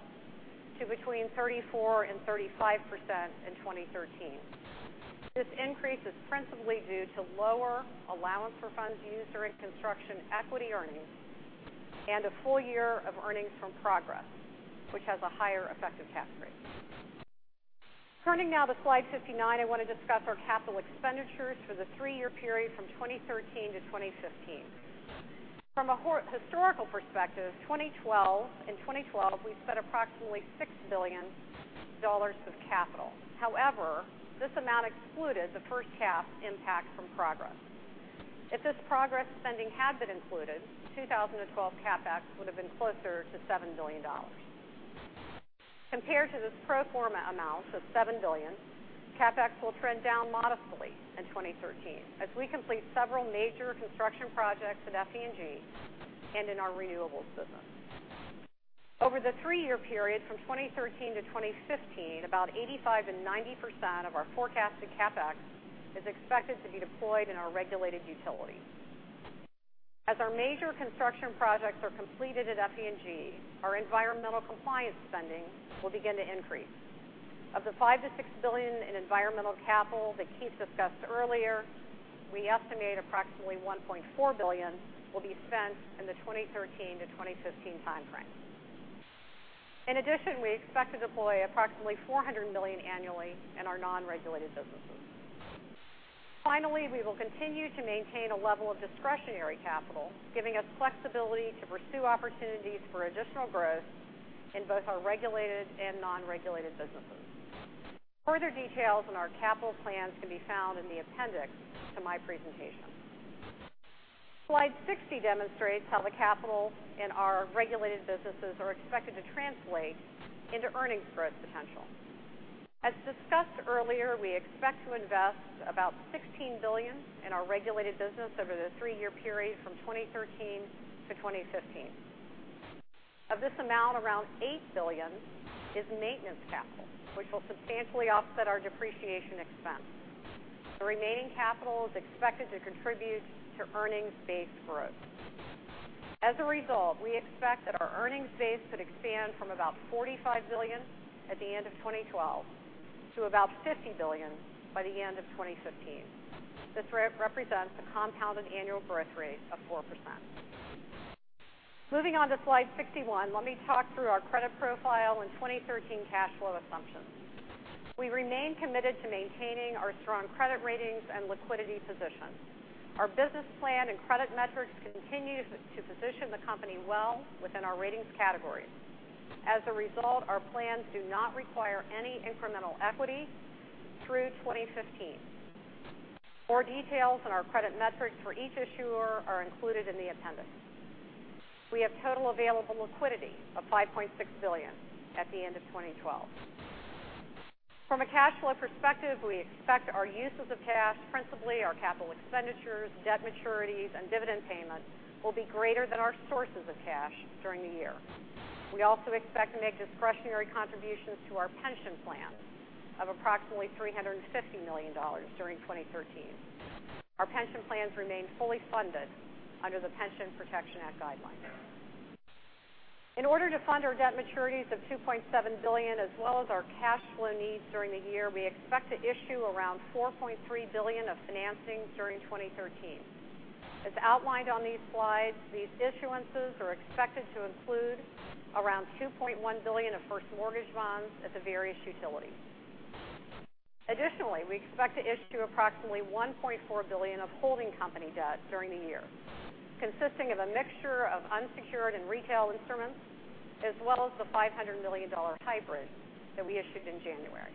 to between 34% and 35% in 2013. This increase is principally due to lower allowance for funds used during construction equity earnings and a full year of earnings from Progress, which has a higher effective tax rate. Turning now to slide 59, I want to discuss our capital expenditures for the three-year period from 2013 to 2015. From a historical perspective, in 2012, we spent approximately $6 billion of capital. However, this amount excluded the first half impact from Progress. If this Progress spending had been included, 2012 CapEx would've been closer to $7 billion. Compared to this pro forma amount of $7 billion, CapEx will trend down modestly in 2013 as we complete several major construction projects at FE&G and in our renewables business. Over the three-year period from 2013 to 2015, about 85% and 90% of our forecasted CapEx is expected to be deployed in our regulated utilities. As our major construction projects are completed at FE&G, our environmental compliance spending will begin to increase. Of the $5 billion-$6 billion in environmental capital that Keith discussed earlier, we estimate approximately $1.4 billion will be spent in the 2013 to 2015 timeframe. In addition, we expect to deploy approximately $400 million annually in our non-regulated businesses. Finally, we will continue to maintain a level of discretionary capital, giving us flexibility to pursue opportunities for additional growth in both our regulated and non-regulated businesses. Further details on our capital plans can be found in the appendix to my presentation. Slide 60 demonstrates how the capital in our regulated businesses are expected to translate into earnings growth potential. As discussed earlier, we expect to invest about $16 billion in our regulated business over the three-year period from 2013 to 2015. Of this amount, around $8 billion is maintenance capital, which will substantially offset our depreciation expense. The remaining capital is expected to contribute to earnings-based growth. As a result, we expect that our earnings base could expand from about $45 billion at the end of 2012 to about $50 billion by the end of 2015. This represents a compounded annual growth rate of 4%. Moving on to slide 61, let me talk through our credit profile and 2013 cash flow assumptions. We remain committed to maintaining our strong credit ratings and liquidity position. Our business plan and credit metrics continue to position the company well within our ratings categories. As a result, our plans do not require any incremental equity through 2015. More details on our credit metrics for each issuer are included in the appendix. We have total available liquidity of $5.6 billion at the end of 2012. From a cash flow perspective, we expect our uses of cash, principally our Capital expenditures, debt maturities, and dividend payments, will be greater than our sources of cash during the year. We also expect to make discretionary contributions to our pension plan of approximately $350 million during 2013. Our pension plans remain fully funded under the Pension Protection Act guidelines. In order to fund our debt maturities of $2.7 billion as well as our cash flow needs during the year, we expect to issue around $4.3 billion of financing during 2013. As outlined on these slides, these issuances are expected to include around $2.1 billion of first mortgage bonds at the various utilities. Additionally, we expect to issue approximately $1.4 billion of holding company debt during the year, consisting of a mixture of unsecured and retail instruments, as well as the $500 million hybrid that we issued in January.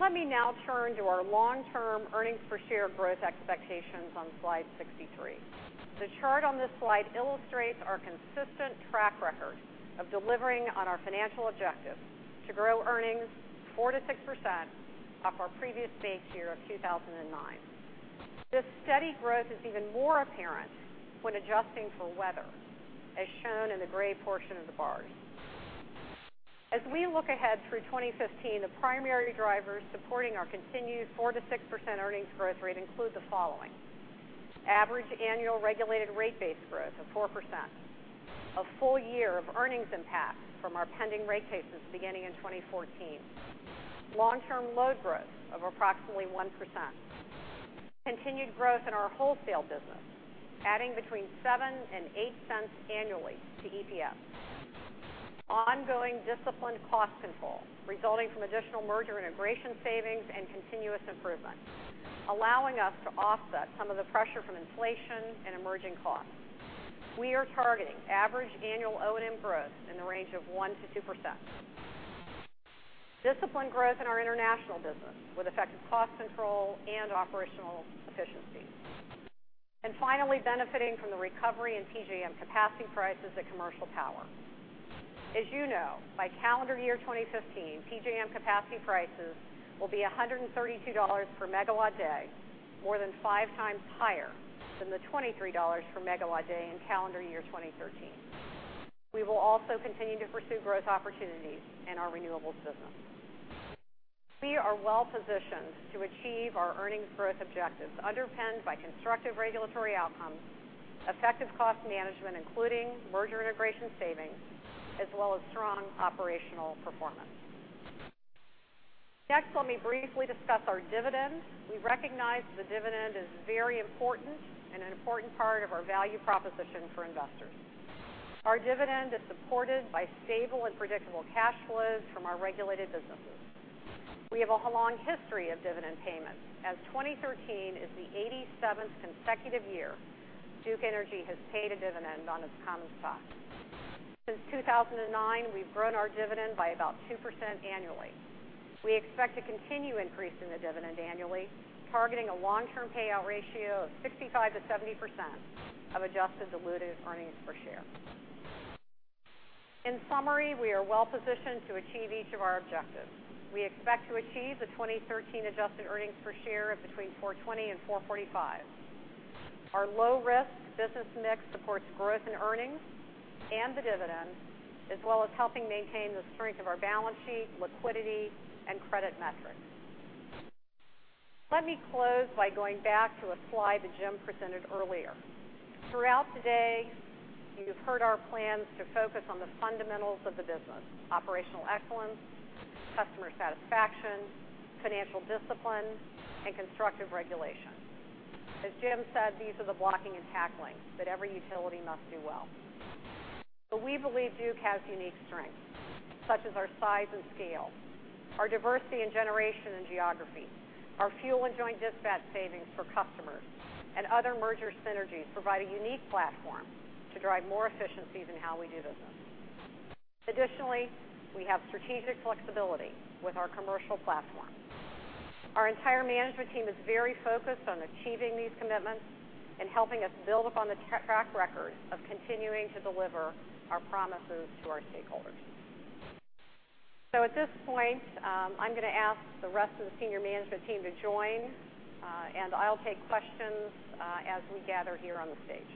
Let me now turn to our long-term earnings per share growth expectations on slide 63. The chart on this slide illustrates our consistent track record of delivering on our financial objectives to grow earnings 4%-6% off our previous base year of 2009. This steady growth is even more apparent when adjusting for weather, as shown in the gray portion of the bars. As we look ahead through 2015, the primary drivers supporting our continued 4%-6% earnings growth rate include the following: average annual regulated rate base growth of 4%. A full year of earnings impact from our pending rate cases beginning in 2014. Long-term load growth of approximately 1%. Continued growth in our wholesale business, adding between $0.07 and $0.08 annually to EPS. Ongoing disciplined cost control resulting from additional merger integration savings and continuous improvement, allowing us to offset some of the pressure from inflation and emerging costs. We are targeting average annual O&M growth in the range of 1%-2%. Disciplined growth in our international business with effective cost control and operational efficiency. Finally, benefiting from the recovery in PJM capacity prices at commercial power. As you know, by calendar year 2015, PJM capacity prices will be $132 per megawatt day, more than five times higher than the $23 per megawatt day in calendar year 2013. We will also continue to pursue growth opportunities in our renewables business. We are well-positioned to achieve our earnings growth objectives underpinned by constructive regulatory outcomes, effective cost management, including merger integration savings, as well as strong operational performance. Next, let me briefly discuss our dividend. We recognize the dividend is very important and an important part of our value proposition for investors. Our dividend is supported by stable and predictable cash flows from our regulated businesses. We have a long history of dividend payments, as 2013 is the 87th consecutive year Duke Energy has paid a dividend on its common stock. Since 2009, we've grown our dividend by about 2% annually. We expect to continue increasing the dividend annually, targeting a long-term payout ratio of 65%-70% of adjusted diluted earnings per share. In summary, we are well-positioned to achieve each of our objectives. We expect to achieve a 2013 adjusted earnings per share of between $4.20 and $4.45. Our low-risk business mix supports growth in earnings and the dividend, as well as helping maintain the strength of our balance sheet, liquidity, and credit metrics. Let me close by going back to a slide that Jim presented earlier. Throughout today, you've heard our plans to focus on the fundamentals of the business, operational excellence, customer satisfaction, financial discipline, and constructive regulation. As Jim said, these are the blocking and tackling that every utility must do well. We believe Duke has unique strengths, such as our size and scale, our diversity in generation and geography, our fuel and joint dispatch savings for customers, and other merger synergies provide a unique platform to drive more efficiencies in how we do business. Additionally, we have strategic flexibility with our commercial platform. Our entire management team is very focused on achieving these commitments and helping us build upon the track record of continuing to deliver our promises to our stakeholders. At this point, I'm going to ask the rest of the senior management team to join, and I'll take questions as we gather here on the stage.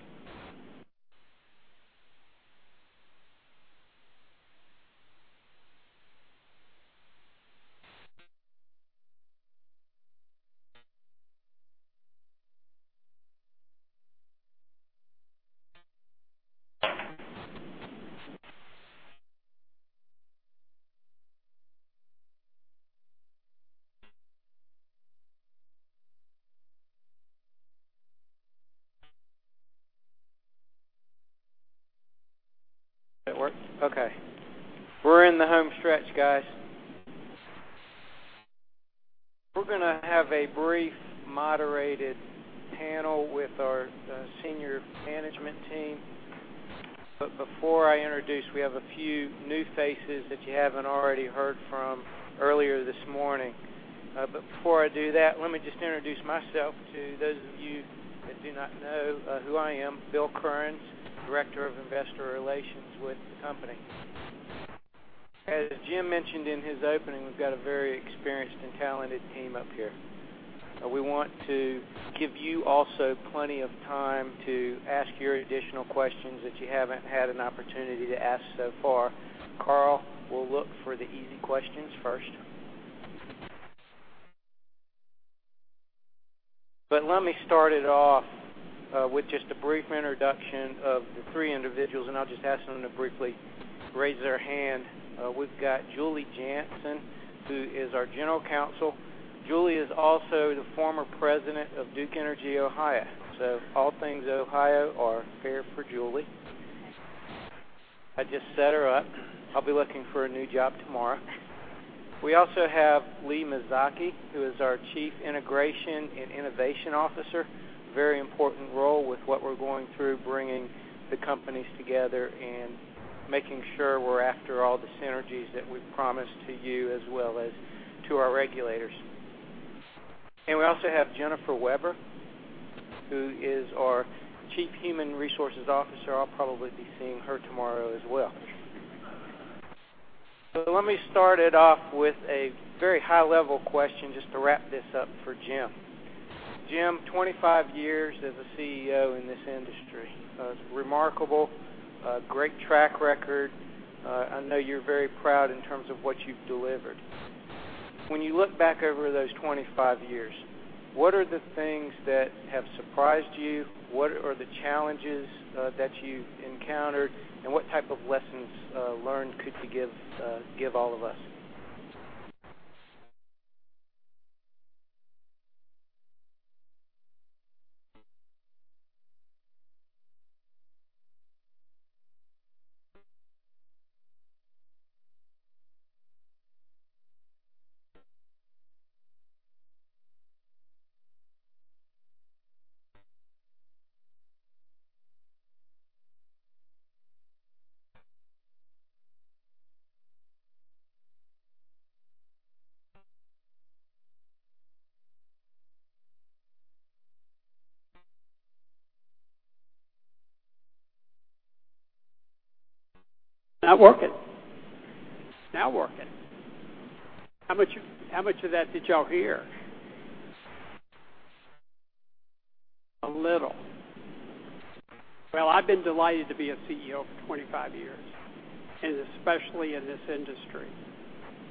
That work? Okay. We're in the home stretch, guys. We're going to have a brief moderated panel with our senior management team. Before I introduce, we have a few new faces that you haven't already heard from earlier this morning. Before I do that, let me just introduce myself to those of you that do not know who I am, Bill Kearns, Director of Investor Relations with the company. As Jim mentioned in his opening, we've got a very experienced and talented team up here. We want to give you also plenty of time to ask your additional questions that you haven't had an opportunity to ask so far. Carl will look for the easy questions first. Let me start it off with just a brief introduction of the three individuals, and I'll just ask them to briefly raise their hand. We've got Julie Janson, who is our General Counsel. Julie is also the former President of Duke Energy Ohio. All things Ohio are fair for Julie. I just set her up. I'll be looking for a new job tomorrow. We also have Lee Mazzocchi, who is our Chief Integration and Innovation Officer. Very important role with what we're going through, bringing the companies together and making sure we're after all the synergies that we've promised to you as well as to our regulators. We also have Jennifer Weber, who is our Chief Human Resources Officer. I'll probably be seeing her tomorrow as well. Let me start it off with a very high-level question just to wrap this up for Jim. Jim, 25 years as a CEO in this industry. It's remarkable. A great track record. I know you're very proud in terms of what you've delivered. When you look back over those 25 years, what are the things that have surprised you? What are the challenges that you've encountered, and what type of lessons learned could you give all of us? Not working. It's now working. How much of that did y'all hear? A little. Well, I've been delighted to be a CEO for 25 years, especially in this industry.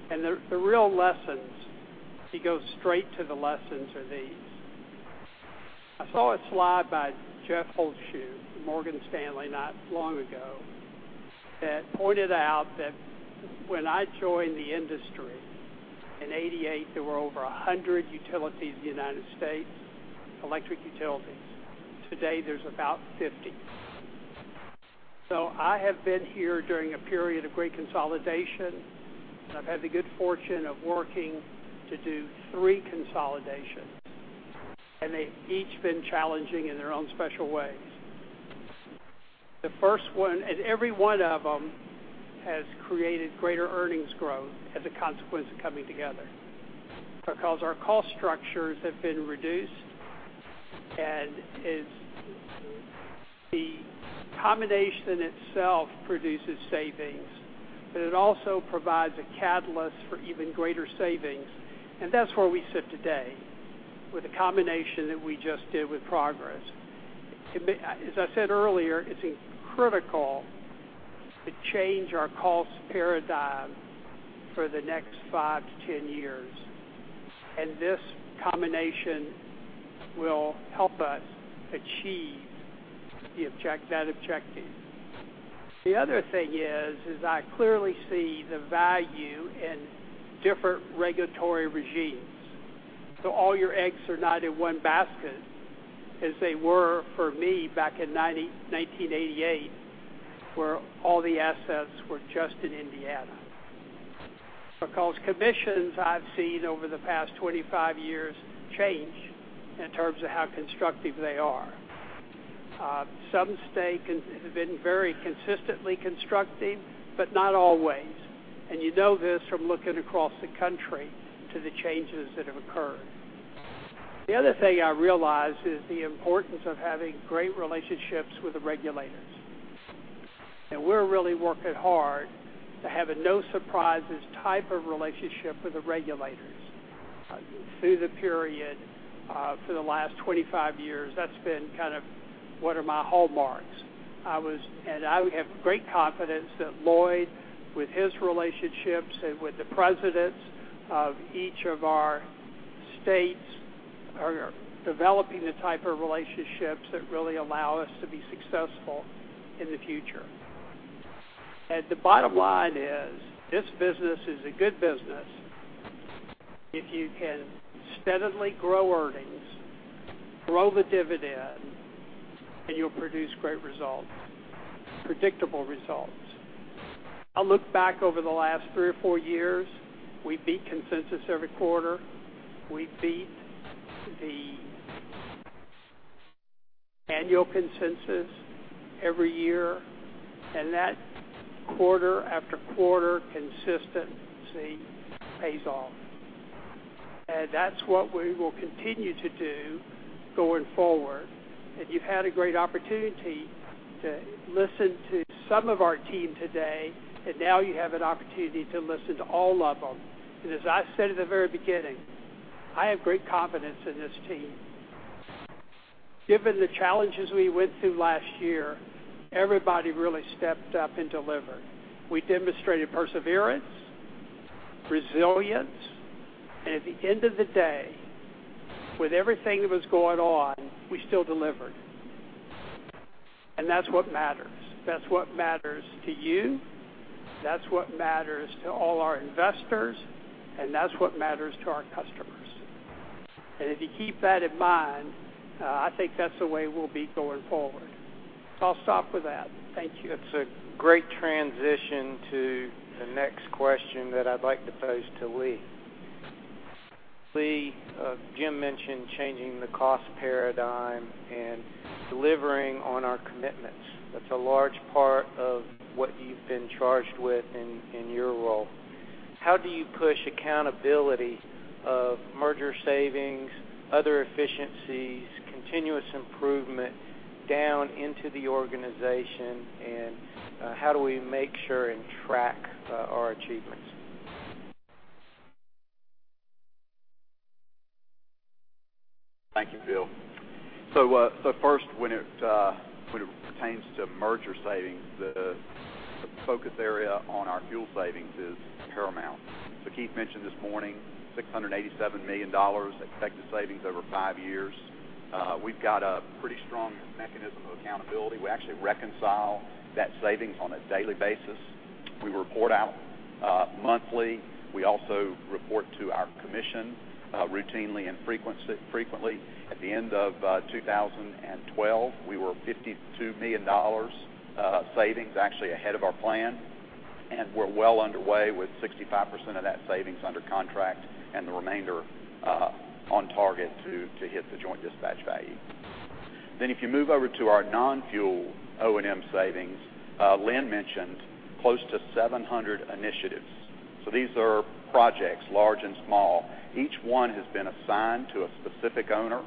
The real lessons, to go straight to the lessons, are these. I saw a slide by Jeff Holdshue from Morgan Stanley not long ago that pointed out that when I joined the industry in 1988, there were over 100 utilities in the U.S., electric utilities. Today, there's about 50. I have been here during a period of great consolidation, and I've had the good fortune of working to do three consolidations, and they've each been challenging in their own special ways. Every one of them has created greater earnings growth as a consequence of coming together because our cost structures have been reduced. The combination itself produces savings, but it also provides a catalyst for even greater savings. That's where we sit today with the combination that we just did with Progress. As I said earlier, it's critical to change our cost paradigm for the next 5 to 10 years. This combination will help us achieve that objective. The other thing is, I clearly see the value in different regulatory regimes. All your eggs are not in one basket as they were for me back in 1988, where all the assets were just in Indiana. Because commissions I've seen over the past 25 years change in terms of how constructive they are. Some states have been very consistently constructive, but not always. You know this from looking across the country to the changes that have occurred. The other thing I realized is the importance of having great relationships with the regulators. We're really working hard to have a no surprises type of relationship with the regulators. Through the period for the last 25 years, that's been one of my hallmarks. I have great confidence that Lloyd, with his relationships and with the presidents of each of our states, are developing the type of relationships that really allow us to be successful in the future. The bottom line is, this business is a good business if you can steadily grow earnings, grow the dividend, and you'll produce great results, predictable results. I look back over the last three or four years, we beat consensus every quarter. We beat the annual consensus every year, and that quarter after quarter consistency pays off. That's what we will continue to do going forward. You've had a great opportunity to listen to some of our team today, and now you have an opportunity to listen to all of them. As I said at the very beginning, I have great confidence in this team. Given the challenges we went through last year, everybody really stepped up and delivered. We demonstrated perseverance, resilience, and at the end of the day, with everything that was going on, we still delivered. That's what matters. That's what matters to you, that's what matters to all our investors, and that's what matters to our customers. If you keep that in mind, I think that's the way we'll be going forward. I'll stop with that. Thank you. That's a great transition to the next question that I'd like to pose to Lee. Lee, Jim mentioned changing the cost paradigm and delivering on our commitments. That's a large part of what you've been charged with in your role. How do you push accountability of merger savings, other efficiencies, continuous improvement down into the organization, and how do we make sure and track our achievements? Thank you, Bill. First, when it pertains to merger savings, the focus area on our fuel savings is paramount. Keith mentioned this morning, $687 million expected savings over 5 years. We've got a pretty strong mechanism of accountability. We actually reconcile that savings on a daily basis. We report out monthly. We also report to our commission routinely and frequently. At the end of 2012, we were $52 million savings actually ahead of our plan, and we're well underway with 65% of that savings under contract and the remainder on target to hit the joint dispatch value. If you move over to our non-fuel O&M savings, Lynn mentioned close to 700 initiatives. These are projects, large and small. Each one has been assigned to a specific owner.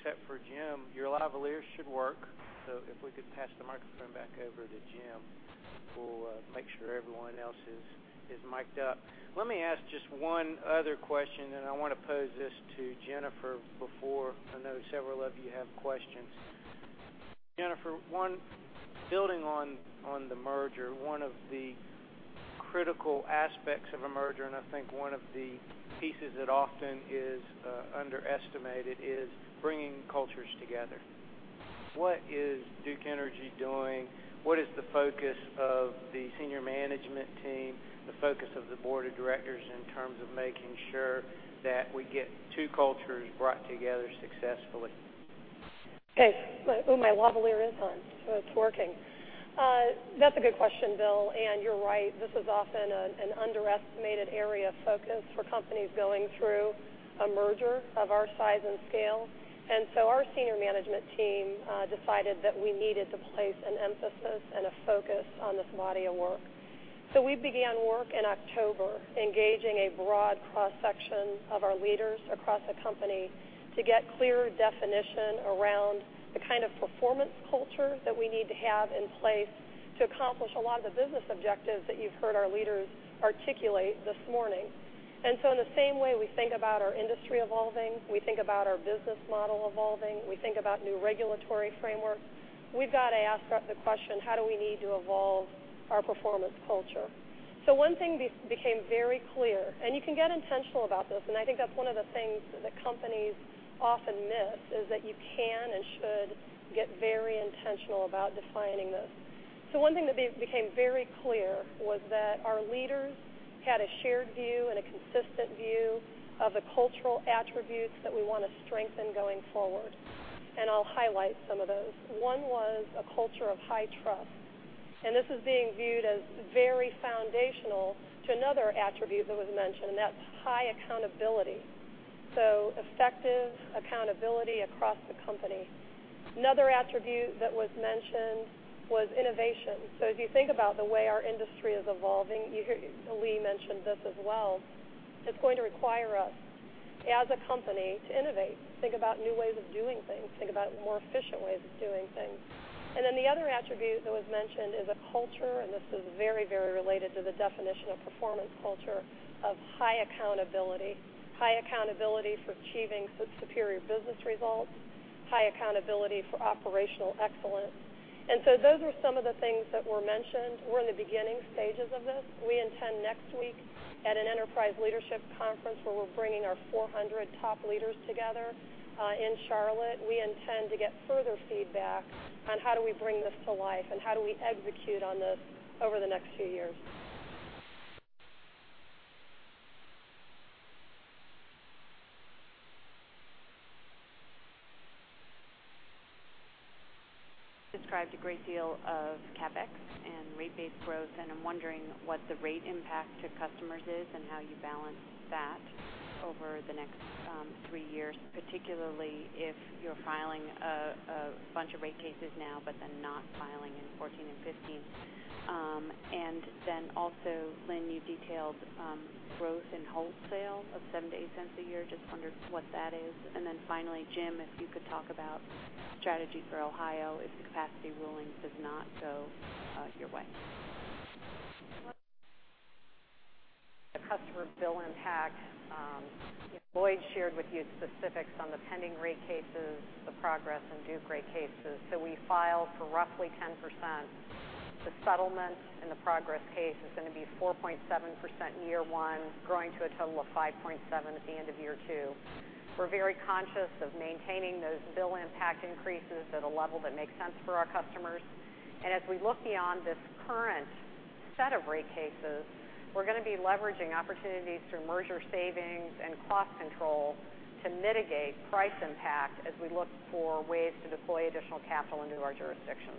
The panel. Unfortunately, except for Jim, your lavalier should work. If we could pass the microphone back over to Jim, we'll make sure everyone else is mic'd up. Let me ask just one other question, and I want to pose this to Jennifer before I know several of you have questions. Jennifer, building on the merger, one of the critical aspects of a merger, and I think one of the pieces that often is underestimated, is bringing cultures together. What is Duke Energy doing? What is the focus of the senior management team, the focus of the board of directors in terms of making sure that we get two cultures brought together successfully? Okay. My lavalier is on, so it's working. That's a good question, Bill, and you're right. This is often an underestimated area of focus for companies going through a merger of our size and scale. Our senior management team decided that we needed to place an emphasis and a focus on this body of work. We began work in October, engaging a broad cross-section of our leaders across the company to get clear definition around the kind of performance culture that we need to have in place to accomplish a lot of the business objectives that you've heard our leaders articulate this morning. In the same way we think about our industry evolving, we think about our business model evolving, we think about new regulatory frameworks, we've got to ask the question: How do we need to evolve our performance culture? One thing became very clear, and you can get intentional about this, and I think that's one of the things that companies often miss, is that you can and should get very intentional about defining this. One thing that became very clear was that our leaders had a shared view and a consistent view of the cultural attributes that we want to strengthen going forward. I'll highlight some of those. One was a culture of high trust, and this is being viewed as very foundational to another attribute that was mentioned, and that's high accountability. Effective accountability across the company. Another attribute that was mentioned was innovation. If you think about the way our industry is evolving, Lee mentioned this as well. It's going to require us as a company to innovate, think about new ways of doing things, think about more efficient ways of doing things. The other attribute that was mentioned is a culture, and this is very related to the definition of performance culture, of high accountability. High accountability for achieving superior business results, high accountability for operational excellence. Those were some of the things that were mentioned. We're in the beginning stages of this. We intend next week at an enterprise leadership conference where we're bringing our 400 top leaders together in Charlotte. We intend to get further feedback on how do we bring this to life and how do we execute on this over the next few years. Described a great deal of CapEx and rate-based growth, I'm wondering what the rate impact to customers is and how you balance that Over the next three years, particularly if you're filing a bunch of rate cases now, but then not filing in 2014 and 2015. Lynn, you detailed growth in wholesale of $0.07-$0.08 a year, just wondered what that is. Jim, if you could talk about strategy for Ohio if the capacity ruling does not go your way. The customer bill impact. Lloyd shared with you specifics on the pending rate cases, the progress in Duke rate cases. We filed for roughly 10%. The settlement in the progress case is going to be 4.7% in year one, growing to a total of 5.7% at the end of year two. We're very conscious of maintaining those bill impact increases at a level that makes sense for our customers. As we look beyond this current set of rate cases, we're going to be leveraging opportunities through merger savings and cost control to mitigate price impact as we look for ways to deploy additional capital into our jurisdictions.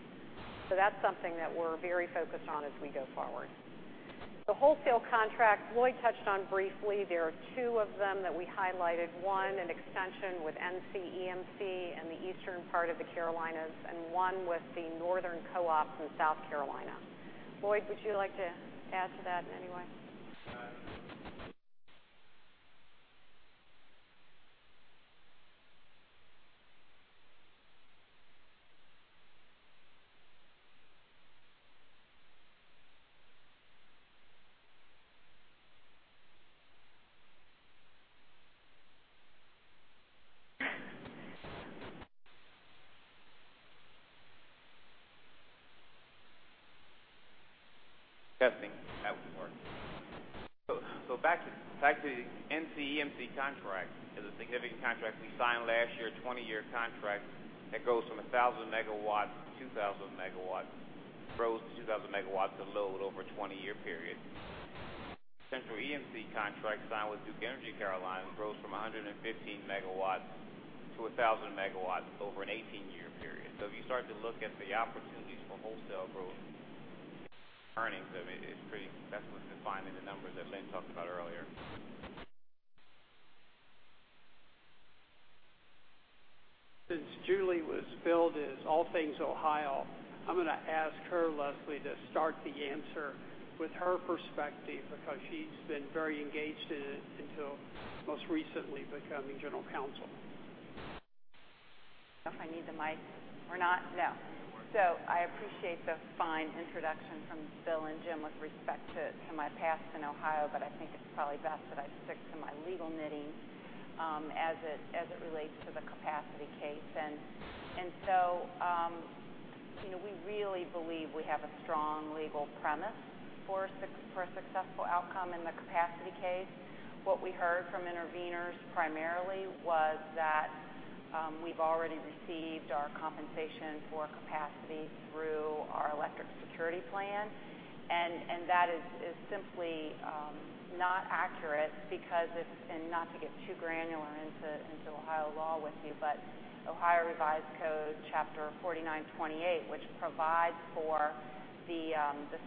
That's something that we're very focused on as we go forward. The wholesale contract Lloyd touched on briefly, there are two of them that we highlighted. One, an extension with NCEMC in the eastern part of the Carolinas, and one with the Northern Co-op in South Carolina. Lloyd, would you like to add to that in any way? Testing. That wasn't working. Back to the NCEMC contract. It's a significant contract we signed last year, 20-year contract that goes from 1,000 megawatts to 2,000 megawatts. Grows to 2,000 megawatts of load over a 20-year period. Central EMC contract signed with Duke Energy Carolinas grows from 115 megawatts to 1,000 megawatts over an 18-year period. If you start to look at the opportunities for wholesale growth in earnings, that's what's defined in the numbers that Lynn talked about earlier. Since Julie was billed as all things Ohio, I'm going to ask her, Leslie, to start the answer with her perspective, because she's been very engaged in it until most recently becoming general counsel. Don't know if I need the mic or not. No. You're working. I appreciate the fine introduction from Bill and Jim with respect to my past in Ohio, but I think it's probably best that I stick to my legal knitting as it relates to the capacity case. What we heard from interveners primarily was that we've already received our compensation for capacity through our electric security plan, and that is simply not accurate because, and not to get too granular into Ohio law with you, but Ohio Revised Code Chapter 4928, which provides for the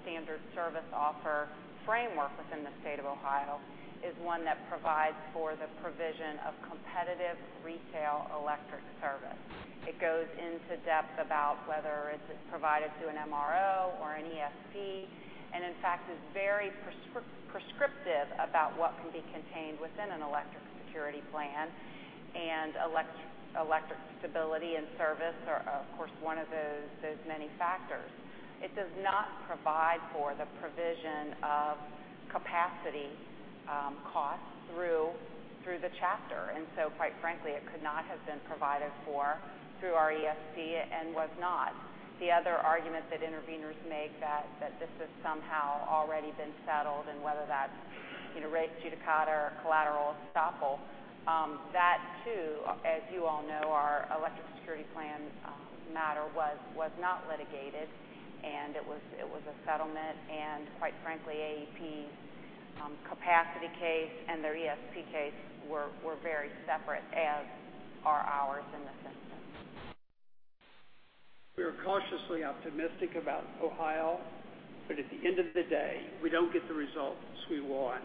standard service offer framework within the state of Ohio, is one that provides for the provision of competitive retail electric service. It goes into depth about whether it's provided through an MRO or an ESP, in fact, is very prescriptive about what can be contained within an Electric Security Plan, and electric stability and service are, of course, one of those many factors. It does not provide for the provision of capacity costs through the chapter. Quite frankly, it could not have been provided for through our ESP and was not. The other argument that interveners make that this has somehow already been settled and whether that's res judicata or collateral estoppel. That too, as you all know, our Electric Security Plan matter was not litigated, and it was a settlement. Quite frankly, AEP capacity case and their ESP case were very separate, as are ours in the system. We are cautiously optimistic about Ohio. At the end of the day, we don't get the results we want,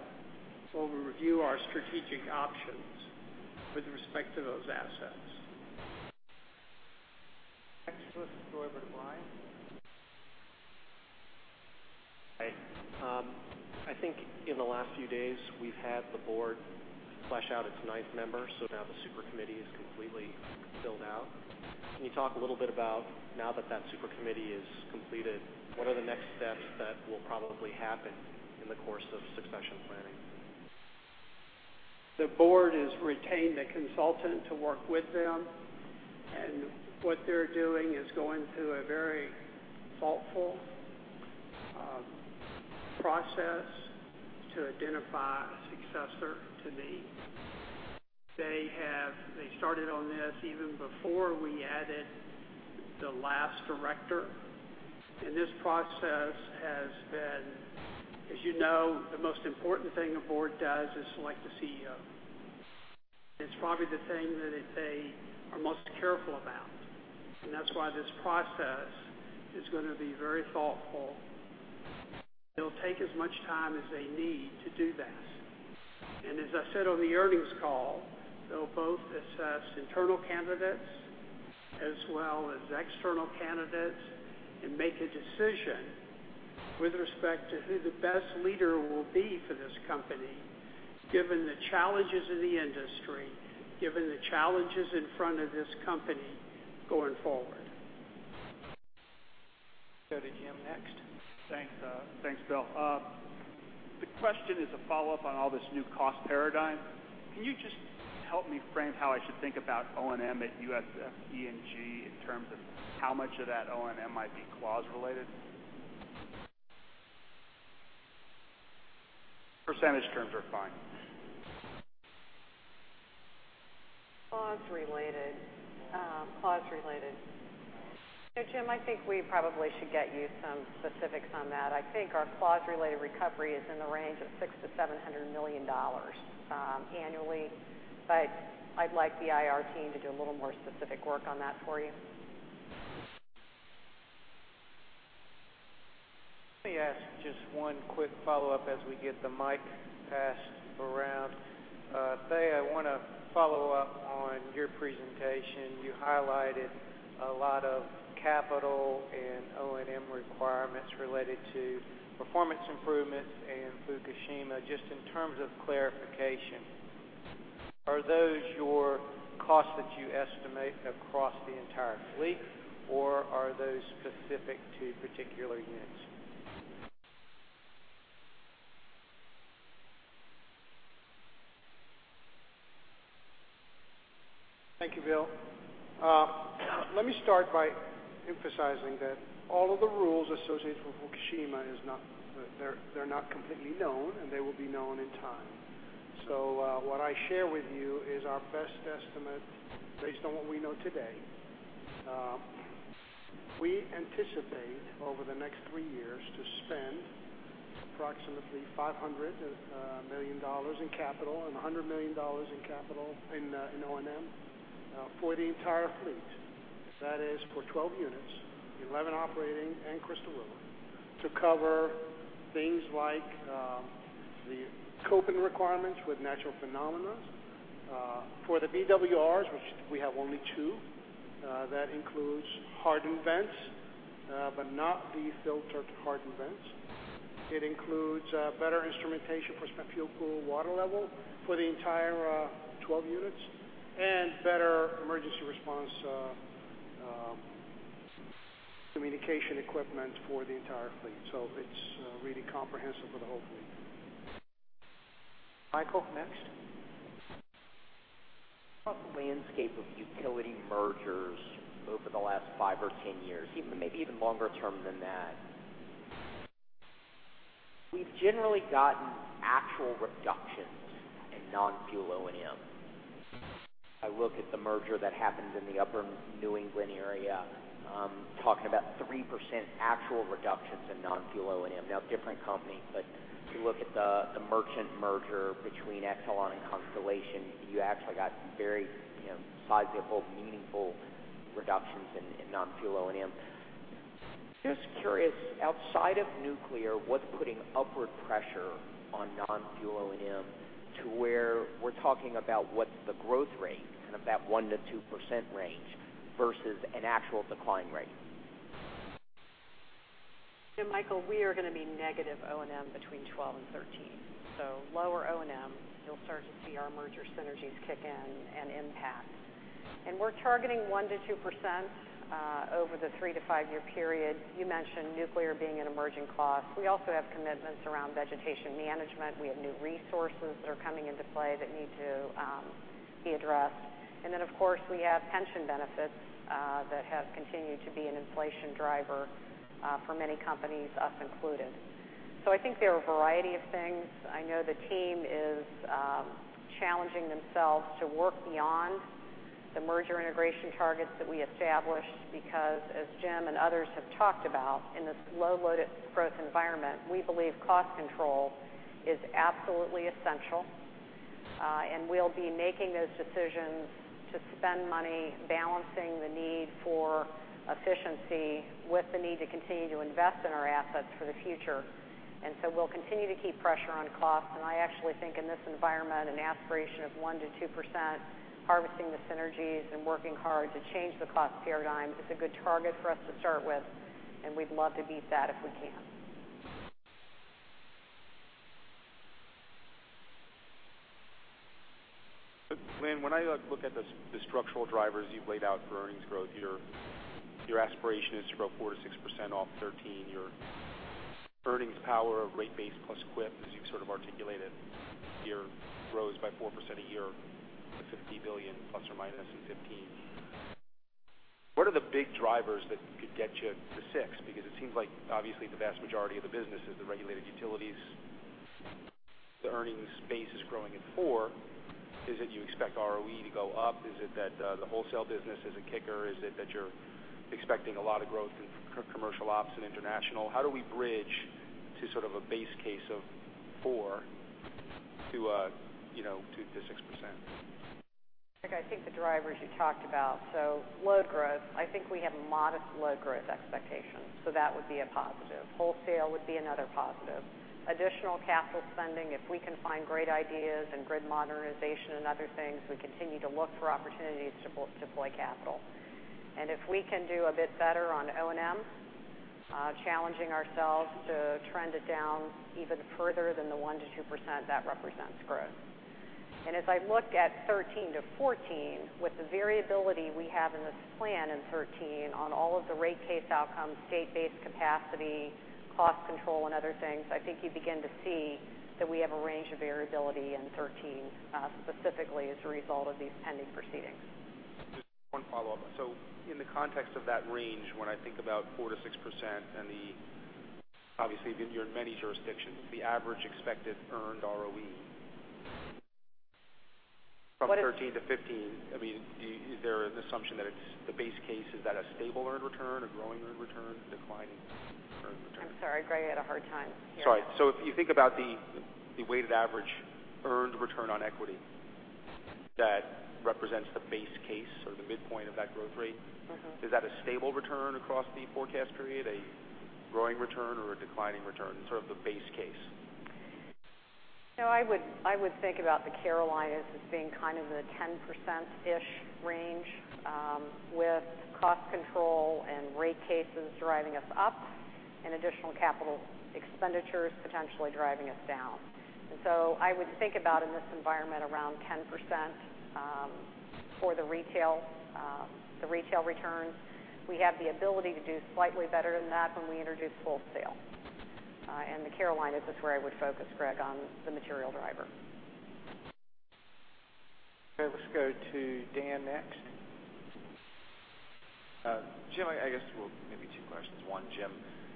we'll review our strategic options with respect to those assets. Next, let's go over to Bly. Hi. I think in the last few days we've had the board flesh out its ninth member. Now the super committee is completely filled out. Can you talk a little bit about now that that super committee is completed, what are the next steps that will probably happen in the course of succession planning? The board has retained a consultant to work with them. What they're doing is going through a very thoughtful process to identify a successor to me. They started on this even before we added the last director. This process has been, as you know, the most important thing a board does is select a CEO. It's probably the thing that they are most careful about, and that's why this process is going to be very thoughtful. They'll take as much time as they need to do that. As I said on the earnings call, they'll both assess internal candidates as well as external candidates and make a decision with respect to who the best leader will be for this company, given the challenges in the industry, given the challenges in front of this company going forward. Go to Jim next. Thanks, Bill. The question is a follow-up on all this new cost paradigm. Can you just help me frame how I should think about O&M at USFE&G in terms of how much of that O&M might be clause related? Percentage terms are fine. Clause related. Jim, I think we probably should get you some specifics on that. I think our clause-related recovery is in the range of $600 million-$700 million annually. I'd like the IR team to do a little more specific work on that for you. Let me ask just one quick follow-up as we get the mic passed around. Fay, I want to follow up on your presentation. You highlighted a lot of capital and O&M requirements related to performance improvements and Fukushima. Just in terms of clarification, are those your costs that you estimate across the entire fleet, or are those specific to particular units? Thank you, Bill. Let me start by emphasizing that all of the rules associated with Fukushima, they're not completely known, and they will be known in time. What I share with you is our best estimate based on what we know today. We anticipate over the next 3 years to spend approximately $500 million in capital and $100 million in O&M for the entire fleet. That is for 12 units, 11 operating and Crystal River, to cover things like the scoping requirements with natural phenomena. For the BWRs, which we have only two, that includes hardened vents but not the filtered hardened vents. It includes better instrumentation for spent fuel pool water level for the entire 12 units and better emergency response communication equipment for the entire fleet. It's really comprehensive for the whole fleet. Michael, next. About the landscape of utility mergers over the last 5 or 10 years, maybe even longer term than that, we've generally gotten actual reductions in non-fuel O&M. I look at the merger that happened in the upper New England area, talking about 3% actual reductions in non-fuel O&M. Different company, but if you look at the merchant merger between Exelon and Constellation, you actually got very sizable, meaningful reductions in non-fuel O&M. Just curious, outside of nuclear, what's putting upward pressure on non-fuel O&M to where we're talking about what the growth rate, kind of that 1% to 2% range, versus an actual decline rate? Michael, we are going to be negative O&M between 2012 and 2013. Lower O&M, you'll start to see our merger synergies kick in and impact. We're targeting 1% to 2% over the 3 to 5-year period. You mentioned nuclear being an emerging cost. We also have commitments around vegetation management. We have new resources that are coming into play that need to be addressed. Of course, we have pension benefits that have continued to be an inflation driver for many companies, us included. I think there are a variety of things. I know the team is challenging themselves to work beyond the merger integration targets that we established because, as Jim and others have talked about, in this low load growth environment, we believe cost control is absolutely essential. We'll be making those decisions to spend money balancing the need for efficiency with the need to continue to invest in our assets for the future. We'll continue to keep pressure on costs. I actually think in this environment, an aspiration of 1%-2%, harvesting the synergies and working hard to change the cost paradigm is a good target for us to start with, and we'd love to beat that if we can. Lynn, when I look at the structural drivers you've laid out for earnings growth, your aspiration is to grow 4%-6% off 2013. Your earnings power of rate base plus equip, as you've articulated, here grows by 4% a year to $50 billion, plus or minus in 2015. What are the big drivers that could get you to 6%? Because it seems like obviously the vast majority of the business is the regulated utilities. The earnings base is growing at 4%. Is it you expect ROE to go up? Is it that the wholesale business is a kicker? Is it that you're expecting a lot of growth in commercial ops and International? How do we bridge to a base case of 4%? To the 6%. Greg, I think the drivers you talked about. Load growth, I think we have modest load growth expectations. That would be a positive. Additional capital spending, if we can find great ideas and grid modernization and other things, we continue to look for opportunities to deploy capital. If we can do a bit better on O&M, challenging ourselves to trend it down even further than the 1%-2%, that represents growth. As I look at 2013 to 2014, with the variability we have in this plan in 2013 on all of the rate case outcomes, state-based capacity, cost control, and other things, I think you begin to see that we have a range of variability in 2013, specifically as a result of these pending proceedings. Just one follow-up. In the context of that range, when I think about 4%-6% and obviously you're in many jurisdictions, the average expected earned ROE. What is- From 2013 to 2015, is there an assumption that the base case, is that a stable earned return, a growing earned return, declining earned return? I'm sorry, Greg, I had a hard time hearing. Sorry. If you think about the weighted average earned return on equity that represents the base case or the midpoint of that growth rate- Is that a stable return across the forecast period, a growing return, or a declining return? Sort of the base case. No, I would think about the Carolinas as being kind of the 10% range, with cost control and rate cases driving us up and additional capital expenditures potentially driving us down. I would think about in this environment around 10% for the retail returns. We have the ability to do slightly better than that when we introduce wholesale. The Carolinas is where I would focus, Greg, on the material driver. Okay, let's go to Dan next. Jim, I guess maybe two questions. One, Jim,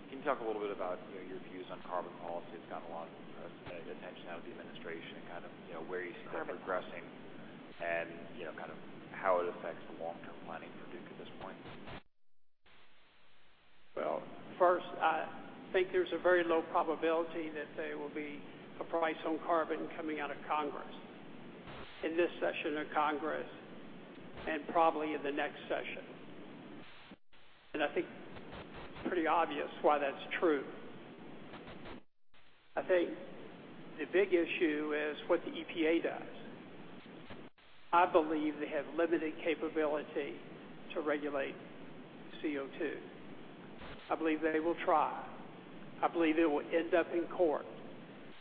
can you talk a little bit about your views on carbon policy? It's gotten a lot of press and attention out of the administration and where you see that progressing and how it affects the long-term planning for Duke at this point. First, I think there's a very low probability that there will be a price on carbon coming out of Congress in this session of Congress, and probably in the next session. I think it's pretty obvious why that's true. I think the big issue is what the EPA does. I believe they have limited capability to regulate CO2. I believe they will try. I believe it will end up in court.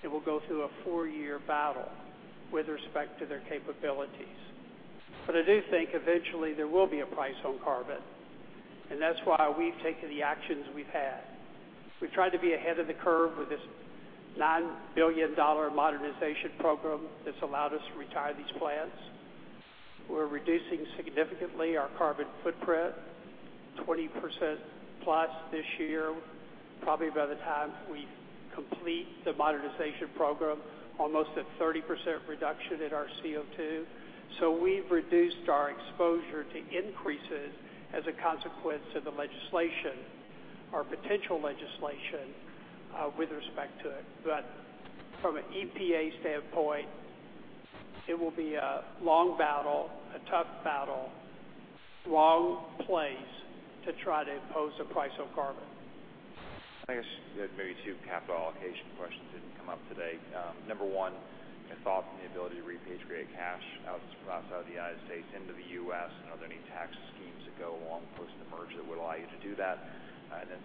It will go through a four-year battle with respect to their capabilities. I do think eventually there will be a price on carbon, and that's why we've taken the actions we've had. We've tried to be ahead of the curve with this $9 billion modernization program that's allowed us to retire these plants. We're reducing significantly our carbon footprint, 20%-plus this year. Probably by the time we complete the modernization program, almost a 30% reduction in our CO2. We've reduced our exposure to increases as a consequence of the legislation or potential legislation with respect to it. From an EPA standpoint, it will be a long battle, a tough battle, long plays to try to impose a price on carbon. I guess maybe two capital allocation questions that didn't come up today. Number 1, your thoughts on the ability to repatriate cash from outside the U.S. into the U.S., are there any tax schemes that go along post the merge that would allow you to do that?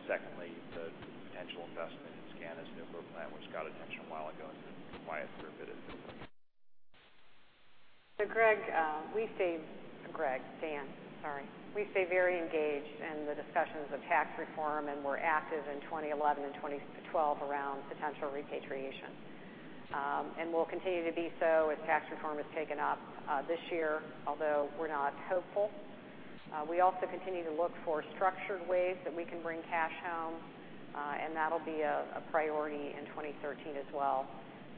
Secondly, the potential investment in SCANA's nuclear plant, which got attention a while ago into why it's pivoted. Greg. Dan, sorry. We stay very engaged in the discussions of tax reform, and we're active in 2011 and 2012 around potential repatriation. We'll continue to be so as tax reform is taken up this year, although we're not hopeful. We also continue to look for structured ways that we can bring cash home, and that'll be a priority in 2013 as well.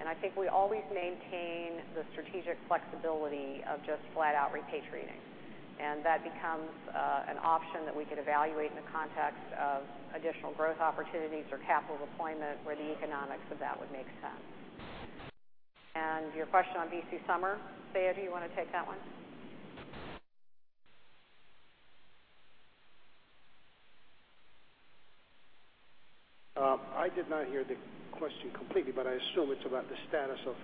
I think we always maintain the strategic flexibility of just flat out repatriating. That becomes an option that we could evaluate in the context of additional growth opportunities or capital deployment where the economics of that would make sense. Your question on VC Summer, Seiya, do you want to take that one? I did not hear the question completely, but I assume it's about the status of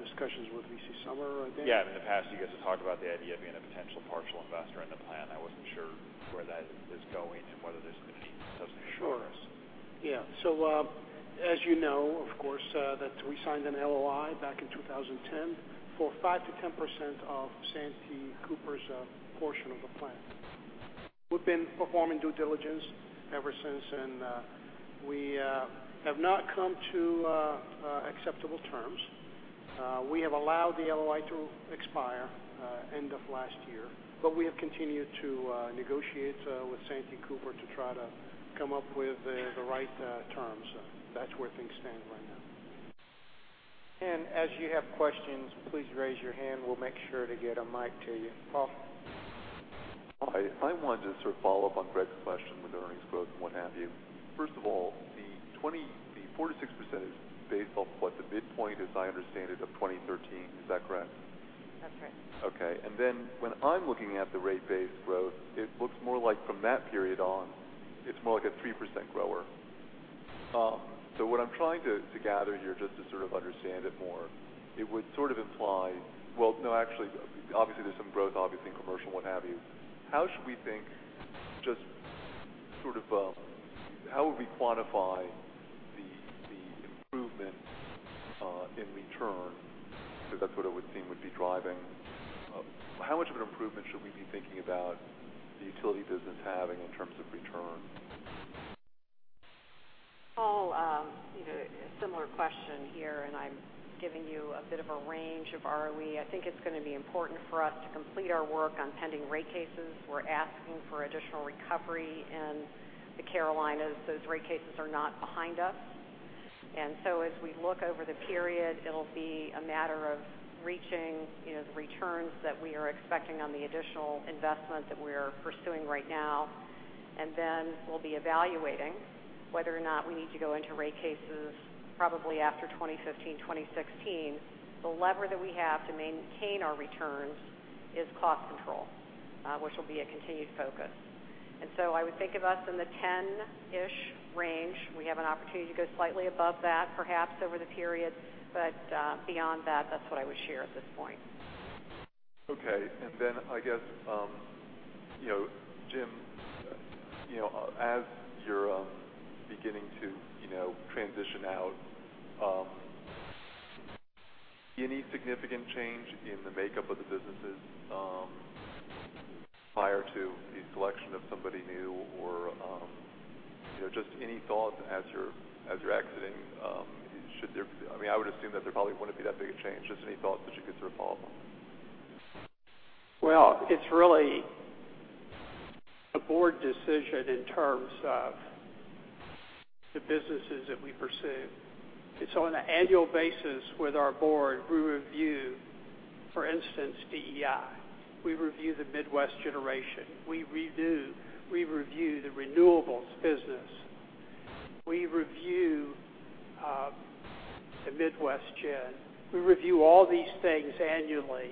discussions with VC Summer, Dan? Yeah. In the past, you guys have talked about the idea of being a potential partial investor in the plant. I wasn't sure where that is going and whether there's been any substantive progress. Sure. Yeah. As you know, of course, that we signed an LOI back in 2010 for 5%-10% of Santee Cooper's portion of the plant. We've been performing due diligence ever since, we have not come to acceptable terms. We have allowed the LOI to expire end of last year, we have continued to negotiate with Santee Cooper to try to come up with the right terms. That's where things stand right now. As you have questions, please raise your hand. We'll make sure to get a mic to you. Paul? I wanted to sort of follow up on Greg's question with the earnings growth and what have you. First of all, the 4%-6% is based off what the midpoint, as I understand it, of 2013. Is that correct? That's right. Okay. When I'm looking at the rate base growth, it looks more like from that period on, it's more like a 3% grower. What I'm trying to gather here, just to sort of understand it more, it would sort of imply Well, no, actually, obviously, there's some growth, obviously, in commercial and what have you. How should we think, how would we quantify the improvement in return? Because that's what it would seem would be driving. How much of an improvement should we be thinking about the utility business having in terms of return? Paul, a similar question here, and I'm giving you a bit of a range of ROE. I think it's going to be important for us to complete our work on pending rate cases. We're asking for additional recovery in the Carolinas. Those rate cases are not behind us. As we look over the period, it'll be a matter of reaching the returns that we are expecting on the additional investment that we're pursuing right now, and then we'll be evaluating whether or not we need to go into rate cases probably after 2015, 2016. The lever that we have to maintain our returns is cost control, which will be a continued focus. I would think of us in the 10-ish range. We have an opportunity to go slightly above that, perhaps over the period. Beyond that's what I would share at this point. Okay. I guess, Jim, as you're beginning to transition out, any significant change in the makeup of the businesses prior to the selection of somebody new or just any thoughts as you're exiting? I would assume that there probably wouldn't be that big a change. Just any thoughts that you could sort of follow up on? Well, it's really a board decision in terms of the businesses that we pursue. It's on an annual basis with our board. We review, for instance, DEI. We review the Midwest Generation. We review the renewables business. We review the Midwest gen. We review all these things annually,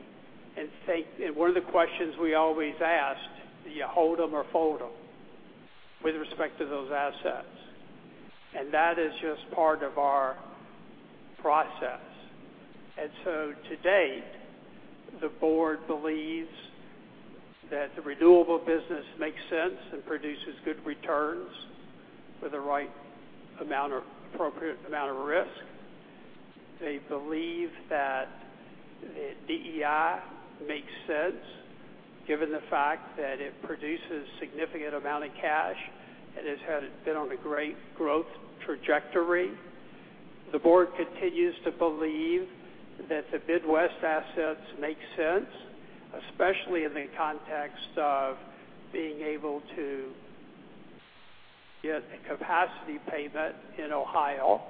one of the questions we always ask, do you hold them or fold them with respect to those assets? To date, the board believes that the renewable business makes sense and produces good returns with the right appropriate amount of risk. They believe that DEI makes sense given the fact that it produces significant amount of cash and has been on a great growth trajectory. The board continues to believe that the Midwest assets make sense, especially in the context of being able to get a capacity payment in Ohio.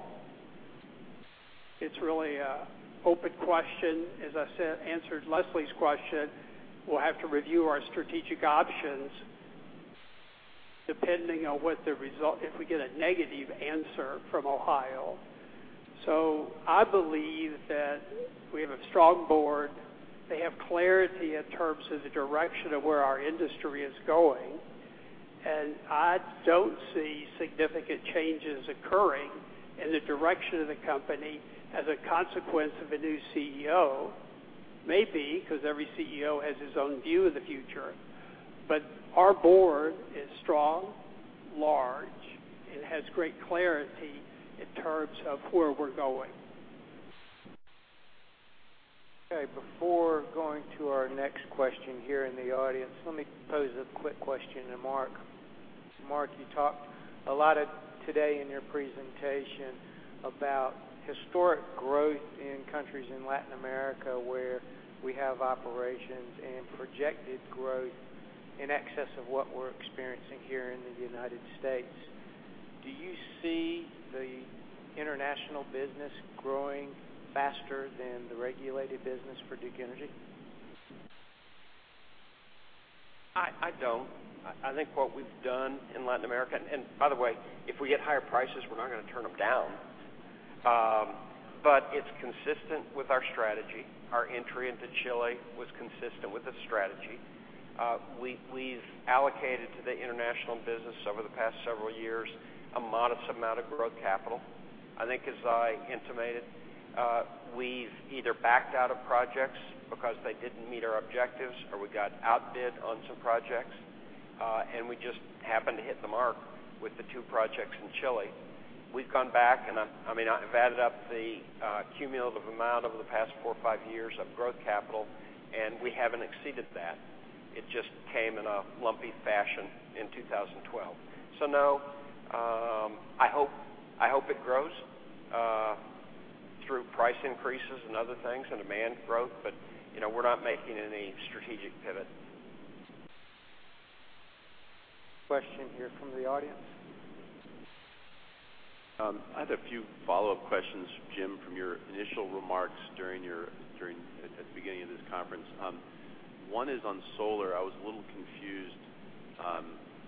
It's really an open question. As I answered Leslie's question, we'll have to review our strategic options depending on if we get a negative answer from Ohio. I believe that we have a strong board. They have clarity in terms of the direction of where our industry is going, I don't see significant changes occurring in the direction of the company as a consequence of a new CEO. Maybe, because every CEO has his own view of the future. Our board is strong, large, and has great clarity in terms of where we're going. Okay, before going to our next question here in the audience, let me pose a quick question to Mark. Mark, you talked a lot today in your presentation about historic growth in countries in Latin America where we have operations and projected growth in excess of what we're experiencing here in the United States. Do you see the international business growing faster than the regulated business for Duke Energy? I don't. I think what we've done in Latin America. By the way, if we get higher prices, we're not going to turn them down. It's consistent with our strategy. Our entry into Chile was consistent with the strategy. We've allocated to the international business over the past several years a modest amount of growth capital. I think as I intimated, we've either backed out of projects because they didn't meet our objectives, or we got outbid on some projects. We just happened to hit the mark with the two projects in Chile. We've gone back and I've added up the cumulative amount over the past four or five years of growth capital, and we haven't exceeded that. It just came in a lumpy fashion in 2012. No. I hope it grows through price increases and other things and demand growth, but we're not making any strategic pivot. Question here from the audience. I have a few follow-up questions, Jim, from your initial remarks at the beginning of this conference. One is on solar. I was a little confused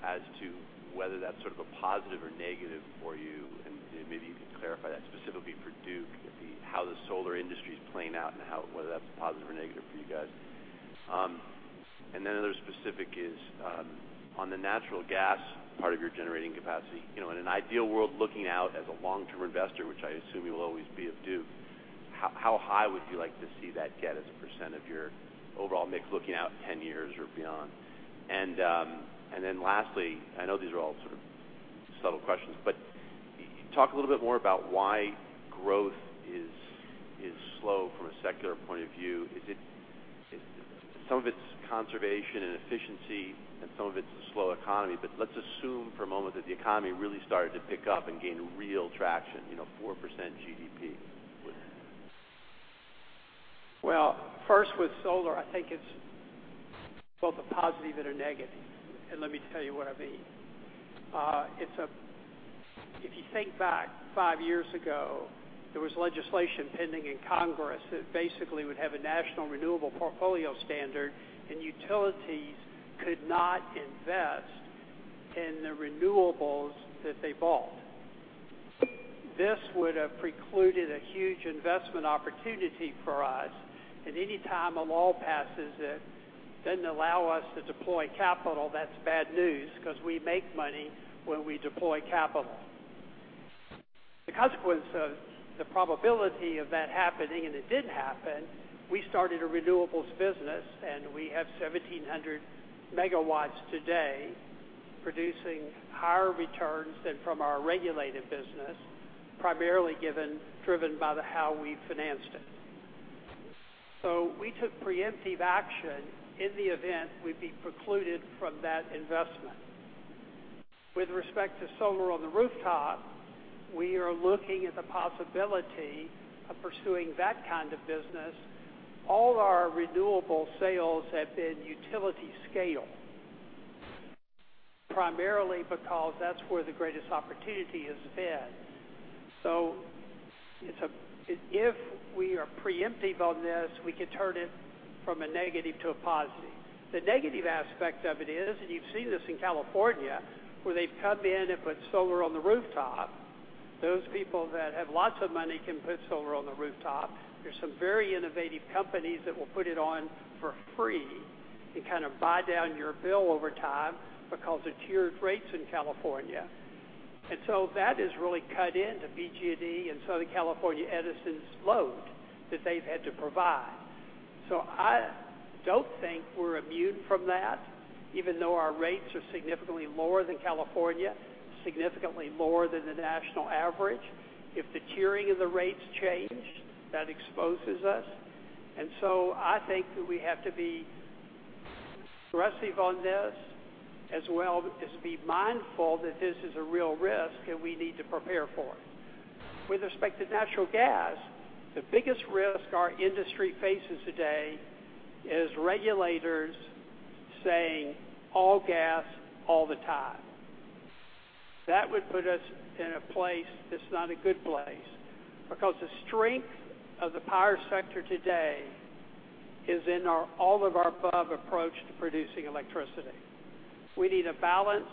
as to whether that's a positive or negative for you, and maybe you can clarify that specifically for Duke, how the solar industry is playing out and whether that's a positive or negative for you guys. Another specific is on the natural gas part of your generating capacity. In an ideal world, looking out as a long-term investor, which I assume you will always be at Duke, how high would you like to see that get as a percent of your overall mix looking out 10 years or beyond? Lastly, I know these are all subtle questions, but can you talk a little bit more about why growth is slow from a secular point of view? Some of it's conservation and efficiency, some of it's the slow economy, let's assume for a moment that the economy really started to pick up and gain real traction, 4% GDP. Well, first with solar, I think it's both a positive and a negative. Let me tell you what I mean. If you think back five years ago, there was legislation pending in Congress that basically would have a national renewable portfolio standard, utilities could not invest in the renewables that they bought. This would have precluded a huge investment opportunity for us. Any time a law passes that doesn't allow us to deploy capital, that's bad news because we make money when we deploy capital. The consequence of the probability of that happening, and it did happen, we started a renewables business, we have 1,700 megawatts today producing higher returns than from our regulated business, primarily driven by how we financed it. We took preemptive action in the event we'd be precluded from that investment. With respect to solar on the rooftop, we are looking at the possibility of pursuing that kind of business. All our renewable sales have been utility-scale, primarily because that's where the greatest opportunity has been. If we are preemptive on this, we can turn it from a negative to a positive. The negative aspect of it is, you've seen this in California, where they've come in and put solar on the rooftop. Those people that have lots of money can put solar on the rooftop. There's some very innovative companies that will put it on for free to kind of buy down your bill over time because of tiered rates in California. That has really cut into PG&E and Southern California Edison's load that they've had to provide. I don't think we're immune from that, even though our rates are significantly lower than California, significantly lower than the national average. If the tiering of the rates change, that exposes us. I think that we have to be aggressive on this as well as be mindful that this is a real risk, and we need to prepare for it. With respect to natural gas, the biggest risk our industry faces today is regulators saying all gas all the time. That would put us in a place that's not a good place because the strength of the power sector today is in our all-of-the-above approach to producing electricity. We need a balanced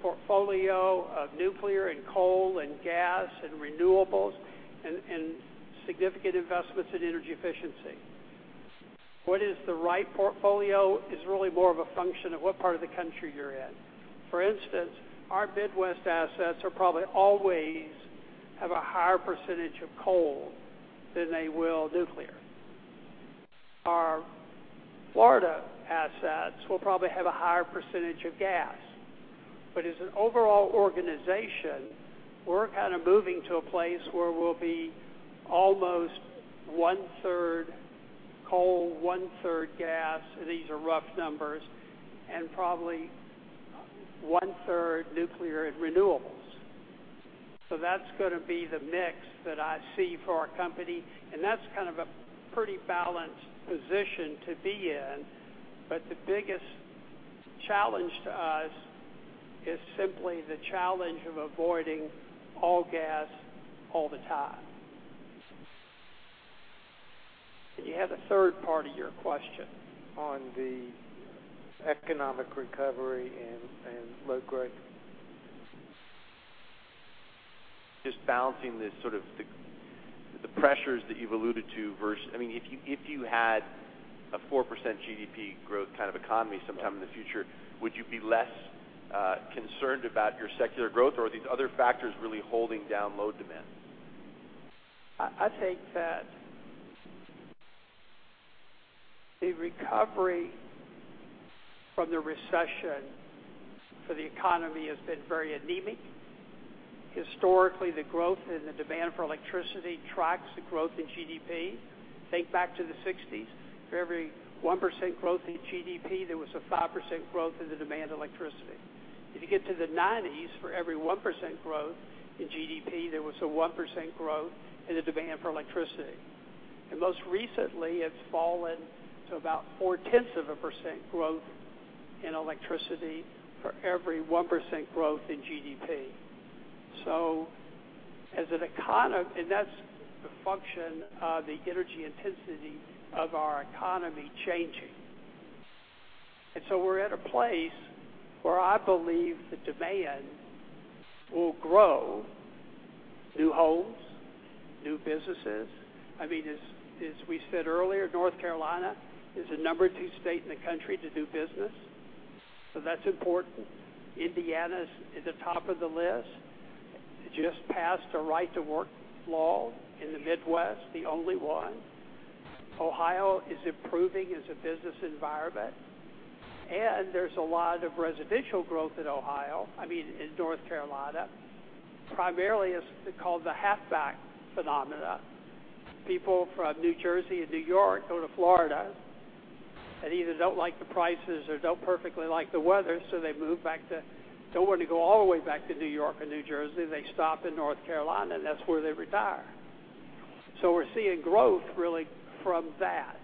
portfolio of nuclear and coal and gas and renewables and significant investments in energy efficiency. What is the right portfolio is really more of a function of what part of the country you're in. As an overall organization, we're moving to a place where we'll be almost one-third coal, one-third gas, these are rough numbers, and probably one-third nuclear and renewables. That's going to be the mix that I see for our company, and that's a pretty balanced position to be in. The biggest challenge to us is simply the challenge of avoiding all gas all the time. Did you have a third part of your question on the economic recovery and load growth? Just balancing the pressures that you've alluded to versus if you had a 4% GDP growth kind of economy sometime in the future, would you be less concerned about your secular growth, or are these other factors really holding down load demand? I think that the recovery from the recession for the economy has been very anemic. Historically, the growth in the demand for electricity tracks the growth in GDP. Think back to the '60s. For every 1% growth in GDP, there was a 5% growth in the demand electricity. If you get to the '90s, for every 1% growth in GDP, there was a 1% growth in the demand for electricity. Most recently, it's fallen to about four-tenths of a percent growth in electricity for every 1% growth in GDP. That's the function of the energy intensity of our economy changing. We're at a place where I believe the demand will grow, new homes, new businesses. As we said earlier, North Carolina is the number two state in the country to do business. That's important. Indiana's at the top of the list. It just passed a right to work law in the Midwest, the only one. Ohio is improving as a business environment, there's a lot of residential growth in North Carolina. Primarily, it's called the halfback phenomena. People from New Jersey and New York go to Florida and either don't like the prices or don't perfectly like the weather, they don't want to go all the way back to New York or New Jersey. They stop in North Carolina, that's where they retire. We're seeing growth really from that.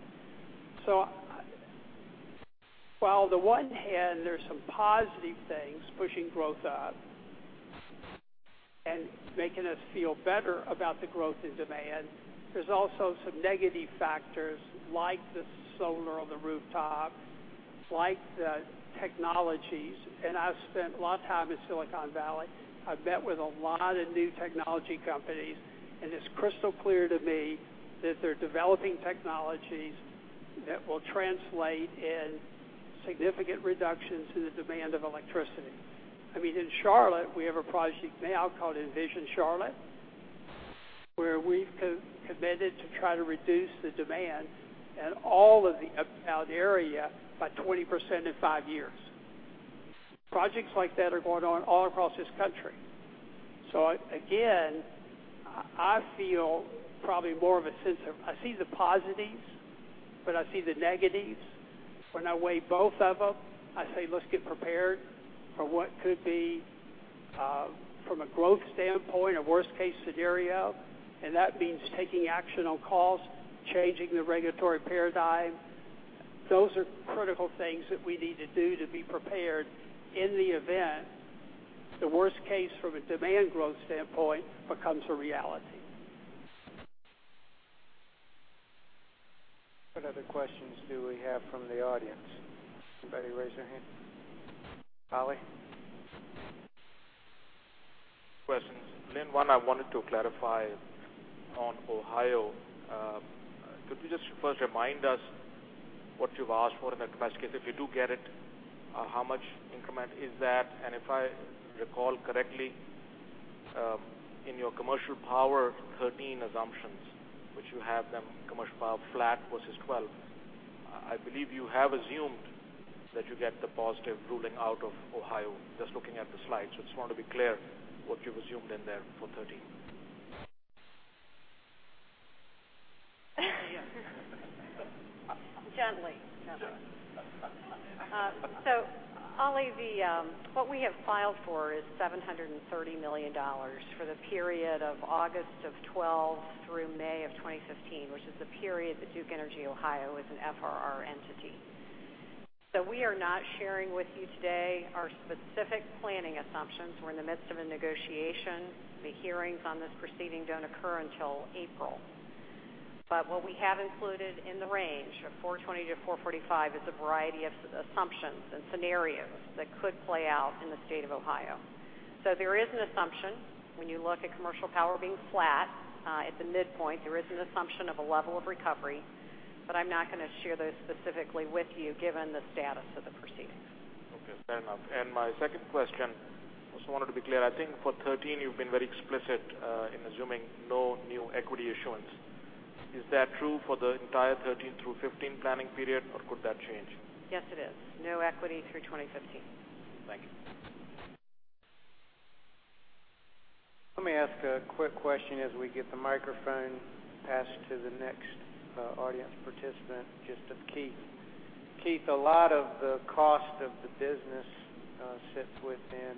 While the one hand there's some positive things pushing growth up and making us feel better about the growth in demand, there's also some negative factors like the solar on the rooftop, like the technologies. I've spent a lot of time in Silicon Valley. I've met with a lot of new technology companies, it's crystal clear to me that they're developing technologies that will translate in significant reductions in the demand of electricity. In Charlotte, we have a project now called Envision Charlotte, where we've committed to try to reduce the demand in all of the uptown area by 20% in five years. Projects like that are going on all across this country. Again, I feel probably more of a sense of, I see the positives, but I see the negatives. When I weigh both of them, I say let's get prepared for what could be from a growth standpoint, a worst-case scenario. That means taking action on cost, changing the regulatory paradigm. Those are critical things that we need to do to be prepared in the event the worst case from a demand growth standpoint becomes a reality. What other questions do we have from the audience? Anybody raise their hand? Ali? Questions. Lynn, one I wanted to clarify on Ohio. Could you just first remind us what you've asked for in that capacity? If you do get it, how much increment is that? If I recall correctly, in your commercial power 2013 assumptions, which you have them commercial power flat versus 2012, I believe you have assumed that you get the positive ruling out of Ohio, just looking at the slides. Just want to be clear what you've assumed in there for 2013. Gently. Sure. Ali, what we have filed for is $730 million for the period of August of 2012 through May of 2015, which is the period that Duke Energy Ohio is an FRR entity. We are not sharing with you today our specific planning assumptions. We're in the midst of a negotiation. The hearings on this proceeding don't occur until April. What we have included in the range of $420-$445 is a variety of assumptions and scenarios that could play out in the state of Ohio. There is an assumption when you look at commercial power being flat at the midpoint. There is an assumption of a level of recovery. I'm not going to share those specifically with you given the status of the proceedings. Okay, fair enough. My second question, just wanted to be clear, I think for 2013 you've been very explicit in assuming no new equity issuance. Is that true for the entire 2013 through 2015 planning period, or could that change? Yes, it is. No equity through 2015. Thank you. Let me ask a quick question as we get the microphone passed to the next audience participant. Just to Keith. Keith, a lot of the cost of the business sits within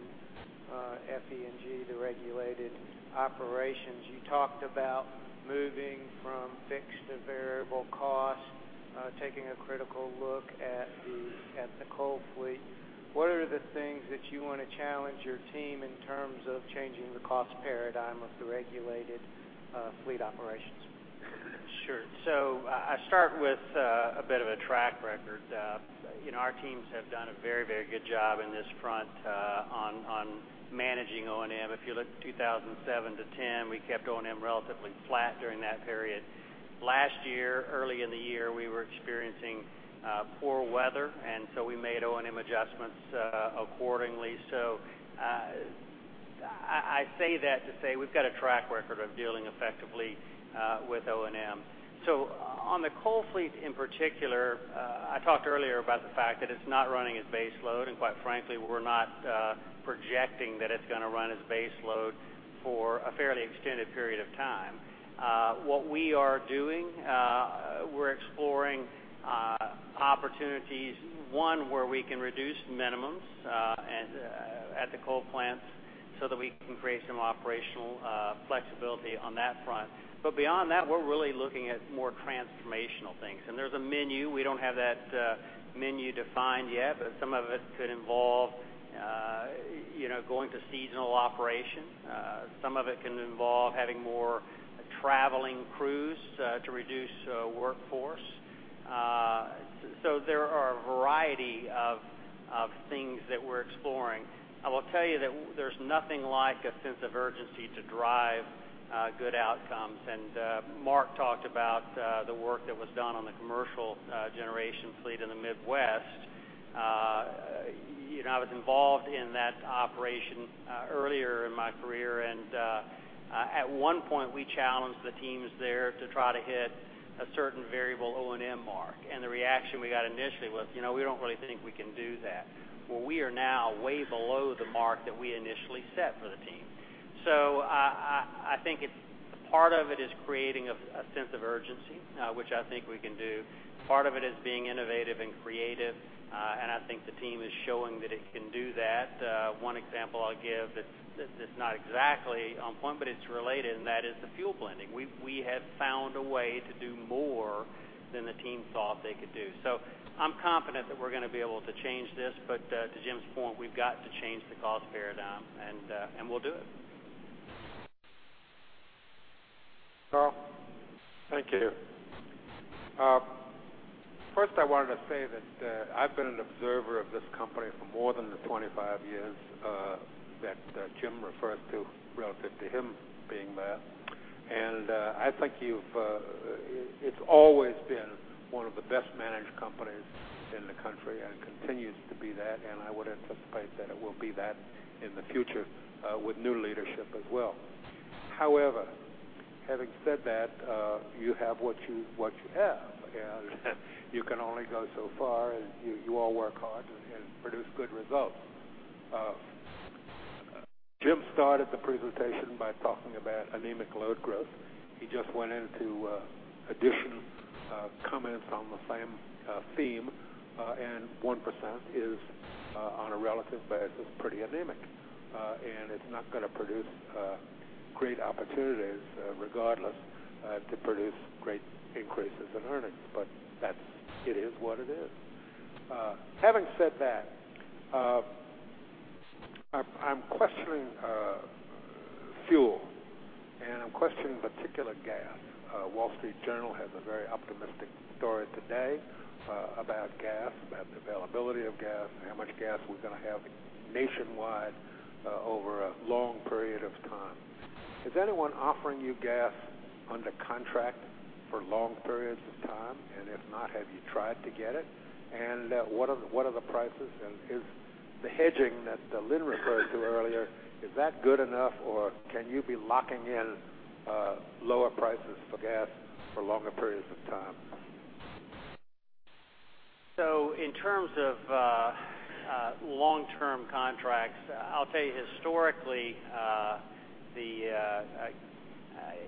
USFE&G, the regulated operations. You talked about moving from fixed to variable cost, taking a critical look at the coal fleet. What are the things that you want to challenge your team in terms of changing the cost paradigm of the regulated fleet operations? I start with a bit of a track record. Our teams have done a very good job in this front on managing O&M. If you look 2007 to 2010, we kept O&M relatively flat during that period. Last year, early in the year, we were experiencing poor weather, we made O&M adjustments accordingly. I say that to say we've got a track record of dealing effectively with O&M. On the coal fleet in particular, I talked earlier about the fact that it's not running as base load, and quite frankly, we're not projecting that it's going to run as base load for a fairly extended period of time. What we are doing, we're exploring opportunities, one, where we can reduce minimums at the coal plants That we can create some operational flexibility on that front. Beyond that, we're really looking at more transformational things. There's a menu. We don't have that menu defined yet, but some of it could involve going to seasonal operation. Some of it can involve having more traveling crews to reduce workforce. There are a variety of things that we're exploring. I will tell you that there's nothing like a sense of urgency to drive good outcomes. Mark talked about the work that was done on the commercial generation fleet in the Midwest. I was involved in that operation earlier in my career, and at one point, we challenged the teams there to try to hit a certain variable O&M mark. The reaction we got initially was, "We don't really think we can do that." Well, we are now way below the mark that we initially set for the team. I think part of it is creating a sense of urgency, which I think we can do. Part of it is being innovative and creative, and I think the team is showing that it can do that. One example I'll give, it's not exactly on point, but it's related, and that is the fuel blending. We have found a way to do more than the team thought they could do. I'm confident that we're going to be able to change this. To Jim's point, we've got to change the cost paradigm, and we'll do it. Carl? Thank you. First I wanted to say that I've been an observer of this company for more than the 25 years that Jim refers to relative to him being there. I think it's always been one of the best-managed companies in the country and continues to be that, and I would anticipate that it will be that in the future with new leadership as well. However, having said that, you have what you have, you can only go so far, you all work hard and produce good results. Jim started the presentation by talking about anemic load growth. He just went into additional comments on the same theme, 1% is, on a relative basis, pretty anemic. It's not going to produce great opportunities, regardless, to produce great increases in earnings. It is what it is. Having said that, I'm questioning fuel and I'm questioning, in particular, gas. The Wall Street Journal has a very optimistic story today about gas, about the availability of gas, and how much gas we're going to have nationwide over a long period of time. Is anyone offering you gas under contract for long periods of time? If not, have you tried to get it? What are the prices and is the hedging that Lynn referred to earlier, is that good enough, or can you be locking in lower prices for gas for longer periods of time? In terms of long-term contracts, I'll tell you historically, the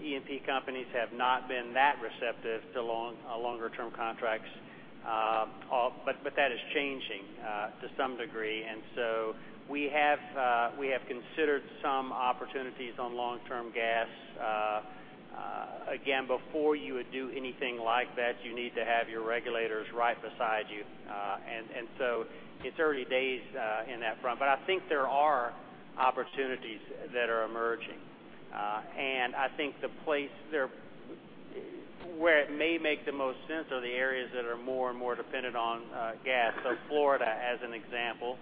E&P companies have not been that receptive to longer-term contracts. That is changing to some degree. We have considered some opportunities on long-term gas. Again, before you would do anything like that, you need to have your regulators right beside you. It's early days in that front, but I think there are opportunities that are emerging. I think the place where it may make the most sense are the areas that are more and more dependent on gas. Florida, as an example,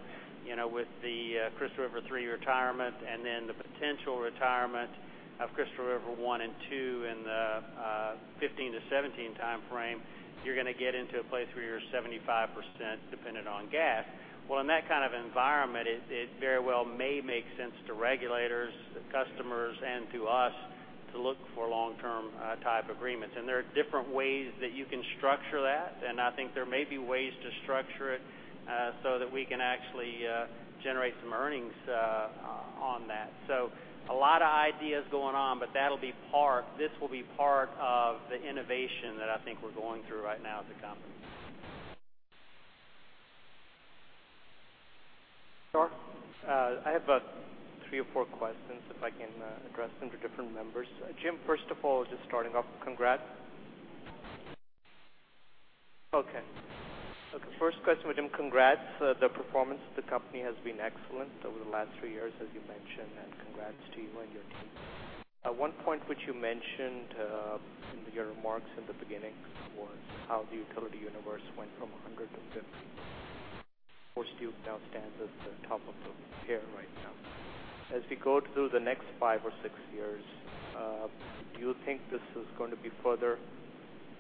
with the Crystal River 3 retirement and then the potential retirement of Crystal River 1 and 2 in the 2015 to 2017 timeframe, you're going to get into a place where you're 75% dependent on gas. In that kind of environment, it very well may make sense to regulators, to customers, and to us to look for long-term type agreements. There are different ways that you can structure that, I think there may be ways to structure it so that we can actually generate some earnings on that. A lot of ideas going on, but this will be part of the innovation that I think we're going through right now as a company. Sure. I have three or four questions if I can address them to different members. Jim, first of all, just starting off, congrats. Okay. First question for Jim. Congrats. The performance of the company has been excellent over the last three years, as you mentioned, and congrats to you and your team. One point which you mentioned in your remarks in the beginning was how the utility universe went from 100 to 50. Of course, Duke now stands at the top of the pier right now. As we go through the next five or six years, do you think this is going to be further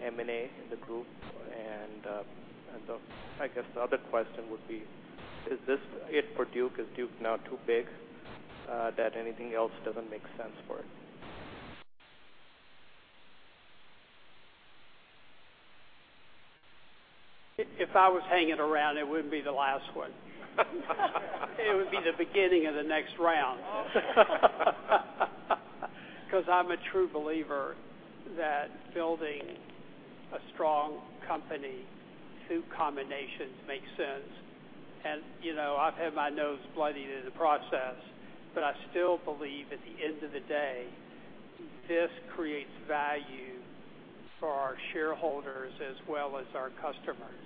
M&A in the group? I guess the other question would be, is this it for Duke? Is Duke now too big that anything else doesn't make sense for it? If I was hanging around, it wouldn't be the last one. It would be the beginning of the next round. I'm a true believer that building a strong company through combinations makes sense. I've had my nose bloodied in the process, but I still believe at the end of the day, this creates value for our shareholders as well as our customers.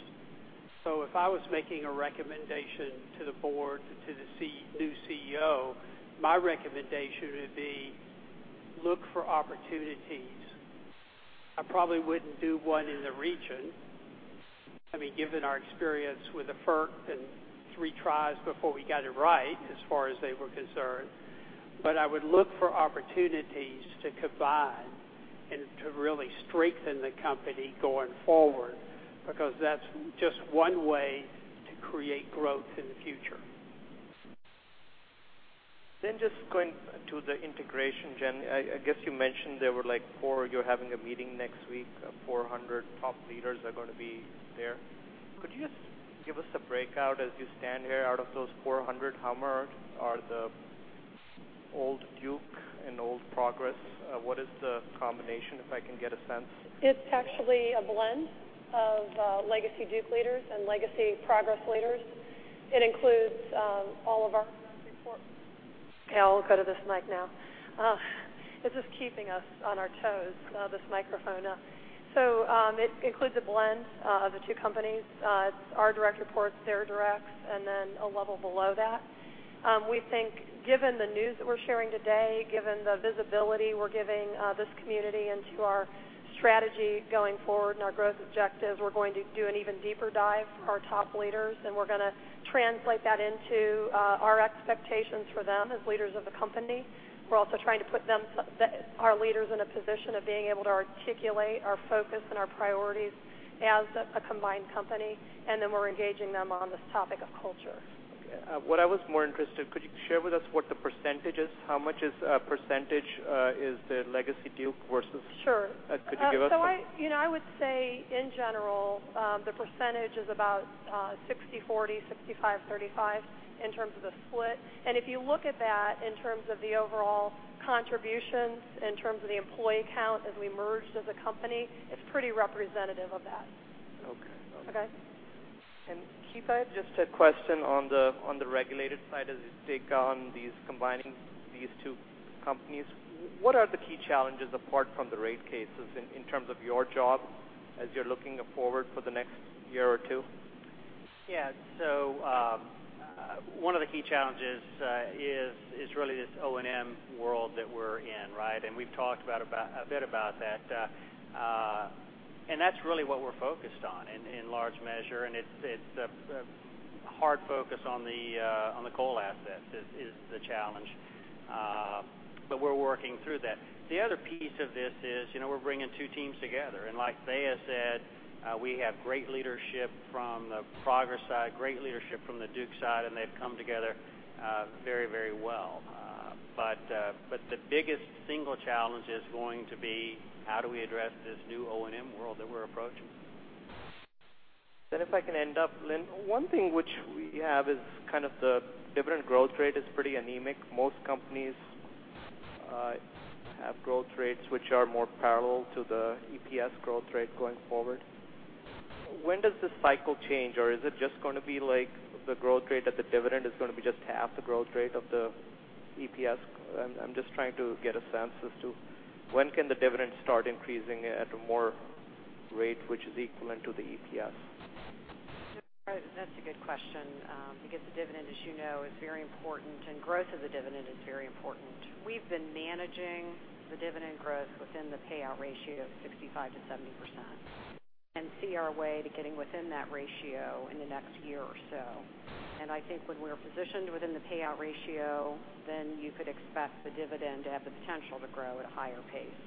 If I was making a recommendation to the board, to the new CEO, my recommendation would be look for opportunities. I probably wouldn't do one in the region. Given our experience with the FERC and three tries before we got it right, as far as they were concerned. I would look for opportunities to combine and to really strengthen the company going forward, because that's just one way to create growth in the future. Just going to the integration, Jen, I guess you mentioned there were like four. You're having a meeting next week, 400 top leaders are going to be there. Could you just give us a breakout as you stand here, out of those 400, how many are the old Duke and old Progress? What is the combination, if I can get a sense? It's actually a blend of legacy Duke leaders and legacy Progress leaders. It includes all of our direct report. Okay, I'll go to this mic now. This is keeping us on our toes, this microphone. It includes a blend of the two companies. It's our direct reports, their directs, and then a level below that. We think given the news that we're sharing today, given the visibility we're giving this community into our strategy going forward and our growth objectives, we're going to do an even deeper dive for our top leaders, and we're going to translate that into our expectations for them as leaders of the company. We're also trying to put our leaders in a position of being able to articulate our focus and our priorities as a combined company, and then we're engaging them on this topic of culture. Okay. What I was more interested, could you share with us what the percentage is? How much percentage is the legacy Duke versus- Sure. Could you give us a- I would say in general, the percentage is about 60/40, 65/35 in terms of the split. If you look at that in terms of the overall contributions, in terms of the employee count as we merged as a company, it's pretty representative of that. Okay. Okay? Keith, I have just a question on the regulated side as you take on combining these two companies. What are the key challenges apart from the rate cases in terms of your job as you're looking forward for the next year or two? Yeah. One of the key challenges is really this O&M world that we're in, right? We've talked a bit about that. That's really what we're focused on in large measure, and it's the hard focus on the coal assets is the challenge. We're working through that. The other piece of this is we're bringing two teams together. And like Dhiaa said, we have great leadership from the Progress side, great leadership from the Duke side, and they've come together very well. The biggest single challenge is going to be how do we address this new O&M world that we're approaching. If I can end up, Lynn, one thing which we have is kind of the dividend growth rate is pretty anemic. Most companies have growth rates which are more parallel to the EPS growth rate going forward. When does this cycle change? Is it just going to be like the growth rate of the dividend is going to be just half the growth rate of the EPS? I'm just trying to get a sense as to when can the dividend start increasing at a more rate which is equivalent to the EPS. That's a good question. The dividend, as you know, is very important and growth of the dividend is very important. We've been managing the dividend growth within the payout ratio of 65%-70% and see our way to getting within that ratio in the next year or so. I think when we're positioned within the payout ratio, then you could expect the dividend to have the potential to grow at a higher pace.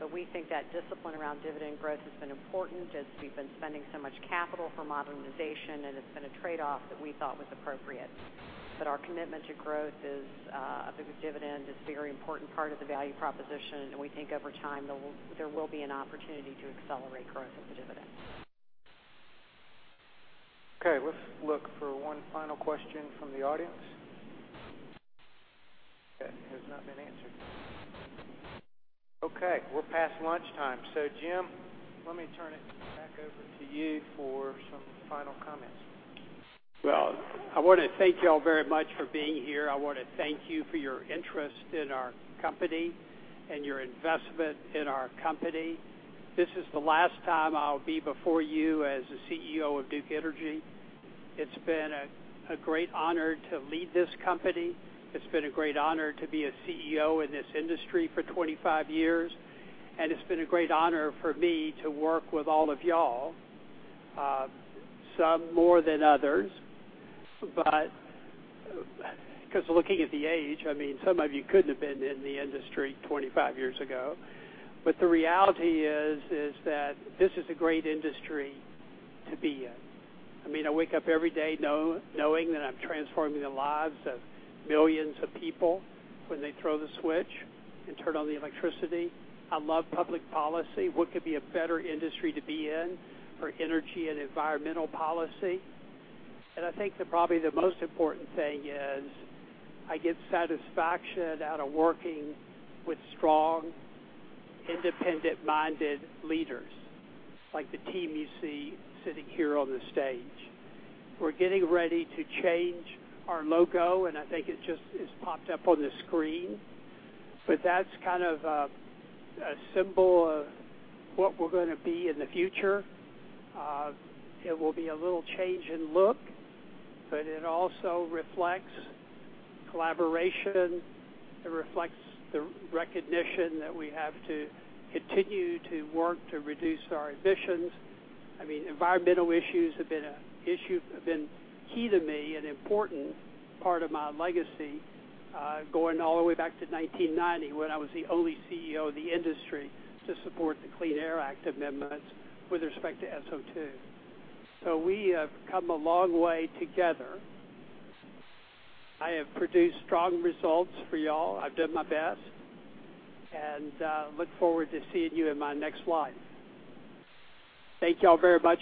We think that discipline around dividend growth has been important as we've been spending so much capital for modernization, and it's been a trade-off that we thought was appropriate. Our commitment to growth of the dividend is a very important part of the value proposition, and we think over time, there will be an opportunity to accelerate growth of the dividend. Let's look for one final question from the audience that has not been answered. We're past lunchtime. Jim, let me turn it back over to you for some final comments. I want to thank you all very much for being here. I want to thank you for your interest in our company and your investment in our company. This is the last time I'll be before you as the CEO of Duke Energy. It's been a great honor to lead this company. It's been a great honor to be a CEO in this industry for 25 years, and it's been a great honor for me to work with all of you all, some more than others. Looking at the age, some of you couldn't have been in the industry 25 years ago. The reality is that this is a great industry to be in. I wake up every day knowing that I'm transforming the lives of millions of people when they throw the switch and turn on the electricity. I love public policy. What could be a better industry to be in for energy and environmental policy? I think that probably the most important thing is I get satisfaction out of working with strong, independent-minded leaders, like the team you see sitting here on the stage. We're getting ready to change our logo. I think it just has popped up on the screen. That's kind of a symbol of what we're going to be in the future. It will be a little change in look. It also reflects collaboration. It reflects the recognition that we have to continue to work to reduce our emissions. Environmental issues have been key to me, an important part of my legacy, going all the way back to 1990 when I was the only CEO in the industry to support the Clean Air Act amendments with respect to SO2. We have come a long way together. I have produced strong results for you all. I've done my best. Look forward to seeing you in my next life. Thank you all very much